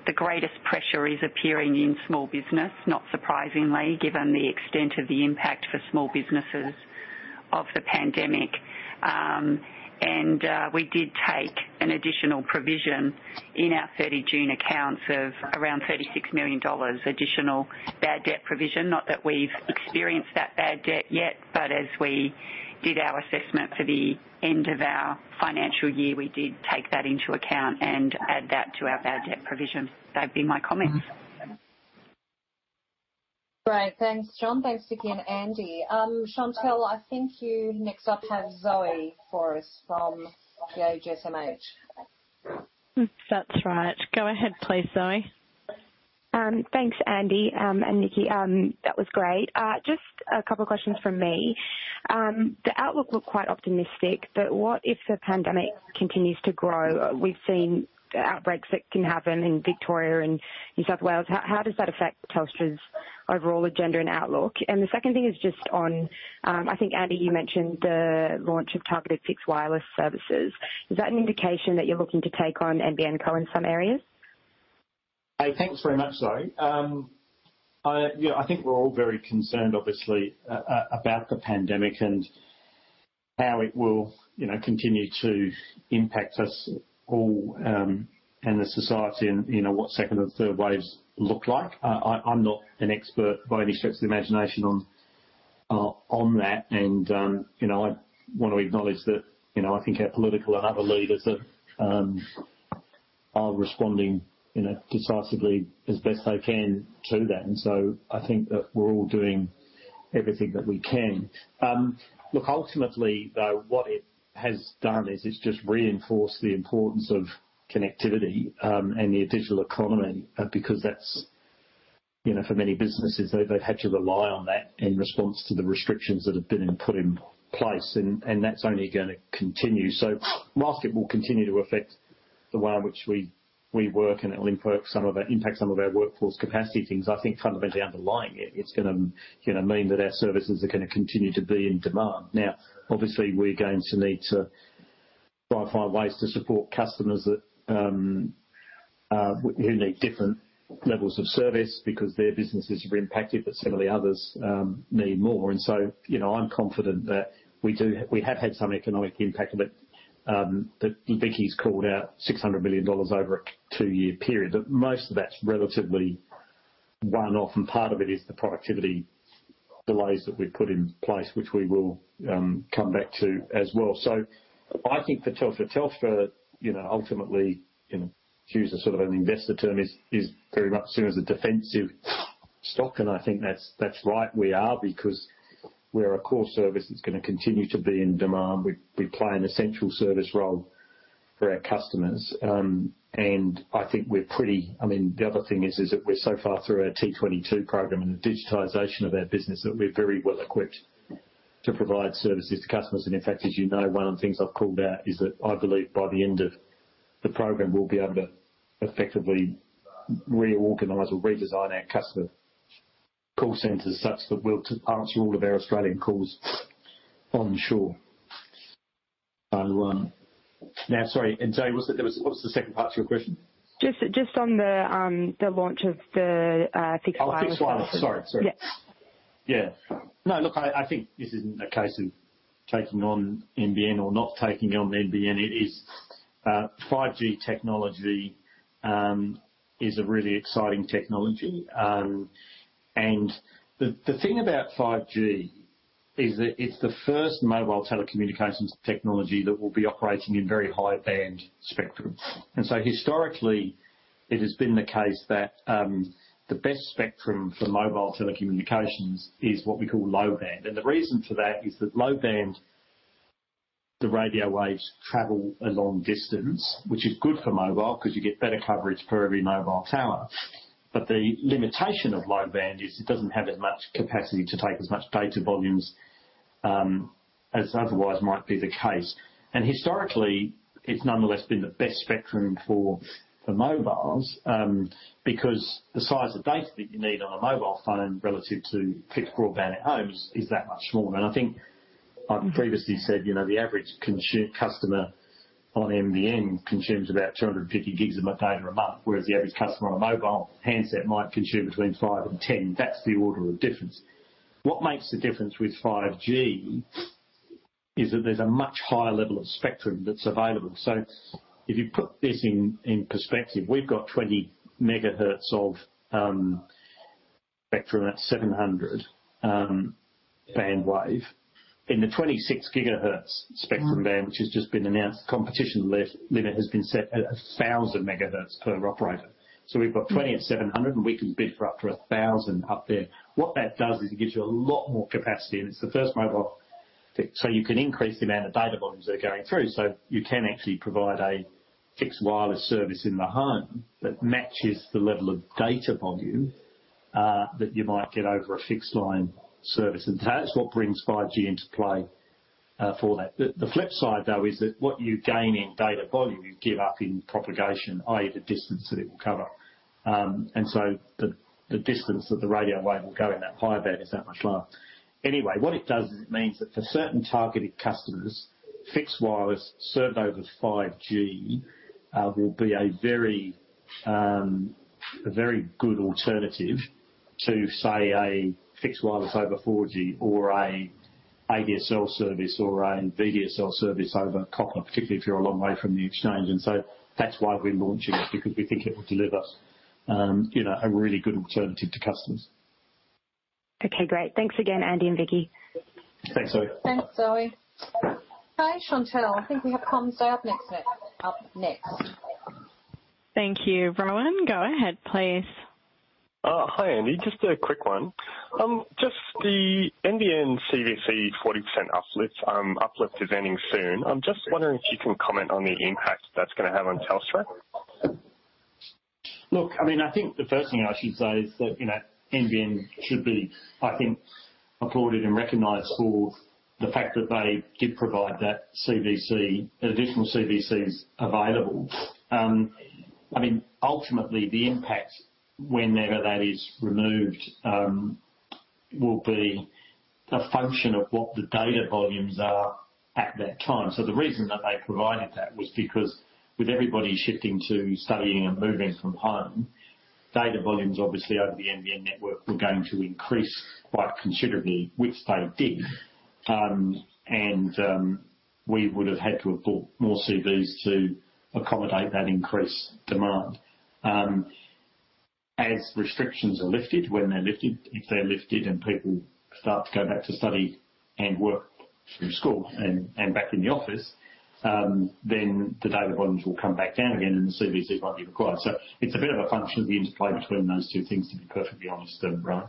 the greatest pressure is appearing in small business, not surprisingly, given the extent of the impact for small businesses of the pandemic. And, we did take an additional provision in our 30 June accounts of around 36 million dollars, additional bad debt provision. Not that we've experienced that bad debt yet, but as we did our assessment for the end of our financial year, we did take that into account and add that to our bad debt provision. That'd be my comments. Great. Thanks, John. Thanks, Vicki and Andy. Chantelle, I think you next up have Zoe for us from the SMH. Hmm. That's right. Go ahead, please, Zoe. Thanks, Andy, and Vicki. That was great. Just a couple of questions from me. The outlook looked quite optimistic, but what if the pandemic continues to grow? We've seen outbreaks that can happen in Victoria and New South Wales. How, how does that affect Telstra's overall agenda and outlook? And the second thing is just on, I think, Andy, you mentioned the launch of targeted fixed wireless services. Is that an indication that you're looking to take on NBN Co in some areas? Thanks very much, Zoe. Yeah, I think we're all very concerned, obviously, about the pandemic and how it will, you know, continue to impact us all, and the society and, you know, what second and third waves look like. I'm not an expert by any stretch of the imagination on that. You know, I want to acknowledge that, you know, I think our political and other leaders are responding, you know, decisively as best they can to that. So I think that we're all doing everything that we can. Look, ultimately, though, what it has done is it's just reinforced the importance of connectivity, and the digital economy, because that's... You know, for many businesses, they've had to rely on that in response to the restrictions that have been put in place, and that's only gonna continue. So while it will continue to affect the way in which we work, and it'll impact some of our workforce capacity things, I think fundamentally underlying it, it's gonna, you know, mean that our services are gonna continue to be in demand. Now, obviously, we're going to need to try and find ways to support customers who need different levels of service because their businesses have been impacted, but similarly others need more. And so, you know, I'm confident that we do we have had some economic impact, but that Vicki's called out 600 million dollars over a two-year period, but most of that's relatively one-off, and part of it is the productivity delays that we've put in place, which we will come back to as well. So I think for Telstra, Telstra, you know, ultimately, you know, choose a sort of an investor term, is very much seen as a defensive stock, and I think that's right. We are, because we're a core service that's gonna continue to be in demand. We play an essential service role for our customers. And I think we're pretty... I mean, the other thing is, is that we're so far through our T-22 program and the digitization of our business, that we're very well equipped to provide services to customers. And in fact, as you know, one of the things I've called out is that I believe by the end of the program, we'll be able to effectively reorganize or redesign our customer call centers, such that we'll answer all of our Australian calls onshore. Now, sorry, and Zoe, what's the, what was the second part to your question? Just on the launch of the fixed line. Oh, fixed line. Sorry, sorry. Yeah. Yeah. No, look, I, I think this isn't a case of taking on NBN or not taking on NBN. It is 5G technology is a really exciting technology. And the, the thing about 5G is that it's the first mobile telecommunications technology that will be operating in very high band spectrum. And so historically, it has been the case that the best spectrum for mobile telecommunications is what we call low band. And the reason for that is that low band, the radio waves travel a long distance, which is good for mobile because you get better coverage for every mobile tower. But the limitation of low band is it doesn't have as much capacity to take as much data volumes as otherwise might be the case. Historically, it's nonetheless been the best spectrum for mobiles because the size of data that you need on a mobile phone relative to fixed broadband at homes is that much smaller. I think I've previously said, you know, the average customer on NBN consumes about 250 gigs of data a month, whereas the average customer on a mobile handset might consume between 5-10. That's the order of difference. What makes the difference with 5G is that there's a much higher level of spectrum that's available. So if you put this in perspective, we've got 20 MHz of spectrum at 700 band wave. In the 26 GHz spectrum band, which has just been announced, competition limit has been set at 1,000 GHz per operator. So we've got 20 at 700, and we can bid for up to 1,000 up there. What that does is it gives you a lot more capacity, and it's the first mobile. So you can increase the amount of data volumes that are going through. So you can actually provide a fixed wireless service in the home that matches the level of data volume that you might get over a fixed line service. And that's what brings 5G into play for that. The, the flip side, though, is that what you gain in data volume, you give up in propagation, i.e., the distance that it will cover. And so the, the distance that the radio wave will go in that high band is that much lower. Anyway, what it does is it means that for certain targeted customers, fixed wireless served over 5G will be a very good alternative to, say, a fixed wireless over 4G or an ADSL service or a VDSL service over copper, particularly if you're a long way from the exchange. And so that's why we're launching it, because we think it will deliver, you know, a really good alternative to customers. Okay, great. Thanks again, Andy and Vicki. Thanks, Zoe. Thanks, Zoe. Hi, Chantelle. I think we have CommsDay up next. Thank you, Rohan. Go ahead, please. Hi, Andy. Just a quick one. Just the NBN CVC 40% uplift is ending soon. I'm just wondering if you can comment on the impact that's gonna have on Telstra? Look, I mean, I think the first thing I should say is that, you know, NBN should be, I think, applauded and recognized for the fact that they did provide that CVC, additional CVCs available. I mean, ultimately, the impact, whenever that is removed, will be a function of what the data volumes are at that time. So the reason that they provided that was because with everybody shifting to studying and moving from home, data volumes, obviously, over the NBN network were going to increase quite considerably, which they did. And we would have had to have bought more CVCs to accommodate that increased demand. As restrictions are lifted, when they're lifted, if they're lifted and people start to go back to study and work from school and back in the office, then the data volumes will come back down again, and the CVC won't be required. So it's a bit of a function of the interplay between those two things, to be perfectly honest, [Rohan].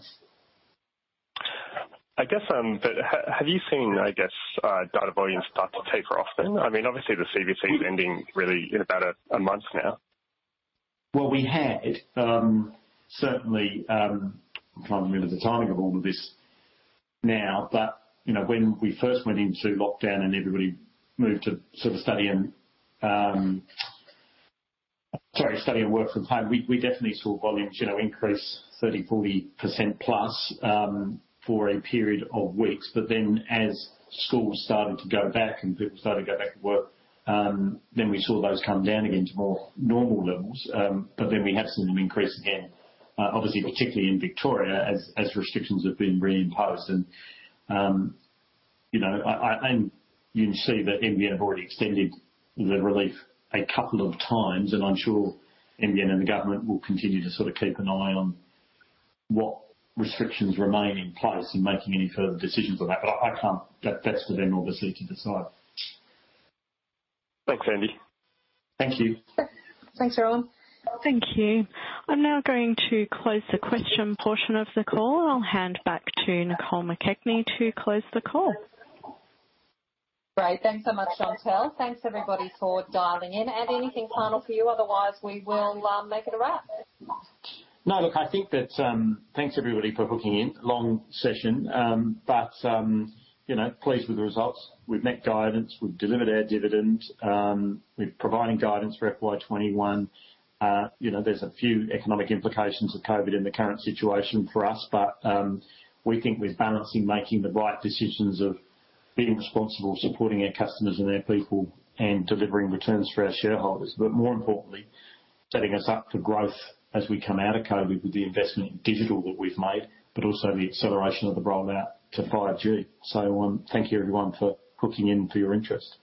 I guess, but have you seen, I guess, data volumes start to taper off then? I mean, obviously, the CVC is ending really in about a month now. Well, we had certainly. I'm trying to remember the timing of all of this now, but you know, when we first went into lockdown and everybody moved to sort of study and, sorry, study and work from home, we definitely saw volumes you know increase 30%-40% plus for a period of weeks. But then, as schools started to go back and people started to go back to work, then we saw those come down again to more normal levels. But then we have seen them increase again, obviously, particularly in Victoria, as restrictions have been reimposed. You know, and you can see that NBN have already extended the relief a couple of times, and I'm sure NBN and the government will continue to sort of keep an eye on what restrictions remain in place in making any further decisions on that. But I can't. That's for them, obviously, to decide. Thanks, Andy. Thank you. Thanks, Rohan. Thank you. I'm now going to close the question portion of the call. I'll hand back to Nicole McKechnie to close the call. Great. Thanks so much, Chantelle. Thanks, everybody, for dialing in. Andy, anything final from you? Otherwise, we will make it a wrap. No, look, I think that... Thanks, everybody, for hooking in. Long session, but, you know, pleased with the results. We've met guidance, we've delivered our dividend, we're providing guidance for FY21. You know, there's a few economic implications of COVID in the current situation for us, but, we think we're balancing making the right decisions of being responsible, supporting our customers and our people, and delivering returns for our shareholders. But more importantly, setting us up for growth as we come out of COVID with the investment in digital that we've made, but also the acceleration of the rollout to 5G. So, thank you everyone for hooking in and for your interest.